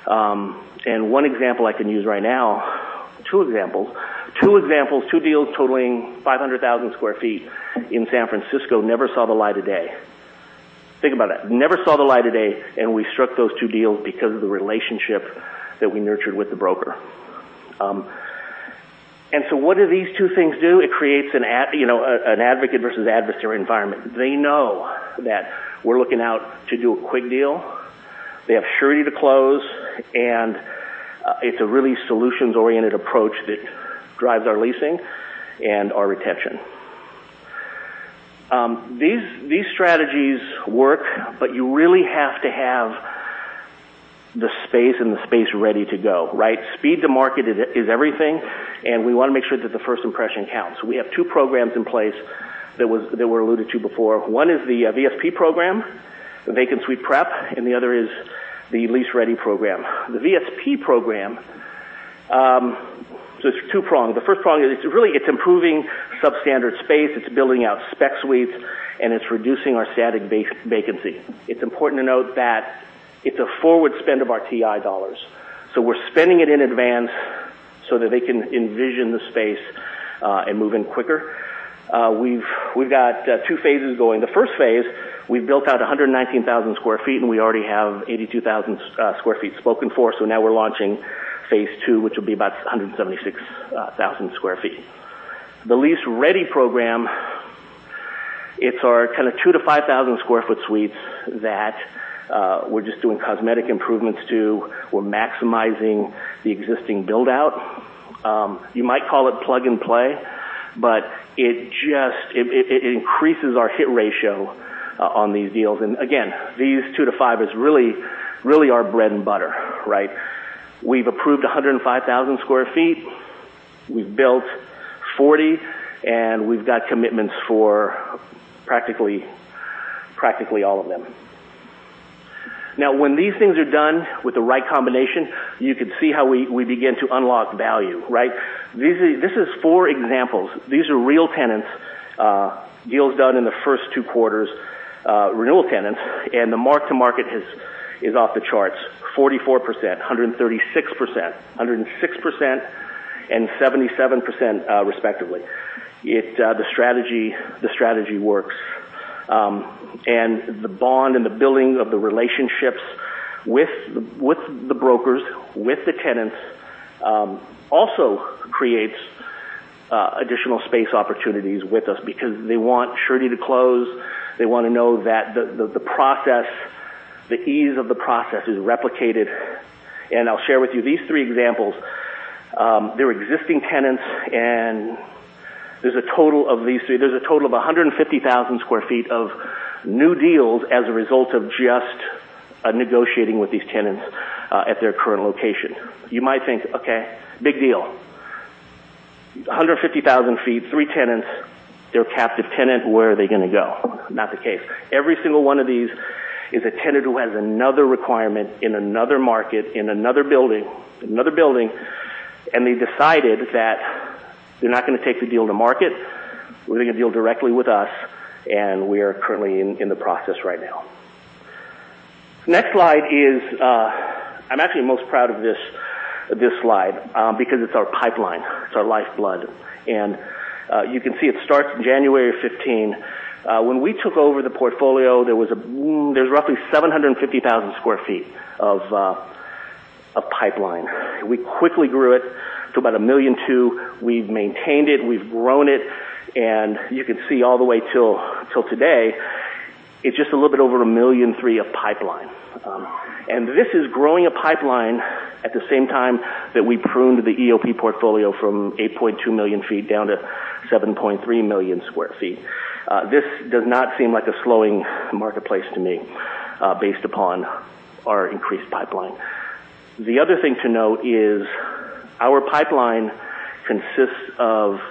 One example I can use right now, two examples. Two examples, two deals totaling 500,000 square feet in San Francisco never saw the light of day. Think about that. Never saw the light of day, and we struck those two deals because of the relationship that we nurtured with the broker. What do these two things do? It creates an advocate versus adversary environment. They know that we're looking out to do a quick deal. They have surety to close, and it's a really solutions-oriented approach that drives our leasing and our retention. These strategies work, you really have to have The space and the space ready to go. Speed to market is everything, and we want to make sure that the first impression counts. We have two programs in place that were alluded to before. One is the VSP program, the Vacant Suite Prep, and the other is the Lease Ready program. The VSP program, so it is two-pronged. The first prong is, really, it is improving substandard space, it is building out spec suites, and it is reducing our static vacancy. It is important to note that it is a forward spend of our TI dollars. We are spending it in advance so that they can envision the space, and move in quicker. We have two phases going. The first phase, we have built out 119,000 sq ft and we already have 82,000 sq ft spoken for. Now we are launching phase 2, which will be about 176,000 sq ft. The Lease Ready program, it is our kind of 2,000-5,000 sq ft suites that we are just doing cosmetic improvements to. We are maximizing the existing buildout. You might call it plug and play, but it increases our hit ratio on these deals. Again, these 2,000-5,000 is really our bread and butter. We have approved 105,000 sq ft. We have built 40, and we have commitments for practically all of them. Now, when these things are done with the right combination, you can see how we begin to unlock value. This is four examples. These are real tenants, deals done in the first two quarters, renewal tenants. The mark-to-market is off the charts, 44%, 136%, 106%, and 77%, respectively. The strategy works. The bond and the building of the relationships with the brokers, with the tenants, also creates additional space opportunities with us because they want surety to close. They want to know that the ease of the process is replicated. I will share with you these three examples. They are existing tenants, and there is a total of these three. There is a total of 150,000 sq ft of new deals as a result of just negotiating with these tenants at their current location. You might think, okay, big deal. 150,000 feet, three tenants. They are a captive tenant, where are they going to go? Not the case. Every single one of these is a tenant who has another requirement in another market, in another building, and they have decided that they are not going to take the deal to market. We are going to deal directly with us, and we are currently in the process right now. Next slide is I am actually most proud of this slide, because it is our pipeline. It is our lifeblood. You can see it starts January 15. When we took over the portfolio, there was roughly 750,000 sq ft of pipeline. We quickly grew it to about 1,200,000. We have maintained it, we have grown it, and you can see all the way till today. It is just a little bit over 1,300,000 of pipeline. This is growing a pipeline at the same time that we pruned the EOP portfolio from 8.2 million feet down to 7.3 million sq ft. This does not seem like a slowing marketplace to me, based upon our increased pipeline. The other thing to note is our pipeline consists of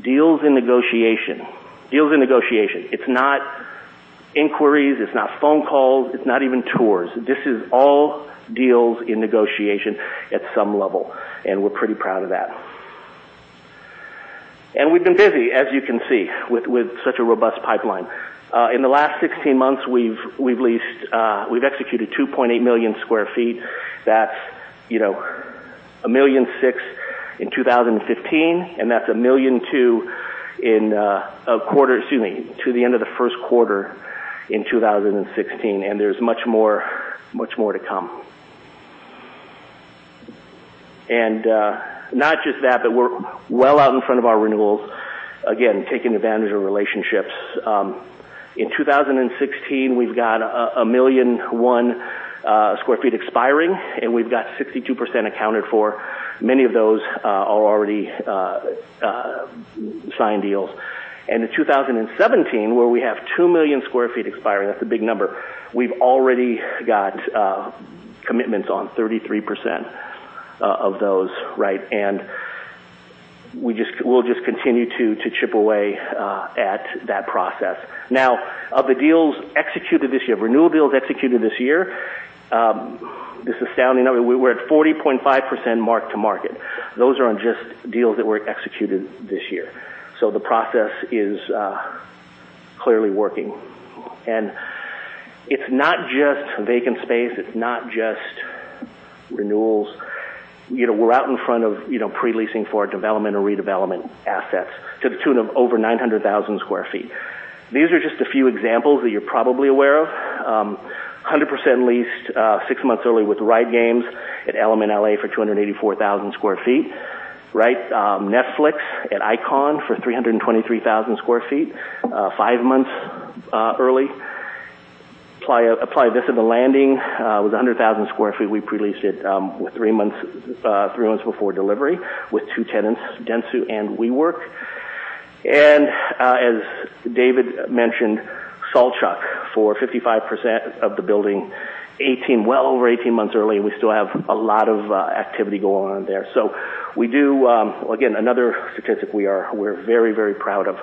deals in negotiation. It is not inquiries, it is not phone calls, it is not even tours. This is all deals in negotiation at some level, and we are pretty proud of that. We have been busy, as you can see, with such a robust pipeline. In the last 16 months, we have executed 2.8 million sq ft. That is 1,600,000 in 2015, and that is 1,200,000 to the end of the first quarter in 2016, and there is much more to come. Not just that, we're well out in front of our renewals, again, taking advantage of relationships. In 2016, we've got 1,100,000 square feet expiring, and we've got 62% accounted for. Many of those are already signed deals. In 2017, where we have 2 million square feet expiring, that's a big number, we've already got commitments on 33% of those. We'll just continue to chip away at that process. Now, of the deals executed this year, renewal deals executed this year, this astounding number, we were at 40.5% mark-to-market. Those are on just deals that were executed this year. The process is clearly working. It's not just vacant space, it's not just renewals. We're out in front of pre-leasing for development or redevelopment assets to the tune of over 900,000 square feet. These are just a few examples that you're probably aware of. 100% leased, six months early with Riot Games at Element LA for 284,000 square feet. Netflix at Icon for 323,000 square feet, five months early. [Applied this] at The Landing with 100,000 square feet. We pre-leased it three months before delivery with two tenants, Dentsu and WeWork. As David mentioned, Saltchuk for 55% of the building, well over 18 months early. We still have a lot of activity going on there. Again, another statistic we're very proud of.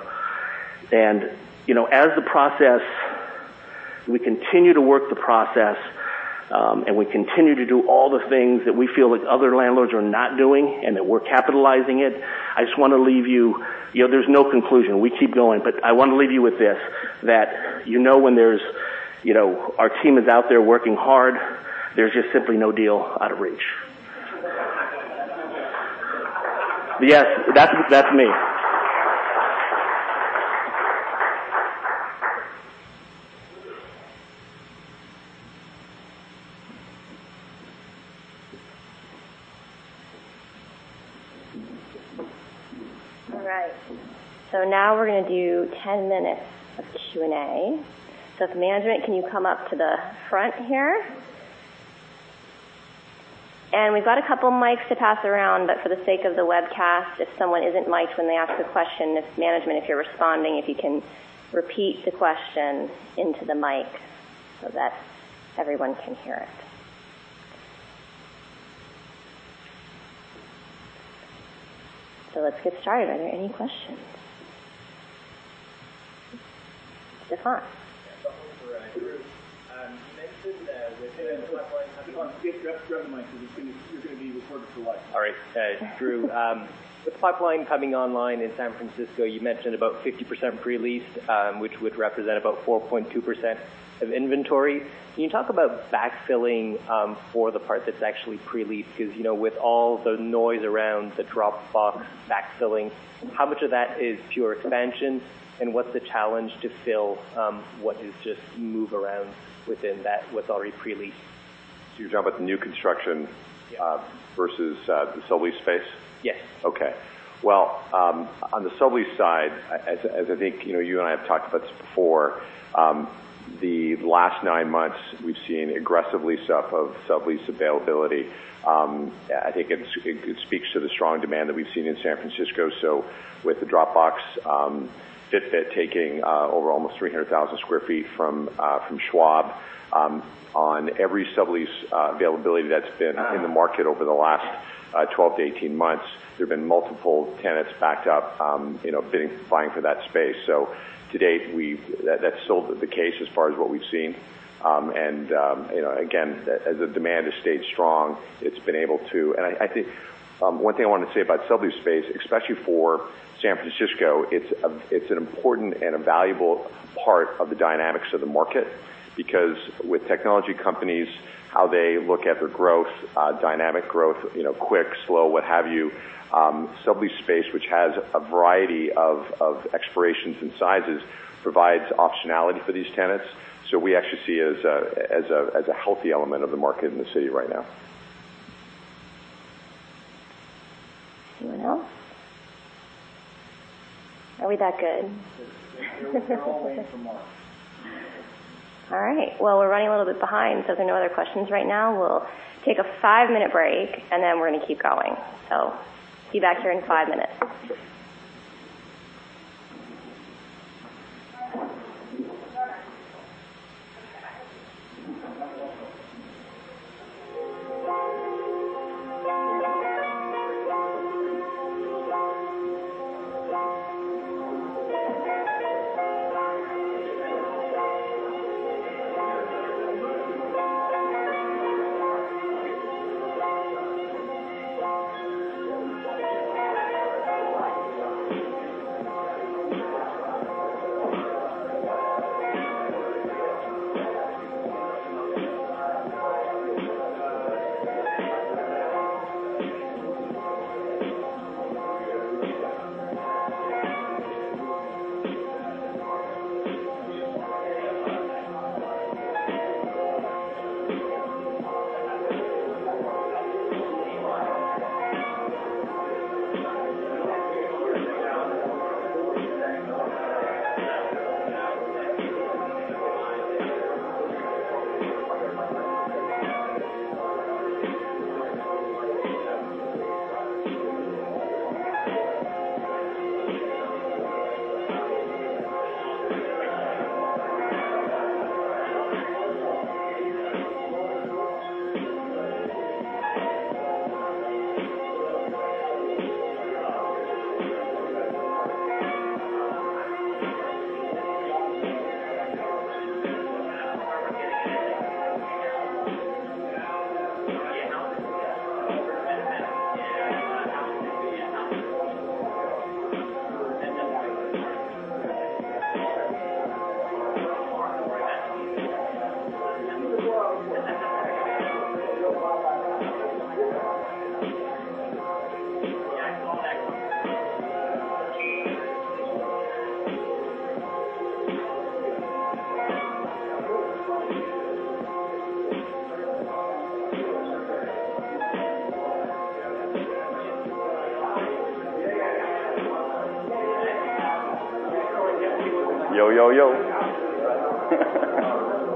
As the process, we continue to work the process, we continue to do all the things that we feel like other landlords are not doing, that we're capitalizing it. There's no conclusion. We keep going. I want to leave you with this, that you know our team is out there working hard. There's just simply no deal out of reach. Yes. That's me. All right. Now we're going to do 10 minutes of Q&A. If management, can you come up to the front here? We've got a couple mics to pass around, but for the sake of the webcast, if someone isn't mic'd when they ask a question, if management, if you're responding, if you can repeat the question into the mic so that everyone can hear it. Let's get started. Are there any questions? Sihan. Yeah, I've got one for Drew. You mentioned that with the pipeline coming- Yeah, grab the mic because you're going to be recorded for life. All right, Drew. The pipeline coming online in San Francisco, you mentioned about 50% pre-leased, which would represent about 4.2% of inventory. Can you talk about backfilling for the part that's actually pre-leased? Because, with all the noise around the Dropbox backfilling, how much of that is pure expansion, and what's the challenge to fill what is just move around within that what's already pre-leased? You're talking about the new construction- Yeah versus the sublease space? Yes. Okay. Well, on the sublease side, as I think you and I have talked about this before, the last nine months, we've seen aggressive lease up of sublease availability. I think it speaks to the strong demand that we've seen in San Francisco. With the Dropbox <inaudible> taking over almost 300,000 square feet from Schwab, on every sublease availability that's been in the market over the last 12 to 18 months, there've been multiple tenants backed up bidding, vying for that space. To date, that's still the case as far as what we've seen. Again, as the demand has stayed strong, it's been able to. I think one thing I want to say about sublease space, especially for San Francisco, it's an important and a valuable part of the dynamics of the market. Because with technology companies, how they look at their growth, dynamic growth, quick, slow, what have you, sublease space, which has a variety of expirations and sizes, provides optionality for these tenants. We actually see it as a healthy element of the market in the city right now. Anyone else? Are we that good? They're all waiting for Mark. All right. Well, we're running a little bit behind, so if there are no other questions right now, we'll take a five-minute break, and then we're going to keep going. Be back here in five minutes. Yo, yo. All right,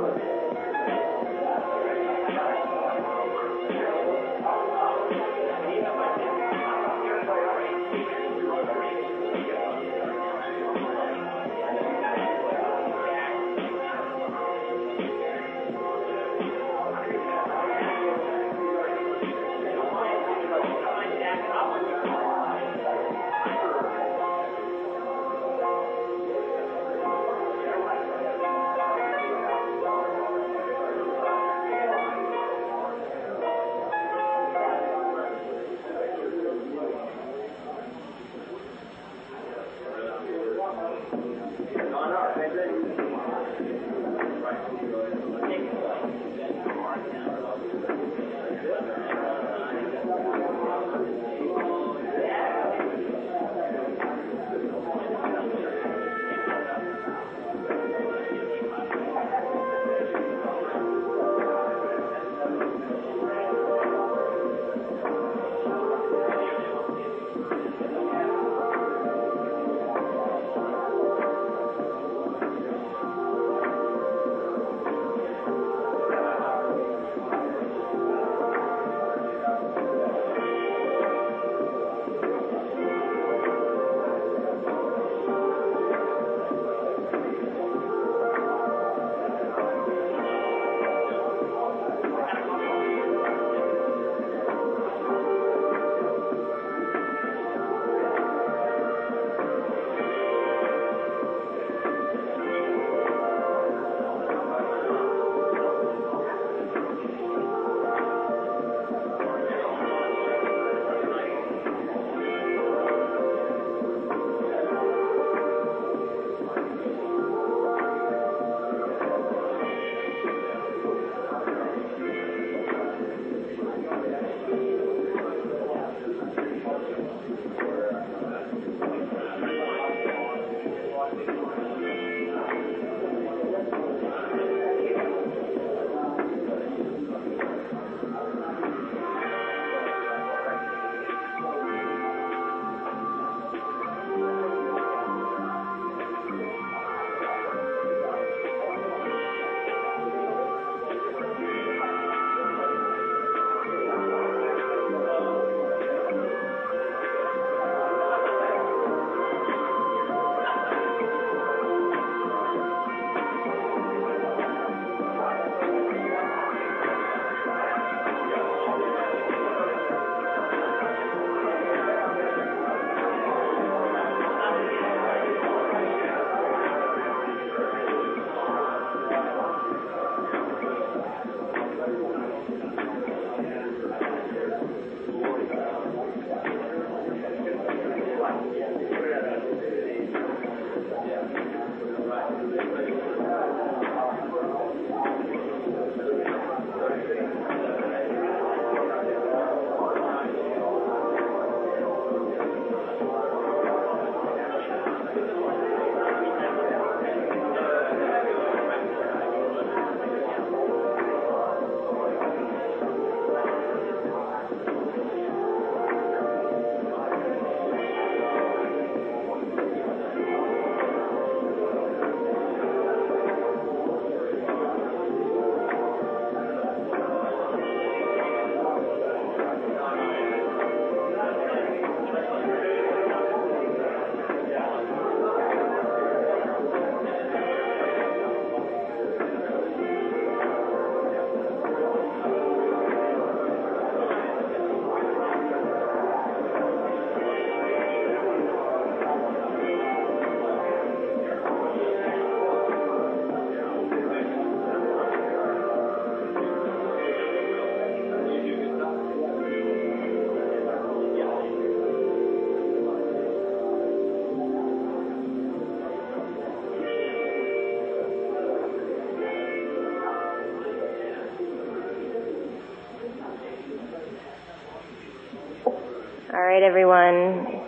everyone.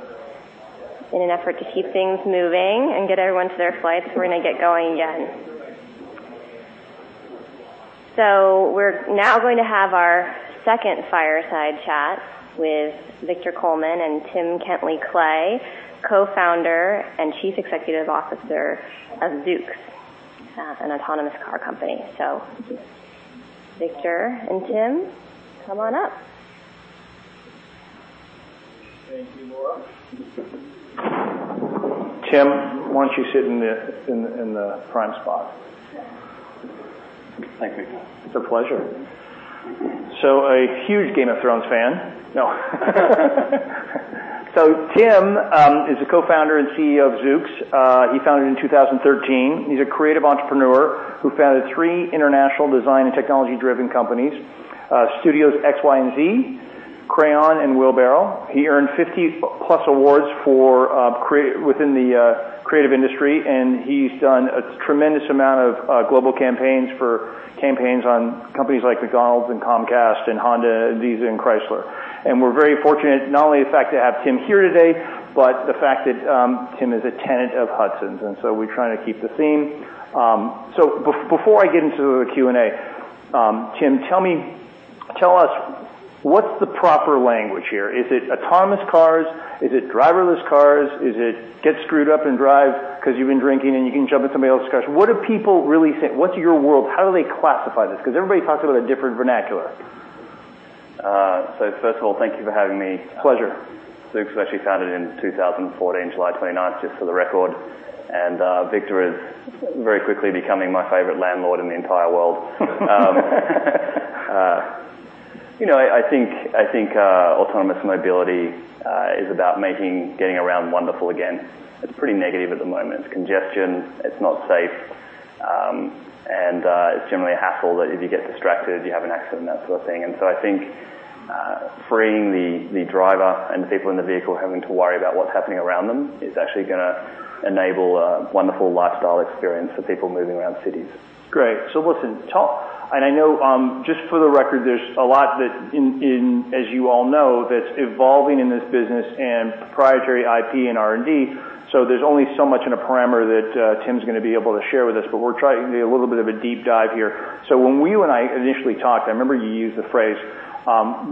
In an effort to keep things moving and get everyone to their flights, we're going to get going again. We're now going to have our second fireside chat with Victor Coleman and Tim Kentley-Klay, Co-founder and Chief Executive Officer of Zoox, an autonomous car company. Victor and Tim, come on up. Thank you, Laura. Tim, why don't you sit in the prime spot? Thank you. It's a pleasure. A huge "Game of Thrones" fan. No. Tim is the co-founder and CEO of Zoox. He founded it in 2013. He's a creative entrepreneur who founded three international design and technology-driven companies, Studios X, Y, and Z, Crayon, and Wheelbarrow. He earned 50+ awards within the creative industry. He's done a tremendous amount of global campaigns for companies like McDonald's, Comcast, Honda, Adidas, and Chrysler. We're very fortunate not only the fact to have Tim here today, but the fact that Tim is a tenant of Hudson's. We're trying to keep the theme. Before I get into the Q&A, Tim, tell us what's the proper language here. Is it autonomous cars? Is it driverless cars? Is it get screwed up and drive because you've been drinking and you can jump into somebody else's car? What do people really think? What's your world? How do they classify this? Everybody talks about a different vernacular. First of all, thank you for having me. Pleasure. Zoox was actually founded in 2014, July 29th, just for the record. Victor is very quickly becoming my favorite landlord in the entire world. I think autonomous mobility is about making getting around wonderful again. It's pretty negative at the moment. It's congestion, it's not safe, and it's generally a hassle that if you get distracted, you have an accident, that sort of thing. I think freeing the driver and the people in the vehicle having to worry about what's happening around them is actually going to enable a wonderful lifestyle experience for people moving around cities. Great. Listen, I know, just for the record, there's a lot that, as you all know, that's evolving in this business and proprietary IP and R&D, there's only so much in a parameter that Tim's going to be able to share with us, but we're trying to do a little bit of a deep dive here. When you and I initially talked, I remember you used the phrase,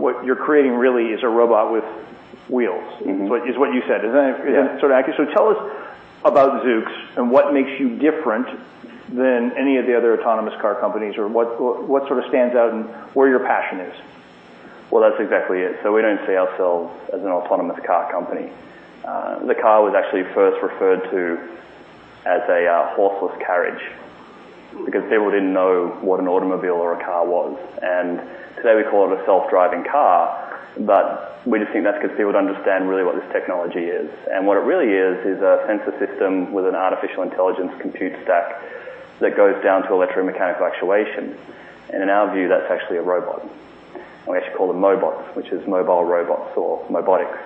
what you're creating really is a robot with wheels. Is what you said. Yeah sort of accurate? Tell us about Zoox and what makes you different than any of the other autonomous car companies, or what sort of stands out and where your passion is. Well, that's exactly it. We don't see ourselves as an autonomous car company. The car was actually first referred to as a horseless carriage because people didn't know what an automobile or a car was. Today we call it a self-driving car, we just think that's because people don't understand really what this technology is. What it really is a sensor system with an artificial intelligence compute stack that goes down to electromechanical actuation. In our view, that's actually a robot, or we actually call them mobots, which is mobile robots or mobotics.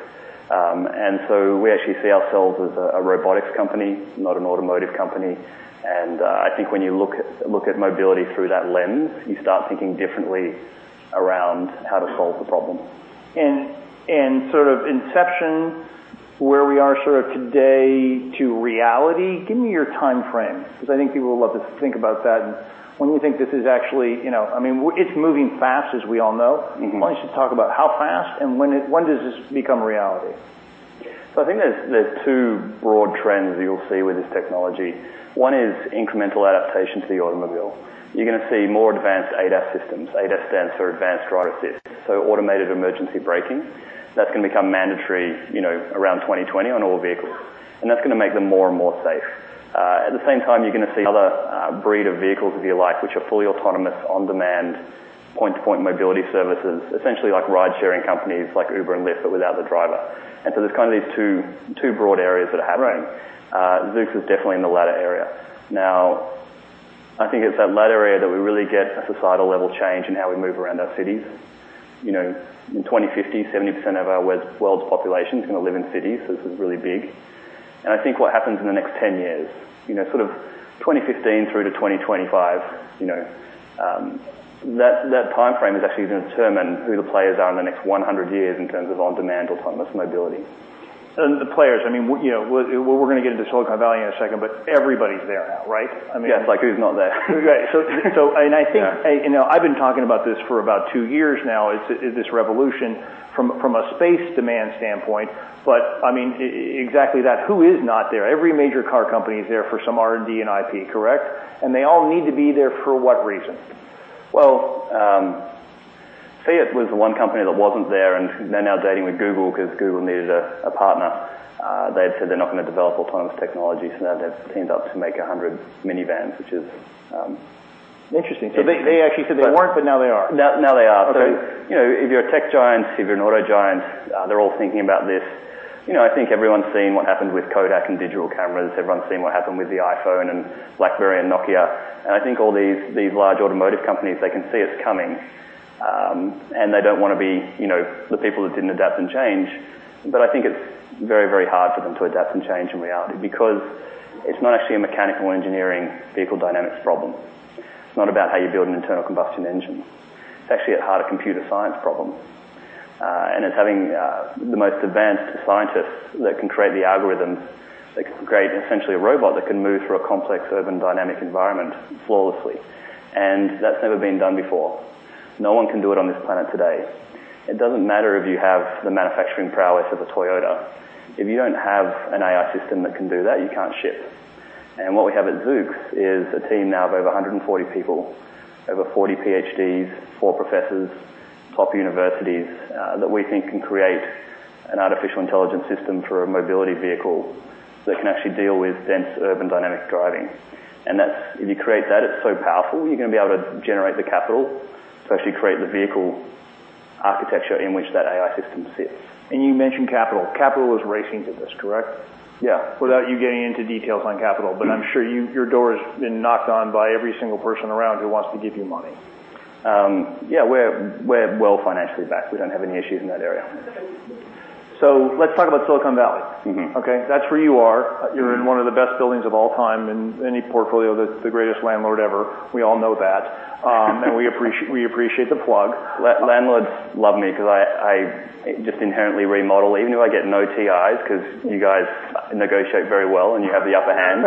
We actually see ourselves as a robotics company, not an automotive company. I think when you look at mobility through that lens, you start thinking differently around how to solve the problem. sort of inception, where we are sort of today to reality, give me your timeframe, because I think people would love to think about that and when we think this is actually. It's moving fast, as we all know. Why don't you talk about how fast and when does this become reality? I think there's two broad trends that you'll see with this technology. One is incremental adaptation to the automobile. You're going to see more advanced ADAS systems. ADAS stands for advanced driver assist, so automated emergency braking. That's going to become mandatory around 2020 on all vehicles, and that's going to make them more and more safe. At the same time, you're going to see another breed of vehicles, if you like, which are fully autonomous, on-demand, point-to-point mobility services, essentially like ride-sharing companies like Uber and Lyft, but without the driver. There's kind of these two broad areas that are happening. Right. Zoox is definitely in the latter area. I think it's that latter area that we really get a societal-level change in how we move around our cities. In 2050, 70% of our world's population is going to live in cities, so this is really big. I think what happens in the next 10 years, sort of 2015 through to 2025, that timeframe is actually going to determine who the players are in the next 100 years in terms of on-demand autonomous mobility. The players, we're going to get into Silicon Valley in a second, but everybody's there now, right? I mean Yeah, it's like, who's not there? Right. Yeah I've been talking about this for about two years now, is this revolution from a space demand standpoint, but exactly that. Who is not there? Every major car company is there for some R&D and IP, correct? They all need to be there for what reason? Well, Fiat was the one company that wasn't there, and they're now dating with Google because Google needed a partner. They've said they're not going to develop autonomous technology, now they've teamed up to make 100 minivans. Interesting. They actually said they weren't, but now they are. Now they are. Okay. If you're a tech giant, if you're an auto giant, they're all thinking about this. I think everyone's seen what happened with Kodak and digital cameras. Everyone's seen what happened with the iPhone and BlackBerry and Nokia. I think all these large automotive companies, they can see it's coming, and they don't want to be the people that didn't adapt and change. I think it's very hard for them to adapt and change in reality because it's not actually a mechanical engineering vehicle dynamics problem. It's not about how you build an internal combustion engine. It's actually at heart a computer science problem, and it's having the most advanced scientists that can create the algorithms, that can create essentially a robot that can move through a complex urban dynamic environment flawlessly. That's never been done before. No one can do it on this planet today. It doesn't matter if you have the manufacturing prowess of a Toyota. If you don't have an AI system that can do that, you can't ship. What we have at Zoox is a team now of over 140 people, over 40 PhDs, four professors, top universities, that we think can create an artificial intelligence system for a mobility vehicle that can actually deal with dense urban dynamic driving. If you create that, it's so powerful, you're going to be able to generate the capital to actually create the vehicle architecture in which that AI system sits. You mentioned capital. Capital is racing to this, correct? Yeah. Without you getting into details on capital, I'm sure your door has been knocked on by every single person around who wants to give you money. Yeah, we're well financially backed. We don't have any issues in that area. Let's talk about Silicon Valley. Okay? That's where you are. You're in one of the best buildings of all time in any portfolio. That's the greatest landlord ever. We all know that. We appreciate the plug. Landlords love me because I just inherently remodel, even though I get no TIs because you guys negotiate very well, and you have the upper hand.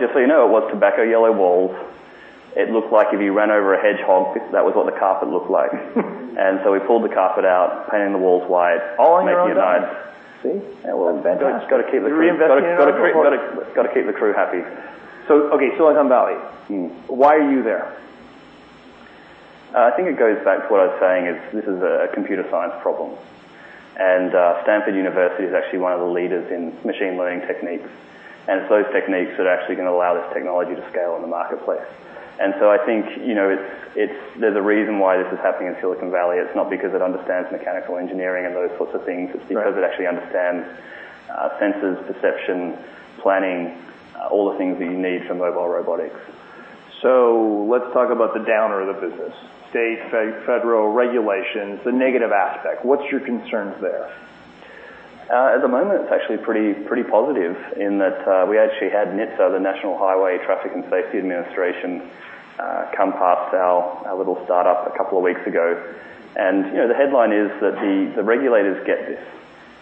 Just so you know, it was tobacco yellow walls. It looked like if you ran over a hedgehog, that was what the carpet looked like. We pulled the carpet out, painted the walls white- All on your own dime. make it nice. See? That's fantastic. Got to keep the- You reinvested in it or what? Got to keep the crew happy. Okay. Silicon Valley. Why are you there? I think it goes back to what I was saying is this is a computer science problem. Stanford University is actually one of the leaders in machine learning techniques. It's those techniques that are actually going to allow this technology to scale in the marketplace. I think there's a reason why this is happening in Silicon Valley. It's not because it understands mechanical engineering and those sorts of things. Right. It's because it actually understands sensors, perception, planning, all the things that you need for mobile robotics. Let's talk about the downer of the business. State, federal regulations, the negative aspect. What's your concerns there? At the moment, it's actually pretty positive in that we actually had NHTSA, the National Highway Traffic Safety Administration, come past our little startup a couple of weeks ago. The headline is that the regulators get this.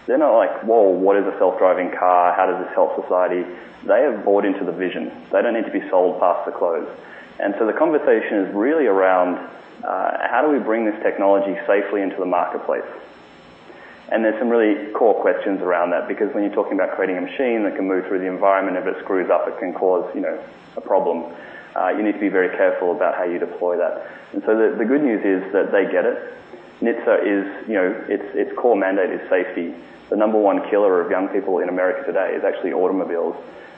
They're not like, "Whoa, what is a self-driving car? How does this help society?" They have bought into the vision. They don't need to be sold past the close. The conversation is really around how do we bring this technology safely into the marketplace? There's some really core questions around that, because when you're talking about creating a machine that can move through the environment, if it screws up, it can cause a problem. You need to be very careful about how you deploy that. The good news is that they get it. NHTSA, its core mandate is safety. The number one killer of young people in America today is actually automobiles.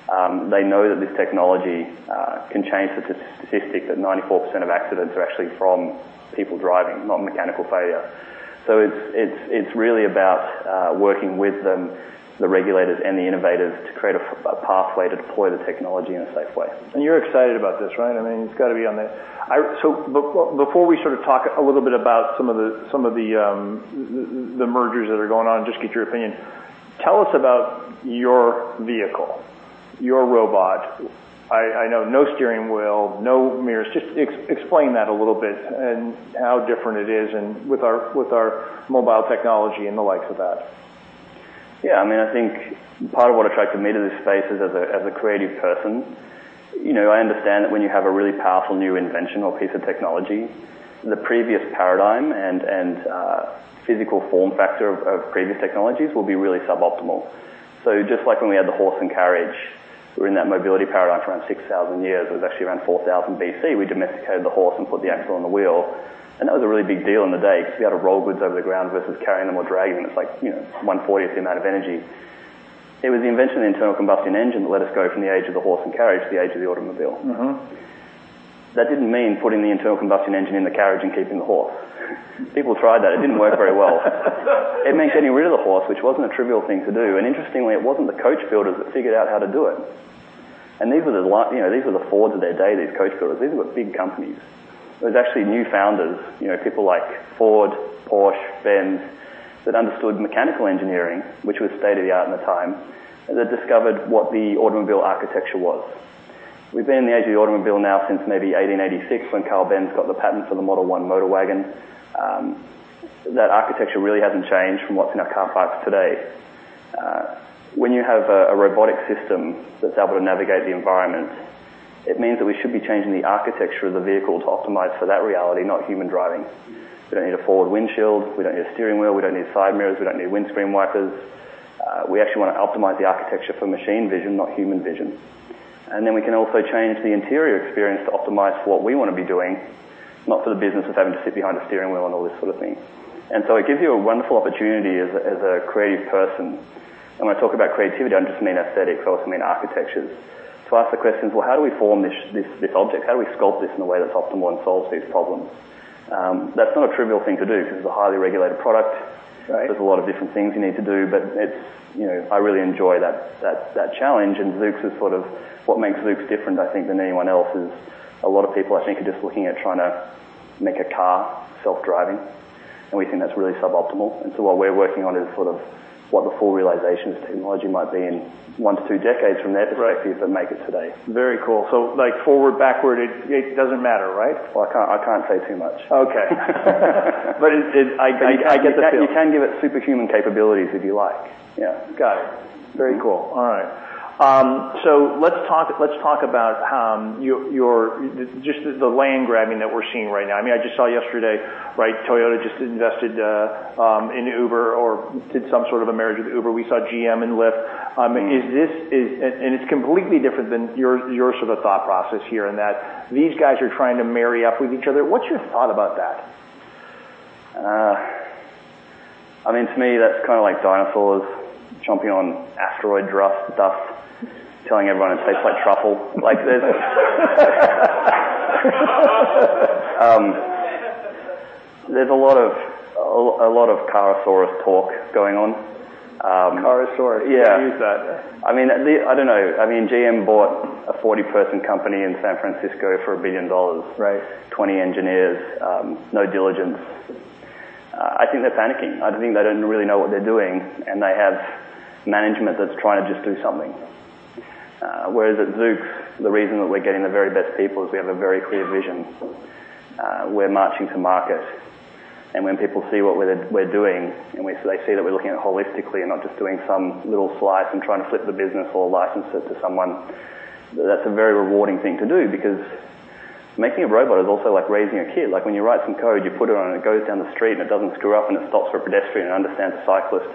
They know that this technology can change the statistic that 94% of accidents are actually from people driving, not mechanical failure. It's really about working with them, the regulators and the innovators, to create a pathway to deploy the technology in a safe way. You're excited about this, right? I mean, it's got to be on the. Before we sort of talk a little bit about some of the mergers that are going on, just get your opinion, tell us about your vehicle, your robot. I know no steering wheel, no mirrors. Just explain that a little bit and how different it is with our mobile technology and the likes of that. I think part of what attracted me to this space is, as a creative person, I understand that when you have a really powerful new invention or piece of technology, the previous paradigm and physical form factor of previous technologies will be really suboptimal. Just like when we had the horse and carriage, we were in that mobility paradigm for around 6,000 years. It was actually around 4000 BC, we domesticated the horse and put the axle on the wheel, and that was a really big deal in the day because we had to roll goods over the ground versus carrying them or dragging them. It's like 1/40 the amount of energy. It was the invention of the internal combustion engine that let us go from the age of the horse and carriage to the age of the automobile. That didn't mean putting the internal combustion engine in the carriage and keeping the horse. People tried that. It didn't work very well. It meant getting rid of the horse, which wasn't a trivial thing to do. Interestingly, it wasn't the coach builders that figured out how to do it. These were the Fords of their day, these coach builders. These were big companies. It was actually new founders, people like Ford, Porsche, Benz, that understood mechanical engineering, which was state of the art at the time, that discovered what the automobile architecture was. We've been in the age of the automobile now since maybe 1886, when Karl Benz got the patent for the Model 1 Motorwagen. That architecture really hasn't changed from what's in our car parks today. When you have a robotic system that is able to navigate the environment, it means that we should be changing the architecture of the vehicle to optimize for that reality, not human driving. We don't need a forward windshield. We don't need a steering wheel. We don't need side mirrors. We don't need windscreen wipers. We actually want to optimize the architecture for machine vision, not human vision. Then we can also change the interior experience to optimize for what we want to be doing, not for the business of having to sit behind a steering wheel and all this sort of thing. It gives you a wonderful opportunity as a creative person. When I talk about creativity, I don't just mean aesthetics. I also mean architectures. To ask the questions, well, how do we form this object? How do we sculpt this in a way that is optimal and solves these problems? That's not a trivial thing to do because it's a highly regulated product. Right. There's a lot of different things you need to do, I really enjoy that challenge, what makes Zoox different, I think, than anyone else is a lot of people, I think, are just looking at trying to make a car self-driving, we think that's really suboptimal. What we're working on is sort of what the full realization of this technology might be in one to two decades from their perspective that make it today. Very cool. Forward, backward, it doesn't matter, right? I can't say too much. Okay. I get the feel. You can give it superhuman capabilities if you like. Yeah. Got it. Very cool. All right. Let's talk about just the land grabbing that we're seeing right now. I just saw yesterday, Toyota just invested in Uber or did some sort of a marriage with Uber. We saw GM and Lyft. It's completely different than your sort of thought process here in that these guys are trying to marry up with each other. What's your thought about that? To me, that's kind of like dinosaurs chomping on asteroid dust, telling everyone it tastes like truffle. There's a lot of carasaurus talk going on. Carasaurus. Yeah. I use that. I don't know. GM bought a 40-person company in San Francisco for $1 billion. Right. 20 engineers, no diligence. I think they're panicking. I think they don't really know what they're doing, and they have management that's trying to just do something. Whereas at Zoox, the reason that we're getting the very best people is we have a very clear vision. We're marching to market, and when people see what we're doing, and they see that we're looking at it holistically and not just doing some little slice and trying to flip the business or license it to someone, that's a very rewarding thing to do because making a robot is also like raising a kid. When you write some code, you put it on and it goes down the street and it doesn't screw up and it stops for a pedestrian and understands a cyclist,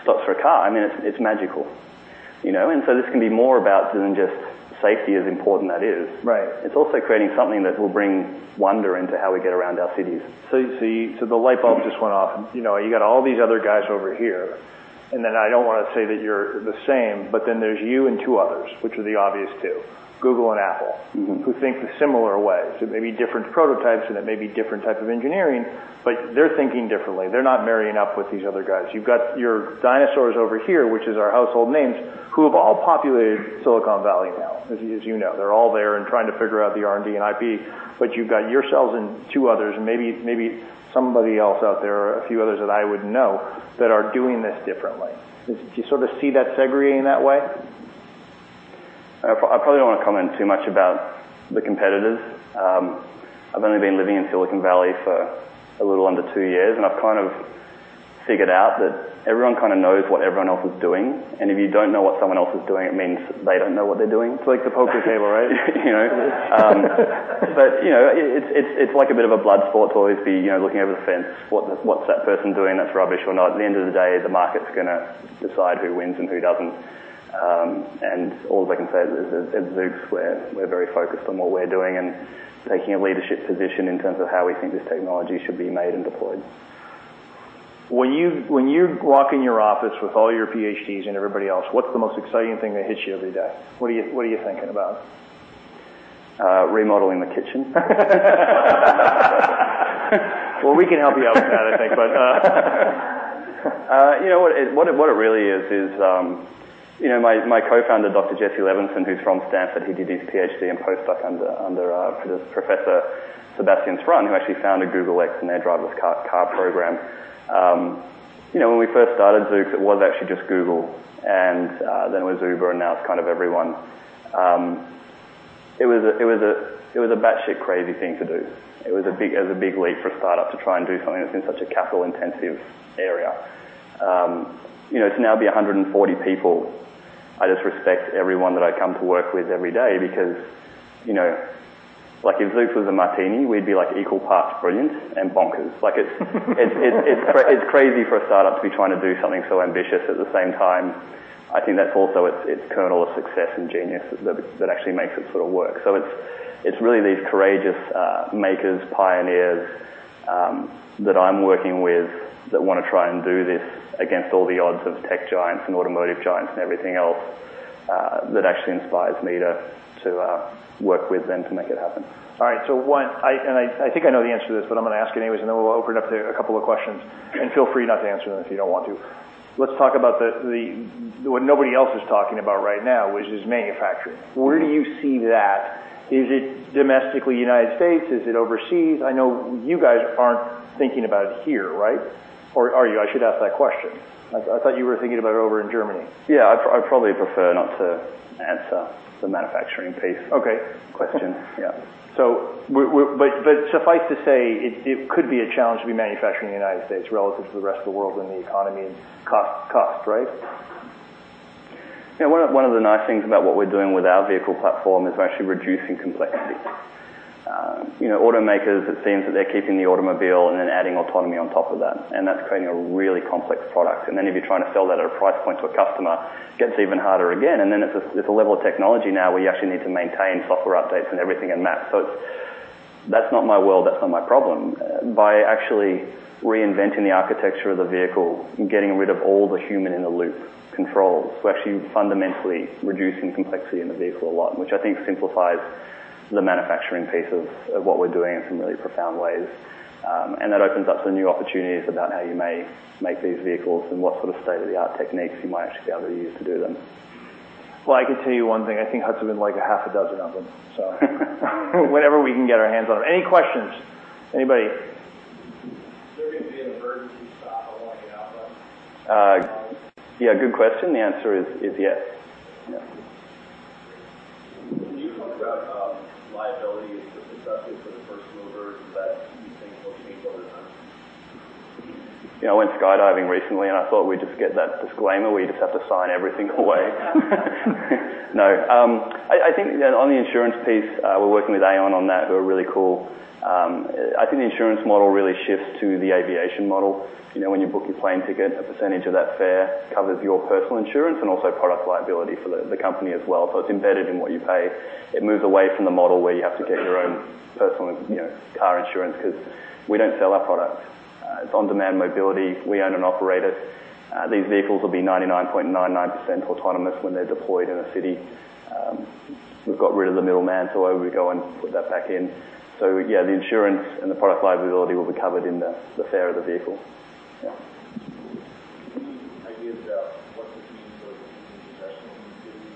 stops for a car, it's magical. This can be more about than just safety, as important that is. Right. It's also creating something that will bring wonder into how we get around our cities. You see, the light bulb just went off. You got all these other guys over here, I don't want to say that you're the same, there's you and two others, which are the obvious two, Google and Apple. Who think the similar way. It may be different prototypes and it may be different types of engineering, they're thinking differently. They're not marrying up with these other guys. You've got your dinosaurs over here, which is our household names, who have all populated Silicon Valley now, as you know. They're all there and trying to figure out the R&D and IP, you've got yourselves and two others, and maybe somebody else out there, or a few others that I would know, that are doing this differently. Do you sort of see that segregating that way? I probably don't want to comment too much about the competitors. I've only been living in Silicon Valley for a little under two years, and I've kind of figured out that everyone kind of knows what everyone else is doing. If you don't know what someone else is doing, it means they don't know what they're doing. It's like the poker table, right? It's like a bit of a blood sport to always be looking over the fence. What's that person doing that's rubbish or not? At the end of the day, the market's going to decide who wins and who doesn't. Alls I can say is, at Zoox, we're very focused on what we're doing and taking a leadership position in terms of how we think this technology should be made and deployed. When you walk in your office with all your PhDs and everybody else, what's the most exciting thing that hits you every day? What are you thinking about? Remodeling the kitchen. Well, we can help you out with that, I think. What it really is, my co-founder, Dr. Jesse Levinson, who's from Stanford, he did his PhD and post-doc under Professor Sebastian Thrun, who actually founded Google X and their driverless car program. When we first started Zoox, it was actually just Google, and then it was Uber, and now it's kind of everyone. It was a batshit crazy thing to do. It was a big leap for a startup to try and do something that's in such a capital-intensive area. To now be 140 people, I just respect everyone that I come to work with every day because if Zoox was a martini, we'd be equal parts brilliant and bonkers. It's crazy for a startup to be trying to do something so ambitious. At the same time, I think that's also its kernel of success and genius that actually makes it sort of work. It's really these courageous makers, pioneers that I'm working with that want to try and do this against all the odds of tech giants and automotive giants and everything else, that actually inspires me to work with them to make it happen. I think I know the answer to this, but I'm going to ask anyways. Then we'll open up to a couple of questions. Feel free not to answer them if you don't want to. Let's talk about what nobody else is talking about right now, which is manufacturing. Where do you see that? Is it domestically U.S.? Is it overseas? I know you guys aren't thinking about it here, right? Are you? I should ask that question. I thought you were thinking about it over in Germany. Yeah. I'd probably prefer not to answer the manufacturing piece- Okay question. Yeah. Suffice to say, it could be a challenge to be manufacturing in the U.S. relative to the rest of the world when the economy and cost, right? Yeah. One of the nice things about what we're doing with our vehicle platform is we're actually reducing complexity. Automakers, it seems that they're keeping the automobile and then adding autonomy on top of that, and that's creating a really complex product. If you're trying to sell that at a price point to a customer, it gets even harder again. It's a level of technology now where you actually need to maintain software updates and everything in that. That's not my world, that's not my problem. By actually reinventing the architecture of the vehicle and getting rid of all the human-in-the-loop controls, we're actually fundamentally reducing complexity in the vehicle a lot, which I think simplifies the manufacturing piece of what we're doing in some really profound ways. That opens up some new opportunities about how you may make these vehicles and what sort of state-of-the-art techniques you might actually be able to use to do them. Well, I can tell you one thing. I think Hudson went like a half a dozen of them. Whatever we can get our hands on. Any questions? Anybody? Is there going to be an emergency stop along the outbound? Yeah, good question. The answer is yes. Yeah. Can you talk about liability and risk assessment for the first movers and how that you think will change over time? I went skydiving recently, I thought we just get that disclaimer where you just have to sign everything away. No. I think that on the insurance piece, we're working with Aon on that, who are really cool. I think the insurance model really shifts to the aviation model. When you book your plane ticket, a percentage of that fare covers your personal insurance and also product liability for the company as well. It's embedded in what you pay. It moves away from the model where you have to get your own personal car insurance because we don't sell our product. It's on-demand mobility. We own and operate it. These vehicles will be 99.99% autonomous when they're deployed in a city. Why would we go and put that back in? Yeah, the insurance and the product liability will be covered in the fare of the vehicle. Do you have any ideas about what this means for the professional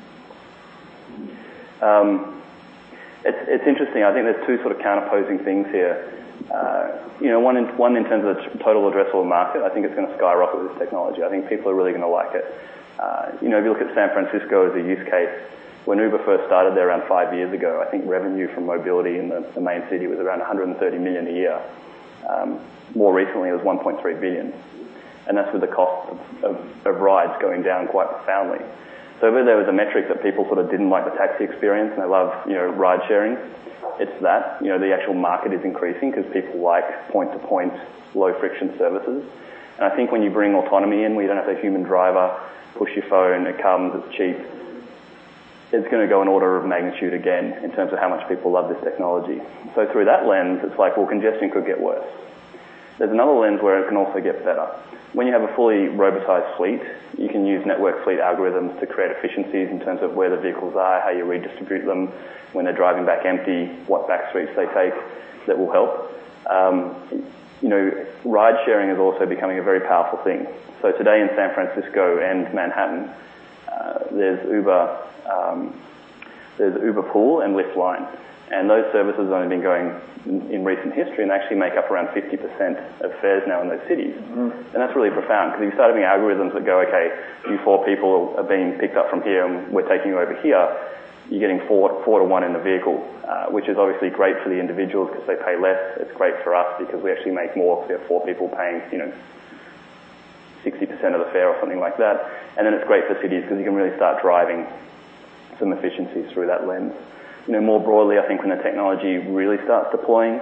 industries? It's interesting. I think there's two sort of counterposing things here. One in terms of the total addressable market. I think it's going to skyrocket with this technology. I think people are really going to like it. If you look at San Francisco as a use case, when Uber first started there around five years ago, I think revenue from mobility in the main city was around $130 million a year. More recently, it was $1.3 billion, and that's with the cost of rides going down quite profoundly. If ever there was a metric that people sort of didn't like the taxi experience and they love ride-sharing, it's that. The actual market is increasing because people like point-to-point, low-friction services. I think when you bring autonomy in, where you don't have to have a human driver push your phone, the cost is cheap. It's going to go an order of magnitude again in terms of how much people love this technology. Through that lens, it's like, well, congestion could get worse. There's another lens where it can also get better. When you have a fully robotized fleet, you can use network fleet algorithms to create efficiencies in terms of where the vehicles are, how you redistribute them, when they're driving back empty, what back streets they take that will help. Ride-sharing is also becoming a very powerful thing. Today in San Francisco and Manhattan, there's Uber Pool and Lyft Line, and those services have only been going in recent history and actually make up around 50% of fares now in those cities. That's really profound because you can start having algorithms that go, okay, you four people are being picked up from here, and we're taking you over here. You're getting 4 to 1 in the vehicle, which is obviously great for the individuals because they pay less. It's great for us because we actually make more because we have four people paying 60% of the fare or something like that. It's great for cities because you can really start driving some efficiencies through that lens. More broadly, I think when the technology really starts deploying,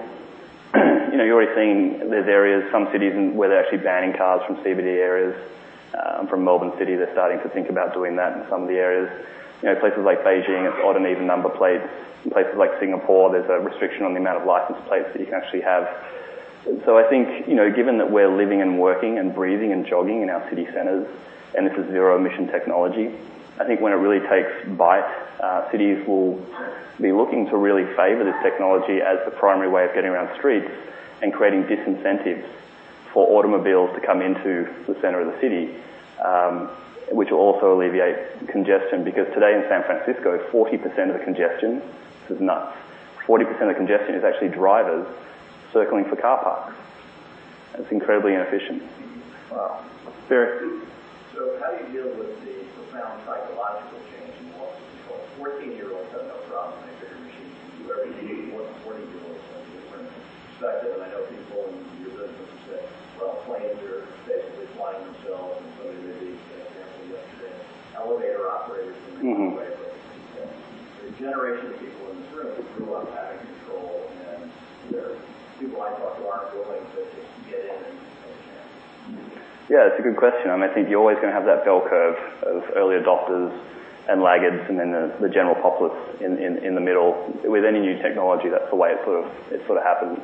you're already seeing there's some cities where they're actually banning cars from CBD areas. From Melbourne City, they're starting to think about doing that in some of the areas. Places like Beijing, it's odd and even number plates. In places like Singapore, there's a restriction on the amount of license plates that you can actually have. I think, given that we're living and working and breathing and jogging in our city centers, and this is zero emission technology, I think when it really takes bite, cities will be looking to really favor this technology as the primary way of getting around streets and creating disincentives for automobiles to come into the center of the city, which will also alleviate congestion. Because today in San Francisco, 40% of the congestion, this is nuts, 40% of congestion is actually drivers circling for car parks. That's incredibly inefficient. Wow. Barry. How do you deal with the profound psychological change in loss of control? 14-year-olds have no problem with that sort of machine. You are competing with 40-year-olds who have a different perspective, and I know people in your business who say, well, planes are basically flying themselves, and so they may be, for example. <inaudible> The generation of people in this room grew up out of control, and there are people I talk to who aren't willing to get in and take a chance. Yeah, it's a good question. I think you're always going to have that bell curve of early adopters and laggards, and then the general populace in the middle. With any new technology, that's the way it sort of happens.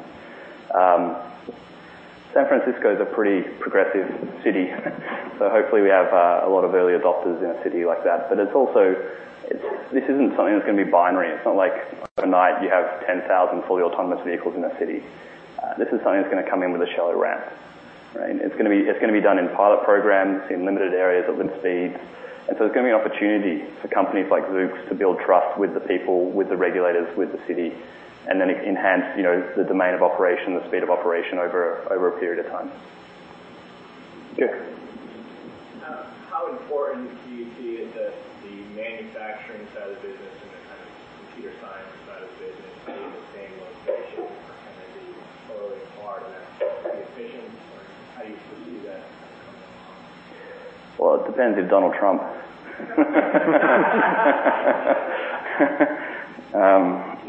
San Francisco is a pretty progressive city, hopefully, we have a lot of early adopters in a city like that. This isn't something that's going to be binary. It's not like overnight you have 10,000 fully autonomous vehicles in a city. This is something that's going to come in with a shallow ramp. Right? It's going to be done in pilot programs, in limited areas at limited speeds, there's going to be an opportunity for companies like Zoox to build trust with the people, with the regulators, with the city, and then enhance the domain of operation, the speed of operation over a period of time. Yeah. How important do you see is the manufacturing side of the business and the kind of computer science side of the business being in the same location? Or can they be totally apart and efficient? Or how do you foresee that going along? Well, it depends with Donald Trump. We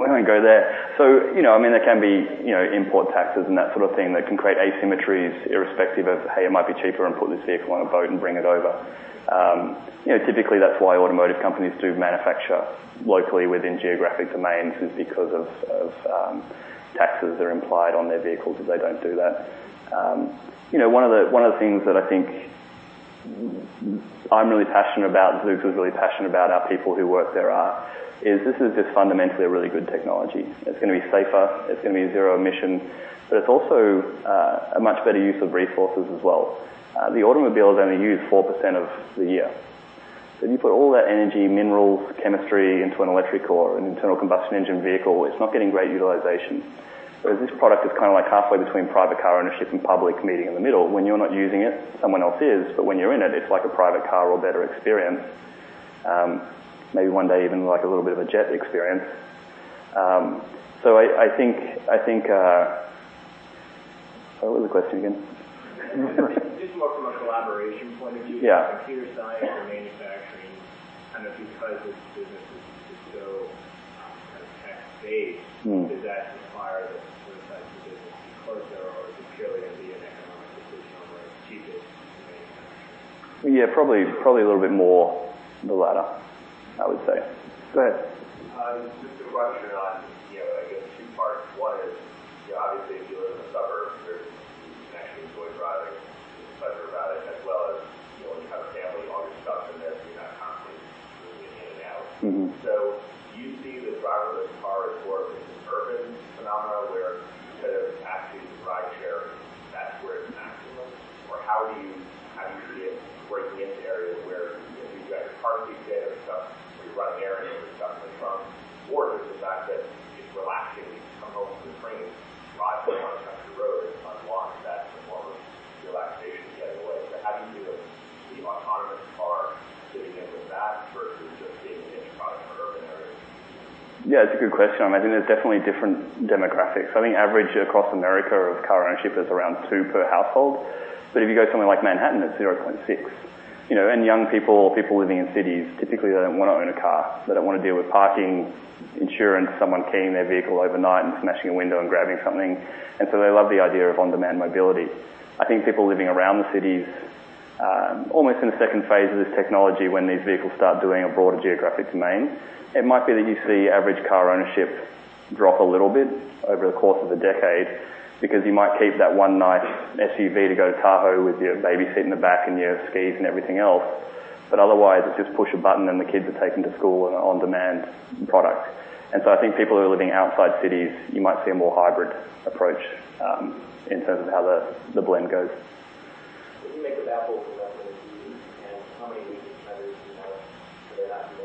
don't go there. There can be import taxes and that sort of thing that can create asymmetries irrespective of, hey, it might be cheaper and put this vehicle on a boat and bring it over. Typically, that's why automotive companies do manufacture locally within geographic domains is because of taxes that are implied on their vehicles if they don't do that. One of the things that I think I'm really passionate about and Zoox is really passionate about, our people who work there are, is this is just fundamentally a really good technology. It's going to be safer. It's going to be zero emission, but it's also a much better use of resources as well. The automobile is only used 4% of the year. You put all that energy, minerals, chemistry into an electric or an internal combustion engine vehicle, it's not getting great utilization. Whereas this product is kind of halfway between private car ownership and public meeting in the middle. When you're not using it, someone else is. When you're in it's like a private car or better experience. Maybe one day even like a little bit of a jet experience. What was the question again? Just more from a collaboration point of view. Yeah. Computer science or manufacturing, kind of because this business is just so tech-based- -does that require those two sides of the business to be close, or is it purely going to be an economic decision on where it's cheapest to manufacture? Yeah, probably a little bit more the latter, I would say. Go ahead. Just to rush in on, I guess two parts. One is, obviously if you live in the suburbs, you can actually enjoy driving, the pleasure about it as well as, when you have a family, all your stuff's in there, you're not constantly moving it in and out. Do you see the driverless car as more of an urban phenomena where instead of actually using ride share, that's where it's maximum? How do you see it breaking into areas where maybe you've got your car a few days or stuff, or you run errands or stuff like from. Is it the fact that it's relaxing to come home from the train, drive down a country road and unlock that performance relaxation kind of way? How do you see the autonomous car fitting into that versus just being a niche product for urban areas? Yeah, it's a good question. I think there's definitely different demographics. I think average across America of car ownership is around two per household. If you go somewhere like Manhattan, it's 0.6. Young people living in cities, typically they don't want to own a car. They don't want to deal with parking, insurance, someone keying their vehicle overnight and smashing a window and grabbing something, they love the idea of on-demand mobility. I think people living around the cities Almost in the second phase of this technology, when these vehicles start doing a broader geographic domain, it might be that you see average car ownership drop a little bit over the course of a decade because you might keep that one nice SUV to go to Tahoe with your baby seat in the back and your skis and everything else. Otherwise, it's just push a button and the kids are taken to school in an on-demand product. I think people who are living outside cities, you might see a more hybrid approach in terms of how the blend goes. What do you make of Apple's investment in, <inaudible> how many weeks or months do you know before they're not domestic?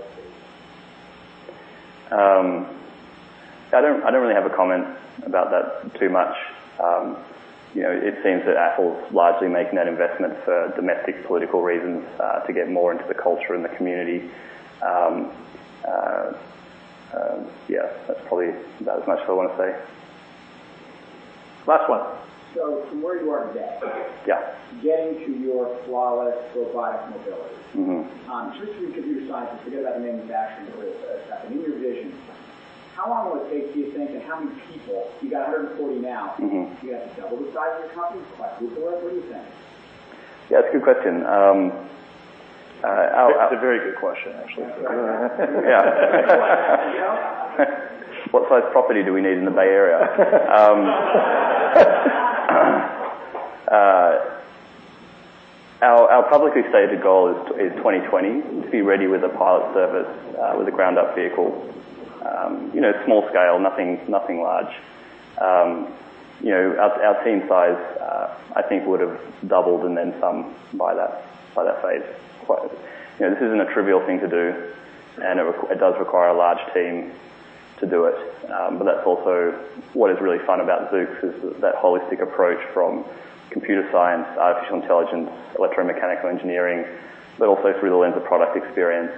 I don't really have a comment about that too much. It seems that Apple's largely making that investment for domestic political reasons to get more into the culture and the community. Yeah, that's probably about as much as I want to say. Last one. From where you are today- Yeah getting to your flawless robotic mobility. Just from your computer science, forget about the manufacturing for a second. In your vision, how long will it take do you think, how many people, you got 140 now- do you have to double the size of your company roughly? What do you think? Yeah, that's a good question. That's a very good question, actually. Yeah. What size property do we need in the Bay Area? Our publicly stated goal is 2020, to be ready with a pilot service with a ground-up vehicle. Small scale, nothing large. Our team size, I think would've doubled and then some by that phase. This isn't a trivial thing to do, and it does require a large team to do it. That's also what is really fun about Zoox, is that holistic approach from computer science to artificial intelligence, electromechanical engineering, but also through the lens of product experience.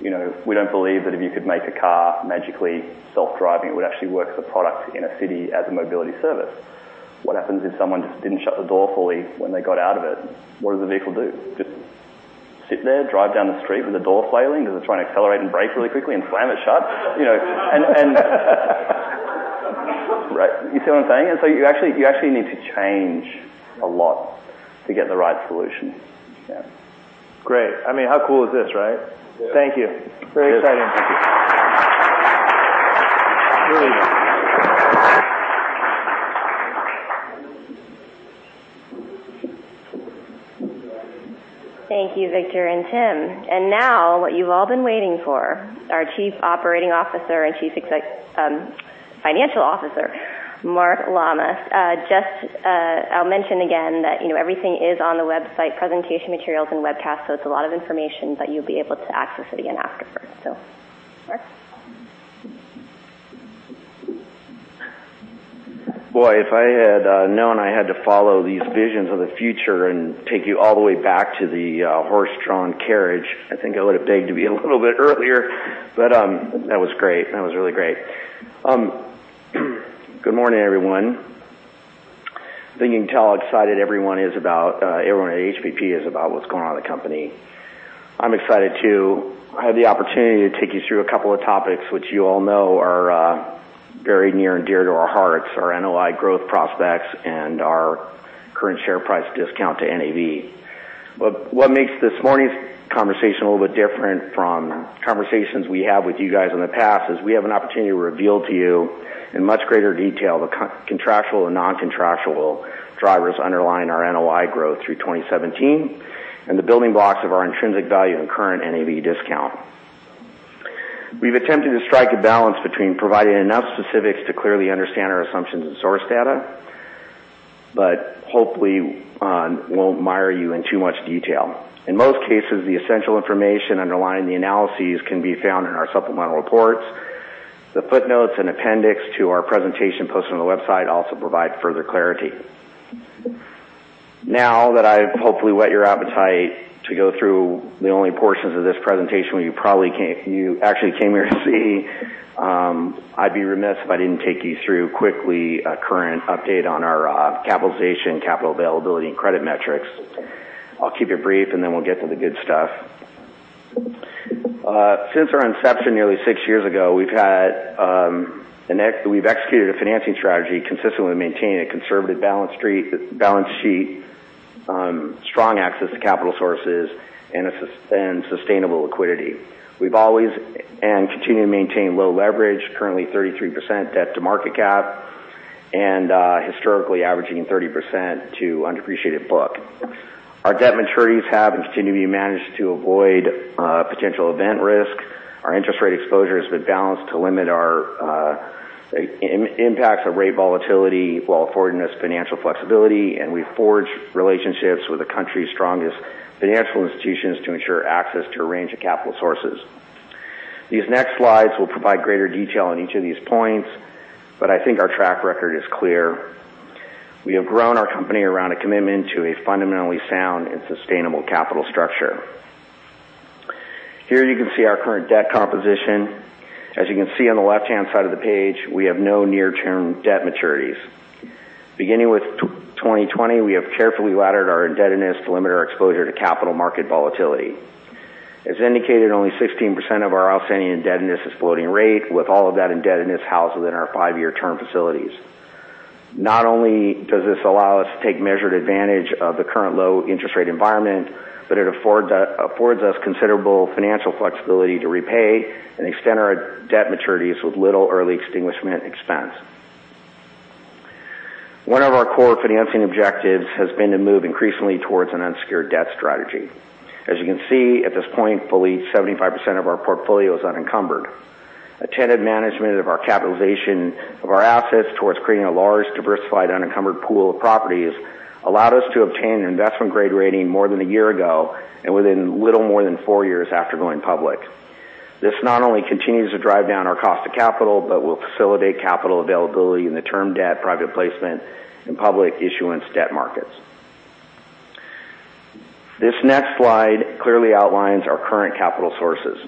We don't believe that if you could make a car magically self-driving, it would actually work as a product in a city as a mobility service. What happens if someone just didn't shut the door fully when they got out of it? What does the vehicle do? Just sit there, drive down the street with the door flailing? Does it try and accelerate and brake really quickly and slam it shut? You see what I'm saying? You actually need to change a lot to get the right solution. Yeah. Great. How cool is this? Thank you. Very exciting. Thank you, Victor and Tim. Now what you've all been waiting for, our Chief Operating Officer and Chief Financial Officer, Mark Lammas. Just I'll mention again that everything is on the website, presentation materials and webcast, so it's a lot of information, but you'll be able to access it again afterwards. Mark. Boy, if I had known I had to follow these visions of the future and take you all the way back to the horse-drawn carriage, I think I would've begged to be a little bit earlier. That was great. That was really great. Good morning, everyone. I think you can tell how excited everyone at HPP is about what's going on in the company. I'm excited, too. I have the opportunity to take you through a couple of topics, which you all know are very near and dear to our hearts, our NOI growth prospects, and our current share price discount to NAV. What makes this morning's conversation a little bit different from conversations we had with you guys in the past is we have an opportunity to reveal to you in much greater detail the contractual and non-contractual drivers underlying our NOI growth through 2017 and the building blocks of our intrinsic value and current NAV discount. We've attempted to strike a balance between providing enough specifics to clearly understand our assumptions and source data, hopefully won't mire you in too much detail. In most cases, the essential information underlying the analyses can be found in our supplemental reports. The footnotes and appendix to our presentation posted on the website also provide further clarity. Now that I've hopefully whet your appetite to go through the only portions of this presentation when you actually came here to see, I'd be remiss if I didn't take you through quickly a current update on our capitalization, capital availability, and credit metrics. I'll keep it brief. Then we'll get to the good stuff. Since our inception nearly six years ago, we've executed a financing strategy consistently maintaining a conservative balance sheet, strong access to capital sources, and sustainable liquidity. We've always and continue to maintain low leverage, currently 33% debt to market cap, and historically averaging 30% to undepreciated book. Our debt maturities have and continue to be managed to avoid potential event risk. Our interest rate exposure has been balanced to limit our impacts of rate volatility while affording us financial flexibility. We forge relationships with the country's strongest financial institutions to ensure access to a range of capital sources. These next slides will provide greater detail on each of these points. I think our track record is clear. We have grown our company around a commitment to a fundamentally sound and sustainable capital structure. Here you can see our current debt composition. As you can see on the left-hand side of the page, we have no near-term debt maturities. Beginning with 2020, we have carefully laddered our indebtedness to limit our exposure to capital market volatility. As indicated, only 16% of our outstanding indebtedness is floating rate, with all of that indebtedness housed within our five-year term facilities. Not only does this allow us to take measured advantage of the current low interest rate environment, but it affords us considerable financial flexibility to repay and extend our debt maturities with little early extinguishment expense. One of our core financing objectives has been to move increasingly towards an unsecured debt strategy. As you can see, at this point, fully 75% of our portfolio is unencumbered. Attentive management of our capitalization of our assets towards creating a large, diversified, unencumbered pool of properties allowed us to obtain an investment-grade rating more than a year ago and within little more than four years after going public. This not only continues to drive down our cost of capital, but will facilitate capital availability in the term debt, private placement, and public issuance debt markets. This next slide clearly outlines our current capital sources.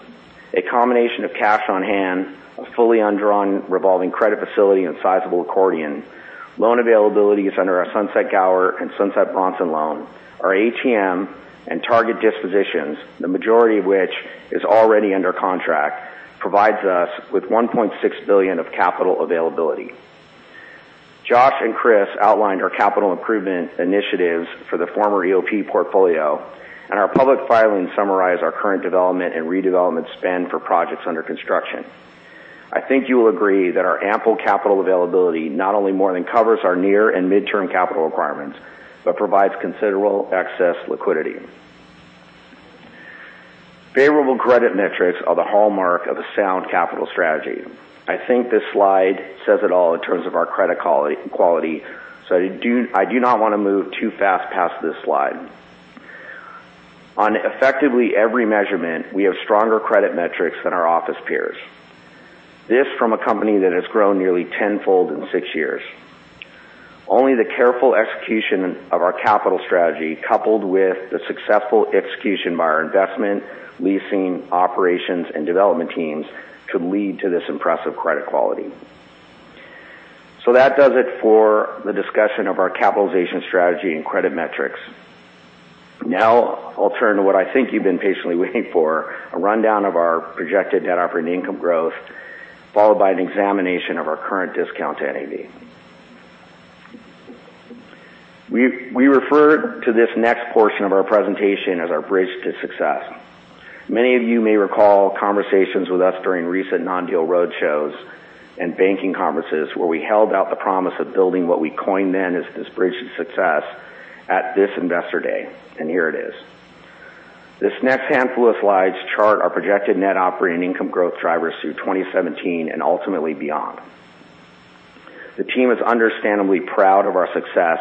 A combination of cash on hand, a fully undrawn revolving credit facility and sizable accordion, loan availabilities under our Sunset Gower and Sunset Bronson loan, our ATM and target dispositions, the majority of which is already under contract, provides us with $1.6 billion of capital availability. Josh and Chris outlined our capital improvement initiatives for the former EOP portfolio, and our public filings summarize our current development and redevelopment spend for projects under construction. I think you will agree that our ample capital availability not only more than covers our near and midterm capital requirements, but provides considerable excess liquidity. Favorable credit metrics are the hallmark of a sound capital strategy. I think this slide says it all in terms of our credit quality. I do not want to move too fast past this slide. On effectively every measurement, we have stronger credit metrics than our office peers. This from a company that has grown nearly tenfold in six years. Only the careful execution of our capital strategy, coupled with the successful execution by our investment, leasing, operations, and development teams could lead to this impressive credit quality. That does it for the discussion of our capitalization strategy and credit metrics. I'll turn to what I think you've been patiently waiting for, a rundown of our projected net operating income growth, followed by an examination of our current discount to NAV. We refer to this next portion of our presentation as our bridge to success. Many of you may recall conversations with us during recent non-deal roadshows and banking conferences, where we held out the promise of building what we coined then as this bridge to success at this investor day, and here it is. This next handful of slides chart our projected net operating income growth drivers through 2017 and ultimately beyond. The team is understandably proud of our success.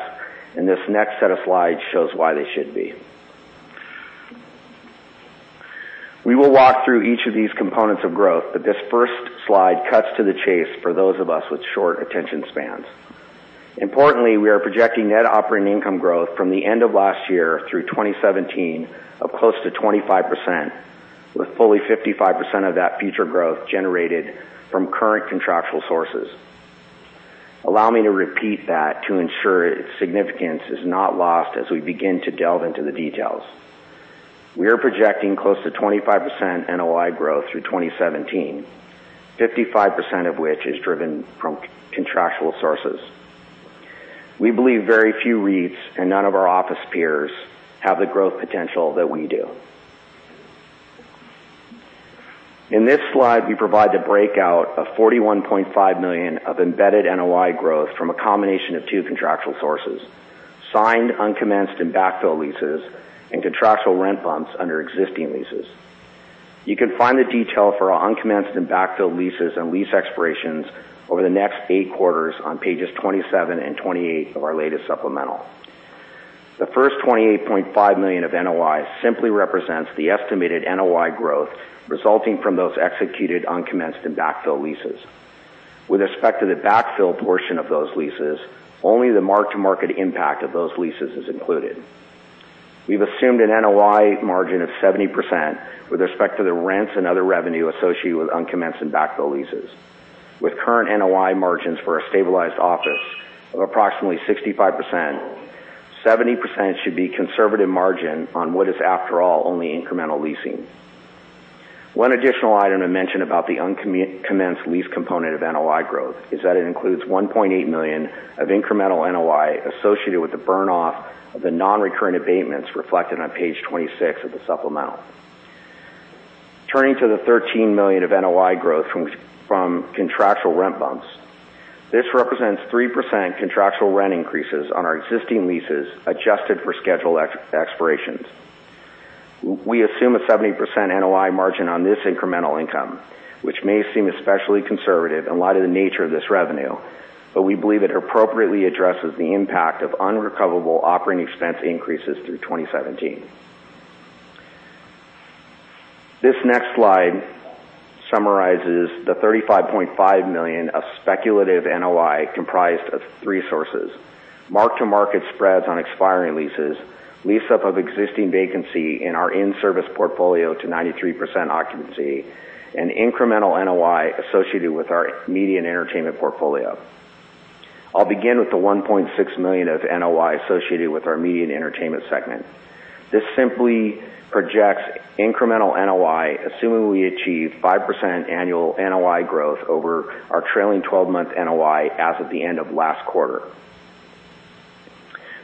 This next set of slides shows why they should be. We will walk through each of these components of growth. This first slide cuts to the chase for those of us with short attention spans. Importantly, we are projecting net operating income growth from the end of last year through 2017 of close to 25%, with fully 55% of that future growth generated from current contractual sources. Allow me to repeat that to ensure its significance is not lost as we begin to delve into the details. We are projecting close to 25% NOI growth through 2017, 55% of which is driven from contractual sources. We believe very few REITs and none of our office peers have the growth potential that we do. In this slide, we provide the breakout of $41.5 million of embedded NOI growth from a combination of two contractual sources, signed, uncommenced, and backfill leases, and contractual rent bumps under existing leases. You can find the detail for our uncommenced and backfill leases and lease expirations over the next eight quarters on pages 27 and 28 of our latest supplemental. The first $28.5 million of NOI simply represents the estimated NOI growth resulting from those executed, uncommenced, and backfill leases. With respect to the backfill portion of those leases, only the mark-to-market impact of those leases is included. We've assumed an NOI margin of 70% with respect to the rents and other revenue associated with uncommenced and backfill leases. With current NOI margins for a stabilized office of approximately 65%, 70% should be conservative margin on what is, after all, only incremental leasing. One additional item to mention about the uncommenced lease component of NOI growth is that it includes $1.8 million of incremental NOI associated with the burn-off of the non-recurring abatements reflected on page 26 of the supplemental. Turning to the $13 million of NOI growth from contractual rent bumps. This represents 3% contractual rent increases on our existing leases, adjusted for scheduled expirations. We assume a 70% NOI margin on this incremental income, which may seem especially conservative in light of the nature of this revenue, but we believe it appropriately addresses the impact of unrecoverable operating expense increases through 2017. This next slide summarizes the $35.5 million of speculative NOI comprised of three sources, mark-to-market spreads on expiring leases, lease-up of existing vacancy in our in-service portfolio to 93% occupancy, and incremental NOI associated with our media and entertainment portfolio. I'll begin with the $1.6 million of NOI associated with our media and entertainment segment. This simply projects incremental NOI, assuming we achieve 5% annual NOI growth over our trailing 12-month NOI as of the end of last quarter.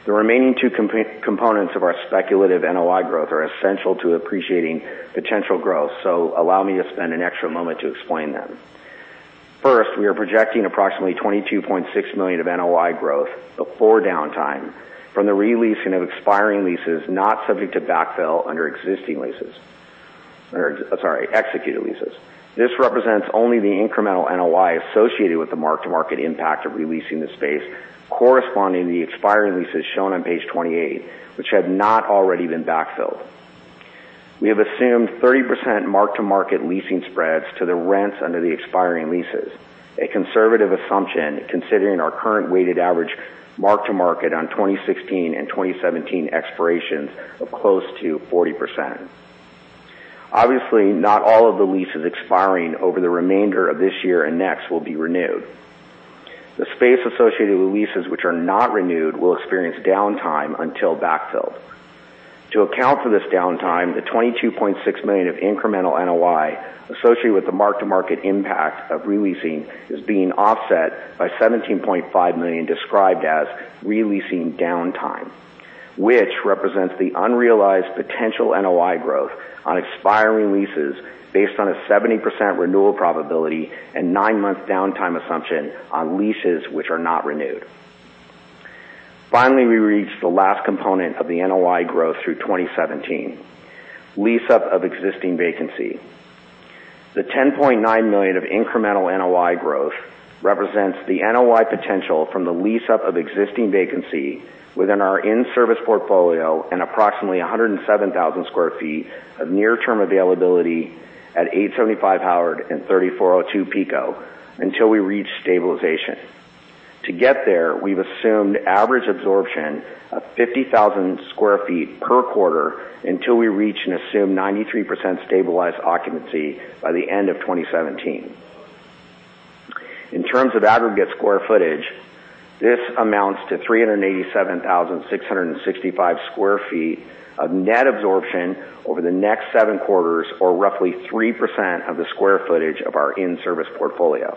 The remaining two components of our speculative NOI growth are essential to appreciating potential growth, so allow me to spend an extra moment to explain them. First, we are projecting approximately $22.6 million of NOI growth before downtime from the re-leasing of expiring leases not subject to backfill under existing leases. Or, sorry, executed leases. This represents only the incremental NOI associated with the mark-to-market impact of re-leasing the space corresponding to the expiring leases shown on page 28, which had not already been backfilled. We have assumed 30% mark-to-market leasing spreads to the rents under the expiring leases, a conservative assumption considering our current weighted average mark-to-market on 2016 and 2017 expirations of close to 40%. Obviously, not all of the leases expiring over the remainder of this year and next will be renewed. The space associated with leases which are not renewed will experience downtime until backfilled. To account for this downtime, the $22.6 million of incremental NOI associated with the mark-to-market impact of re-leasing is being offset by $17.5 million described as re-leasing downtime, which represents the unrealized potential NOI growth on expiring leases based on a 70% renewal probability and nine-month downtime assumption on leases which are not renewed. Finally, we reach the last component of the NOI growth through 2017, lease-up of existing vacancy. The $10.9 million of incremental NOI growth represents the NOI potential from the lease-up of existing vacancy within our in-service portfolio and approximately 107,000 sq ft of near-term availability at 875 Howard and 3402 Pico until we reach stabilization. To get there, we've assumed average absorption of 50,000 sq ft per quarter until we reach an assumed 93% stabilized occupancy by the end of 2017. In terms of aggregate square footage, this amounts to 387,665 sq ft of net absorption over the next 7 quarters or roughly 3% of the sq ft of our in-service portfolio.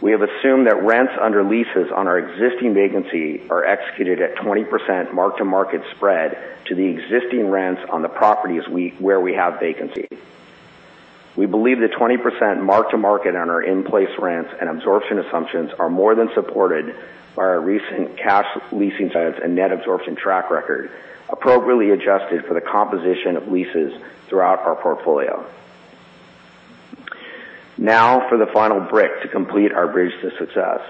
We have assumed that rents under leases on our existing vacancy are executed at 20% mark-to-market spread to the existing rents on the properties where we have vacancy. We believe the 20% mark-to-market on our in-place rents and absorption assumptions are more than supported by our recent cash leasing trends and net absorption track record, appropriately adjusted for the composition of leases throughout our portfolio. Now for the final brick to complete our bridge to success.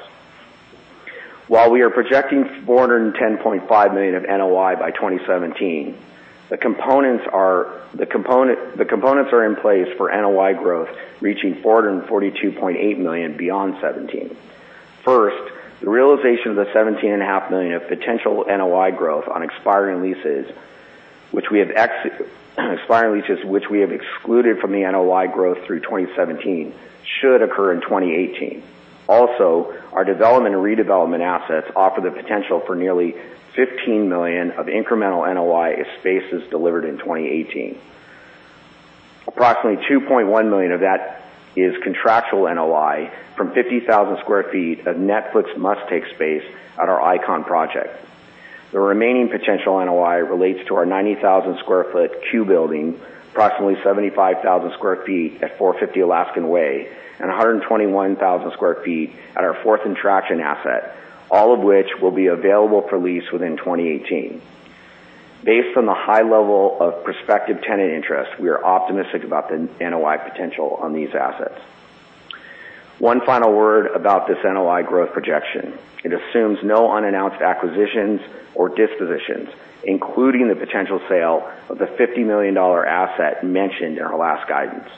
While we are projecting $410.5 million of NOI by 2017, the components are in place for NOI growth reaching $442.8 million beyond 2017. First, the realization of the $17.5 million of potential NOI growth on expiring leases, which we have excluded from the NOI growth through 2017, should occur in 2018. Also, our development and redevelopment assets offer the potential for nearly $15 million of incremental NOI if space is delivered in 2018. Approximately $2.1 million of that is contractual NOI from 50,000 sq ft of net plus must-take space at our Icon project. The remaining potential NOI relates to our 90,000 sq ft Cue building, approximately 75,000 sq ft at 450 Alaskan Way, and 121,000 sq ft at our Fourth and Traction asset, all of which will be available for lease within 2018. Based on the high level of prospective tenant interest, we are optimistic about the NOI potential on these assets. One final word about this NOI growth projection. It assumes no unannounced acquisitions or dispositions, including the potential sale of the $50 million asset mentioned in our last guidance.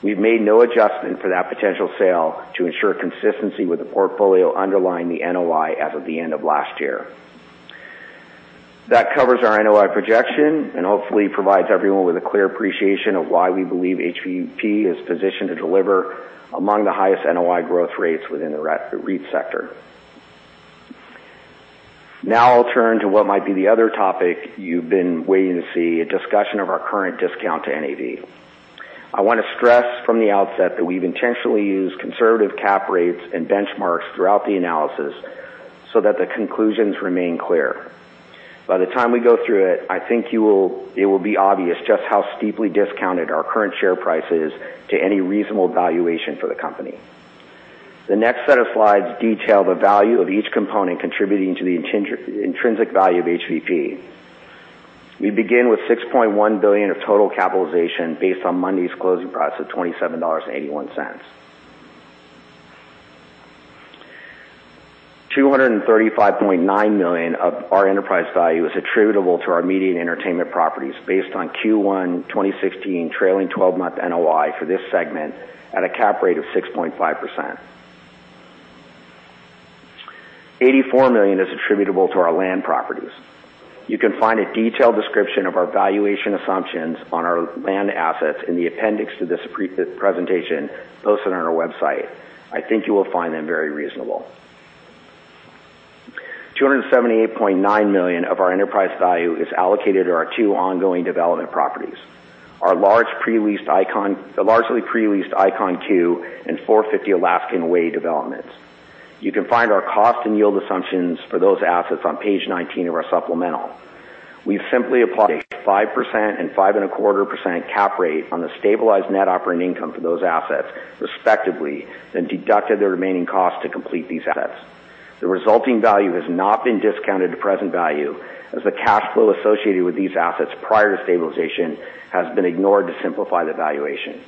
We've made no adjustment for that potential sale to ensure consistency with the portfolio underlying the NOI as of the end of last year. That covers our NOI projection and hopefully provides everyone with a clear appreciation of why we believe HPP is positioned to deliver among the highest NOI growth rates within the REIT sector. I'll turn to what might be the other topic you've been waiting to see, a discussion of our current discount to NAV. I want to stress from the outset that we've intentionally used conservative cap rates and benchmarks throughout the analysis so that the conclusions remain clear. By the time we go through it, I think it will be obvious just how steeply discounted our current share price is to any reasonable valuation for the company. The next set of slides detail the value of each component contributing to the intrinsic value of HPP. We begin with $6.1 billion of total capitalization based on Monday's closing price of $27.81. $235.9 million of our enterprise value is attributable to our media and entertainment properties, based on Q1 2016 trailing 12-month NOI for this segment at a cap rate of 6.5%. $84 million is attributable to our land properties. You can find a detailed description of our valuation assumptions on our land assets in the appendix to this presentation posted on our website. I think you will find them very reasonable. $278.9 million of our enterprise value is allocated to our two ongoing development properties. Our largely pre-leased Icon and Cue and 450 Alaskan Way developments. You can find our cost and yield assumptions for those assets on page 19 of our supplemental. We've simply applied a 5% and 5.25% cap rate on the stabilized net operating income for those assets, respectively, then deducted the remaining cost to complete these assets. The resulting value has not been discounted to present value, as the cash flow associated with these assets prior to stabilization has been ignored to simplify the valuation.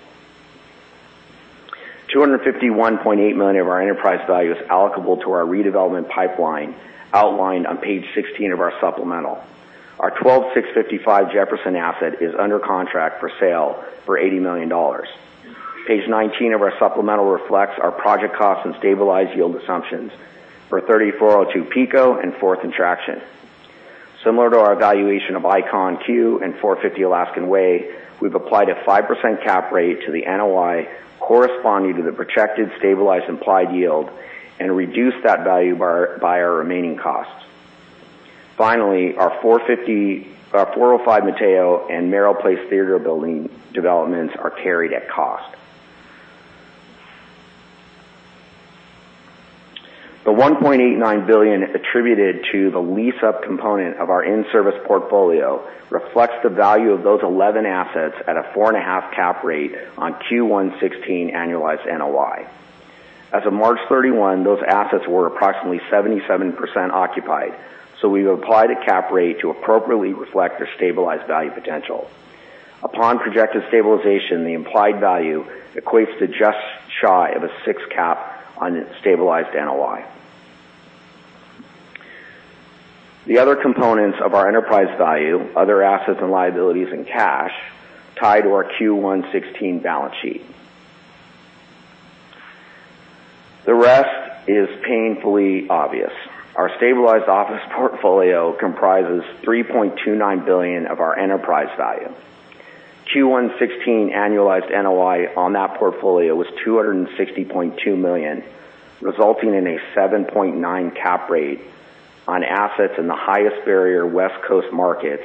$251.8 million of our enterprise value is allocable to our redevelopment pipeline outlined on page 16 of our supplemental. Our 12655 Jefferson asset is under contract for sale for $80 million. Page 19 of our supplemental reflects our project costs and stabilized yield assumptions for 3402 Pico and Fourth and Traction. Similar to our valuation of Icon and Cue and 450 Alaskan Way, we've applied a 5% cap rate to the NOI corresponding to the projected stabilized implied yield and reduced that value by our remaining costs. Finally, our 405 Mateo and Merrill Place theater building developments are carried at cost. The $1.89 billion attributed to the lease-up component of our in-service portfolio reflects the value of those 11 assets at a 4.5 cap rate on Q1 2016 annualized NOI. As of March 31, those assets were approximately 77% occupied. So we've applied a cap rate to appropriately reflect their stabilized value potential. Upon projected stabilization, the implied value equates to just shy of a 6 cap on its stabilized NOI. The other components of our enterprise value, other assets and liabilities, and cash, tie to our Q1 2016 balance sheet. The rest is painfully obvious. Our stabilized office portfolio comprises $3.29 billion of our enterprise value. Q1 2016 annualized NOI on that portfolio was $260.2 million, resulting in a 7.9 cap rate on assets in the highest barrier West Coast markets,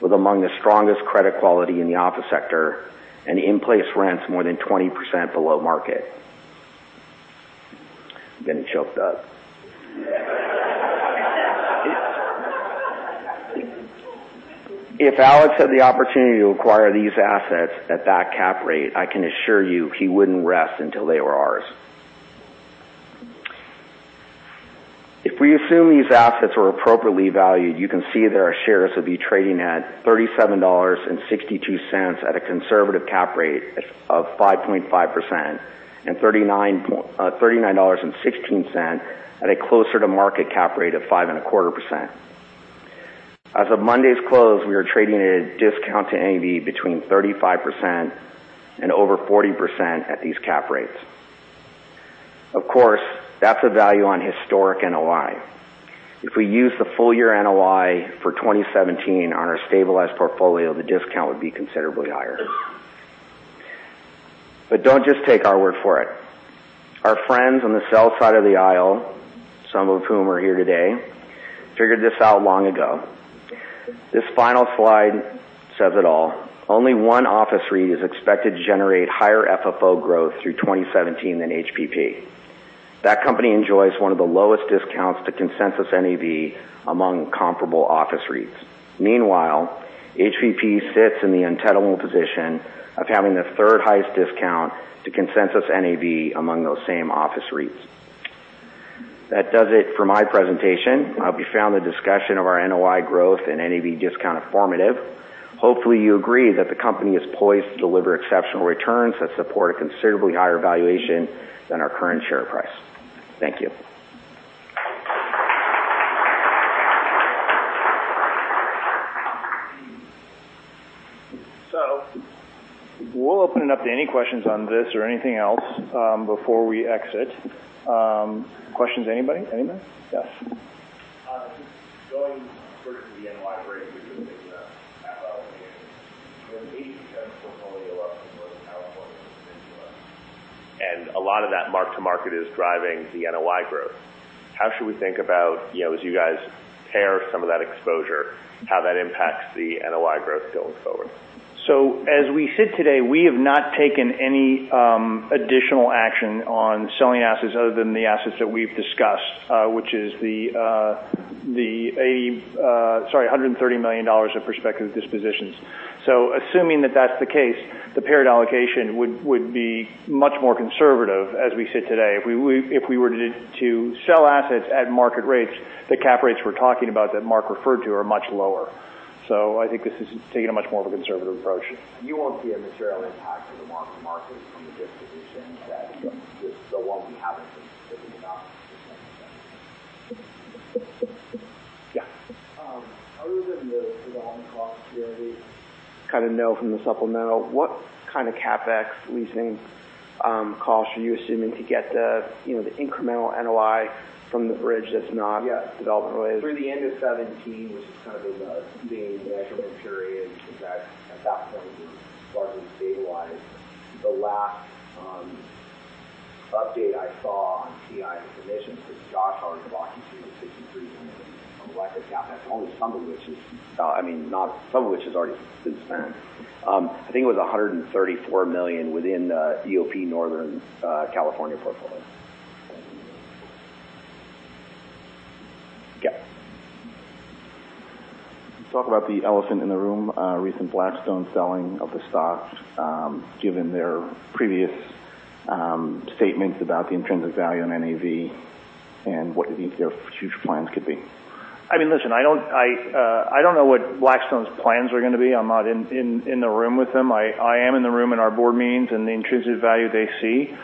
with among the strongest credit quality in the office sector and in-place rents more than 20% below market. I'm getting choked up. If Alex had the opportunity to acquire these assets at that cap rate, I can assure you, he wouldn't rest until they were ours. If we assume these assets are appropriately valued, you can see that our shares would be trading at $37.62 at a conservative cap rate of 5.5%, and $39.16 at a closer to market cap rate of 5.25%. As of Monday's close, we are trading at a discount to NAV between 35% and over 40% at these cap rates. Of course, that's a value on historic NOI. If we use the full-year NOI for 2017 on our stabilized portfolio, the discount would be considerably higher. But don't just take our word for it. Our friends on the sell side of the aisle, some of whom are here today, figured this out long ago. This final slide says it all. Only one office REIT is expected to generate higher FFO growth through 2017 than HPP. That company enjoys one of the lowest discounts to consensus NAV among comparable office REITs. Meanwhile, HPP sits in the unenviable position of having the third highest discount to consensus NAV among those same office REITs. That does it for my presentation. I hope you found the discussion of our NOI growth and NAV discount informative. Hopefully, you agree that the company is poised to deliver exceptional returns that support a considerably higher valuation than our current share price. Thank you. We'll open it up to any questions on this or anything else before we exit. Questions, anybody? Yes. Just going further to the NOI break, we're just looking at that valuation. With 80% of the portfolio up in Northern California and the Peninsula, and a lot of that mark-to-market is driving the NOI growth. How should we think about, as you guys pare some of that exposure, how that impacts the NOI growth going forward? As we sit today, we have not taken any additional action on selling assets other than the assets that we've discussed, which is the $130 million of prospective dispositions. Assuming that that's the case, the paired allocation would be much more conservative as we sit today. If we were to sell assets at market rates, the cap rates we're talking about that Mark referred to are much lower. I think this is taking a much more of a conservative approach. You won't see a material impact to the mark-to-market from the dispositions the ones we haven't specifically announced at this time. Yeah. Other than the development costs, we already kind of know from the supplemental. What kind of CapEx leasing costs are you assuming to get the incremental NOI from the bridge that's not development related? Through the end of 2017, which is kind of the main measurement period, because at that point, it was largely stabilized. The last update I saw on TIs commissions was gosh, already blocking $263 million of electric cap, some of which has already since been spent. I think it was $134 million within EOP Northern California portfolio. Yeah. Talk about the elephant in the room, recent Blackstone selling of the stock, given their previous statements about the intrinsic value on NAV and what their future plans could be. Listen, I don't know what Blackstone's plans are going to be. I'm not in the room with them. I am in the room in our board meetings, and the intrinsic value they see.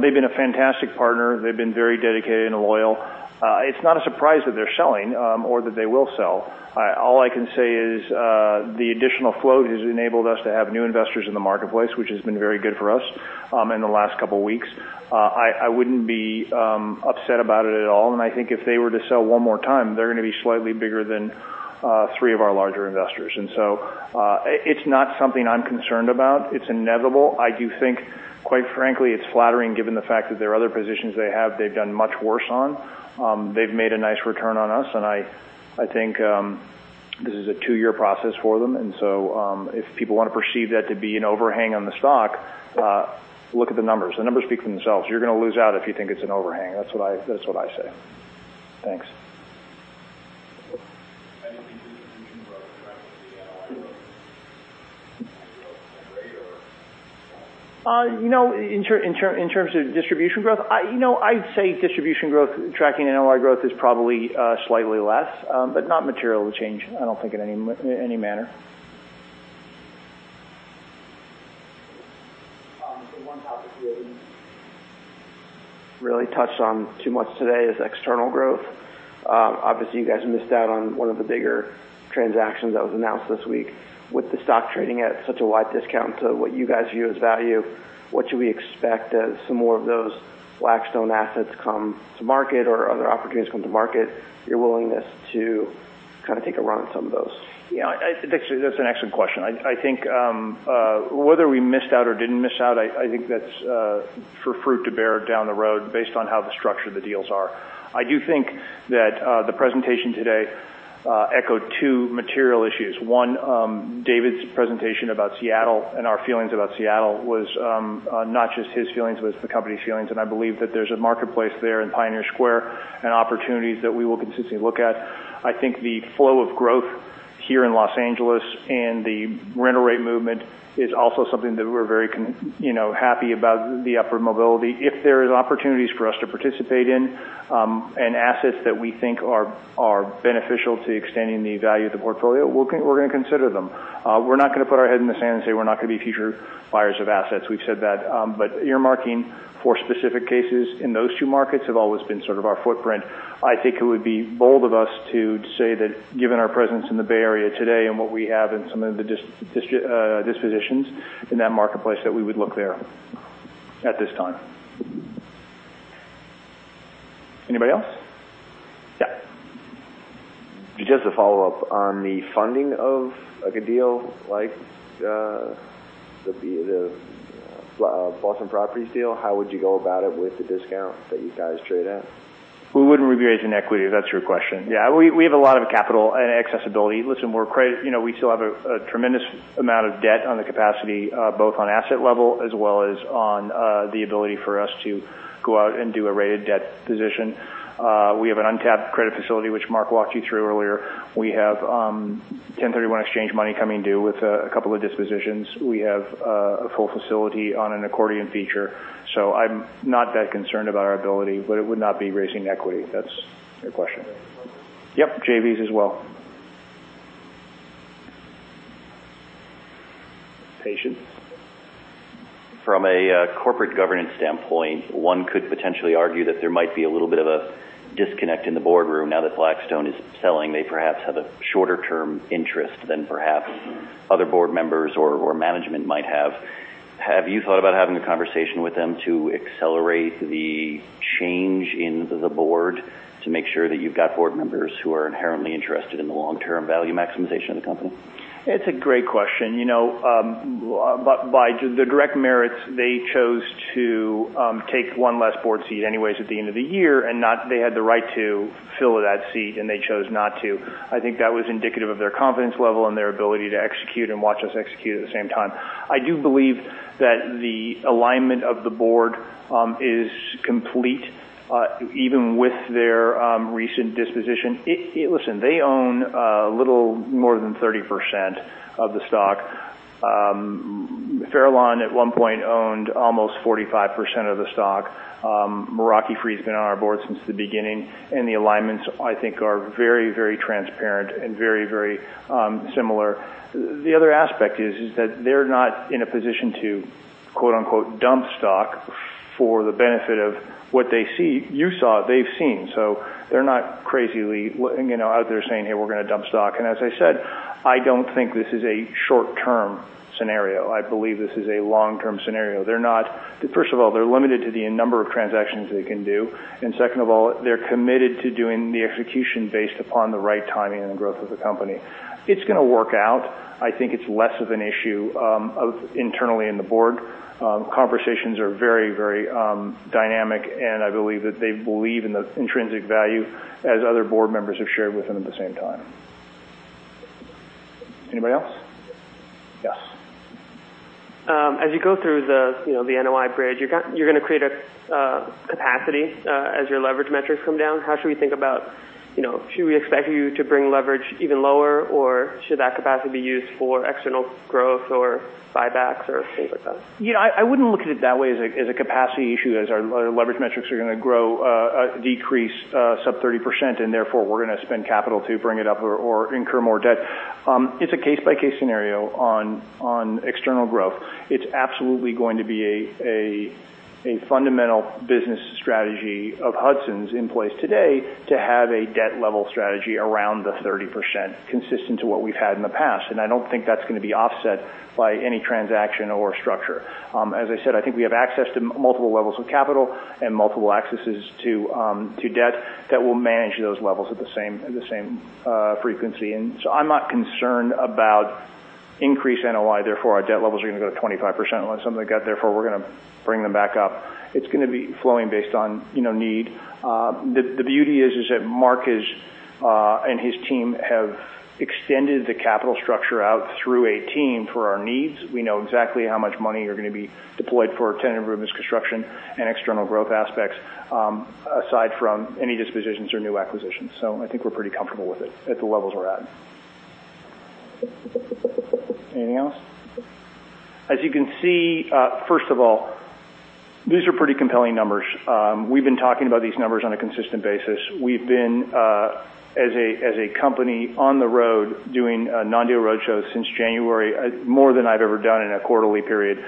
They've been a fantastic partner. They've been very dedicated and loyal. It's not a surprise that they're selling, or that they will sell. All I can say is, the additional float has enabled us to have new investors in the marketplace, which has been very good for us in the last couple of weeks. I wouldn't be upset about it at all, and I think if they were to sell one more time, they're going to be slightly bigger than three of our larger investors. It's not something I'm concerned about. It's inevitable. I do think, quite frankly, it's flattering given the fact that there are other positions they have, they've done much worse on. They've made a nice return on us, and I think this is a two-year process for them. If people want to perceive that to be an overhang on the stock, look at the numbers. The numbers speak for themselves. You're going to lose out if you think it's an overhang. That's what I say. Thanks. Do you think the distribution growth is tracking the NOI growth at the same rate, or no? In terms of distribution growth, I'd say distribution growth tracking NOI growth is probably slightly less, but not material to change, I don't think, in any manner. The one topic we haven't really touched on too much today is external growth. Obviously, you guys missed out on one of the bigger transactions that was announced this week. With the stock trading at such a wide discount to what you guys view as value, what should we expect as some more of those Blackstone assets come to market or other opportunities come to market, your willingness to kind of take a run at some of those? Yeah. Actually, that's an excellent question. I think whether we missed out or didn't miss out, I think that's for fruit to bear down the road based on how the structure of the deals are. I do think that the presentation today echoed two material issues. One, David's presentation about Seattle and our feelings about Seattle was not just his feelings, it was the company's feelings, and I believe that there's a marketplace there in Pioneer Square and opportunities that we will consistently look at. I think the flow of growth here in Los Angeles and the rental rate movement is also something that we're very happy about the upward mobility. If there are opportunities for us to participate in, and assets that we think are beneficial to extending the value of the portfolio, we're going to consider them. We're not going to put our head in the sand and say we're not going to be future buyers of assets. We've said that. Earmarking for specific cases in those two markets have always been sort of our footprint. I think it would be bold of us to say that given our presence in the Bay Area today and what we have in some of the dispositions in that marketplace, that we would look there at this time. Anybody else? Yeah. Just a follow-up. On the funding of a deal like the Boston Properties deal, how would you go about it with the discount that you guys trade at? We wouldn't be raising equity, if that's your question. Yeah, we have a lot of capital and accessibility. Listen, we still have a tremendous amount of debt on the capacity, both on asset level as well as on the ability for us to go out and do a rated debt position. We have an untapped credit facility, which Mark walked you through earlier. We have 1031 exchange money coming due with a couple of dispositions. We have a full facility on an accordion feature. I'm not that concerned about our ability, but it would not be raising equity, if that's your question. JVs. Yep, JVs as well. Patient. From a corporate governance standpoint, one could potentially argue that there might be a little bit of a disconnect in the boardroom now that Blackstone is selling. They perhaps have a shorter-term interest than perhaps other board members or management might have. Have you thought about having a conversation with them to accelerate the change in the board to make sure that you've got board members who are inherently interested in the long-term value maximization of the company? It's a great question. By the direct merits, they chose to take one less board seat anyway at the end of the year, and they had the right to fill that seat, and they chose not to. I think that was indicative of their confidence level and their ability to execute and watch us execute at the same time. I do believe that the alignment of the board is complete, even with their recent disposition. Listen, they own a little more than 30% of the stock. Farallon at one point owned almost 45% of the stock. [Rocky Fried's] been on our board since the beginning, and the alignments, I think, are very, very transparent and very, very similar. The other aspect is that they're not in a position to quote, unquote, "dump stock" for the benefit of what they see. You saw it, they've seen. They're not crazily out there saying, "Hey, we're going to dump stock." As I said, I don't think this is a short-term scenario. I believe this is a long-term scenario. First of all, they're limited to the number of transactions they can do. Second of all, they're committed to doing the execution based upon the right timing and the growth of the company. It's going to work out. I think it's less of an issue internally in the board. Conversations are very, very dynamic, and I believe that they believe in the intrinsic value as other board members have shared with them at the same time. Anybody else? Yes. As you go through the NOI bridge, you're going to create a capacity as your leverage metrics come down. How should we think about, should we expect you to bring leverage even lower? Should that capacity be used for external growth or buybacks or things like that? Yeah. I wouldn't look at it that way as a capacity issue, as our leverage metrics are going to decrease sub 30%, and therefore, we're going to spend capital to bring it up or incur more debt. It's a case-by-case scenario on external growth. It's absolutely going to be a fundamental business strategy of Hudson's in place today to have a debt level strategy around the 30%, consistent to what we've had in the past. I don't think that's going to be offset by any transaction or structure. As I said, I think we have access to multiple levels of capital and multiple accesses to debt that will manage those levels at the same frequency. I'm not concerned about increased NOI, therefore, our debt levels are going to go to 25% unless something got there, therefore, we're going to bring them back up. It's going to be flowing based on need. The beauty is, Mark and his team have extended the capital structure out through 2018 for our needs. We know exactly how much money are going to be deployed for tenant improvements, construction, and external growth aspects, aside from any dispositions or new acquisitions. I think we're pretty comfortable with it at the levels we're at. Anything else? As you can see, first of all, these are pretty compelling numbers. We've been talking about these numbers on a consistent basis. We've been, as a company, on the road doing non-deal roadshows since January, more than I've ever done in a quarterly period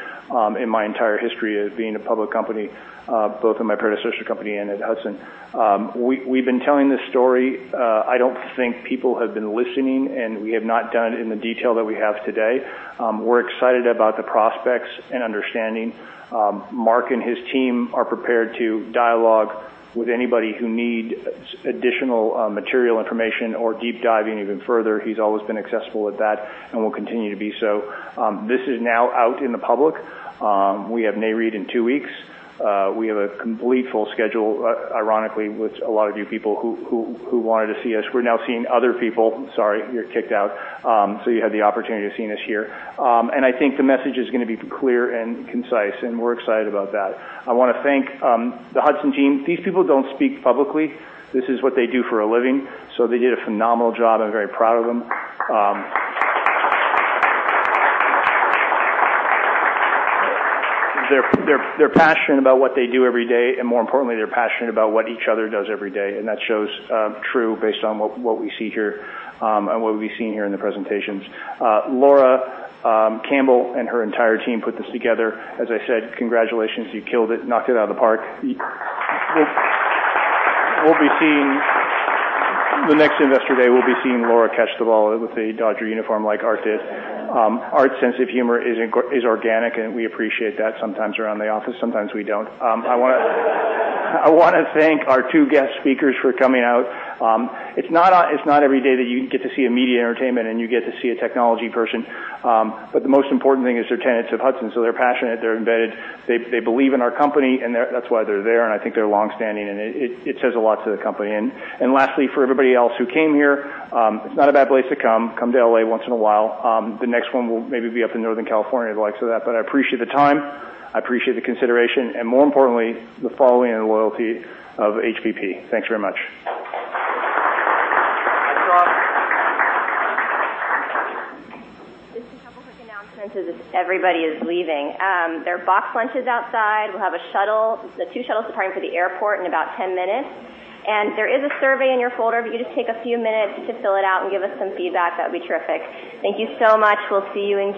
in my entire history of being a public company, both in my prior associate company and at Hudson. We've been telling this story. I don't think people have been listening, and we have not done it in the detail that we have today. We're excited about the prospects and understanding. Mark and his team are prepared to dialogue with anybody who needs additional material information or deep diving even further. He's always been accessible with that and will continue to be so. This is now out in the public. We have Nareit in two weeks. We have a complete full schedule, ironically, with a lot of you people who wanted to see us. We're now seeing other people. Sorry, you're kicked out. You had the opportunity of seeing us here. I think the message is going to be clear and concise, and we're excited about that. I want to thank the Hudson team. These people don't speak publicly. This is what they do for a living. They did a phenomenal job. I'm very proud of them. They're passionate about what they do every day, and more importantly, they're passionate about what each other does every day, and that shows true based on what we see here and what we've seen here in the presentations. Laura Campbell and her entire team put this together. As I said, congratulations. You killed it. Knocked it out of the park. The next Investor Day, we'll be seeing Laura catch the ball with a Dodger uniform like Art did. Art's sense of humor is organic, and we appreciate that sometimes around the office, sometimes we don't. I want to thank our two guest speakers for coming out. It's not every day that you get to see a media entertainment and you get to see a technology person. The most important thing is they're tenants of Hudson, so they're passionate, they're embedded. They believe in our company, and that's why they're there, and I think they're longstanding, and it says a lot to the company. Lastly, for everybody else who came here, it's not a bad place to come. Come to L.A. once in a while. The next one will maybe be up in Northern California, the likes of that. I appreciate the time, I appreciate the consideration, and more importantly, the following and the loyalty of HPP. Thanks very much. Just a couple quick announcements as everybody is leaving. There are boxed lunches outside. We'll have a shuttle. There's two shuttles departing for the airport in about 10 minutes. There is a survey in your folder. If you could just take a few minutes to fill it out and give us some feedback, that would be terrific. Thank you so much. We'll see you in June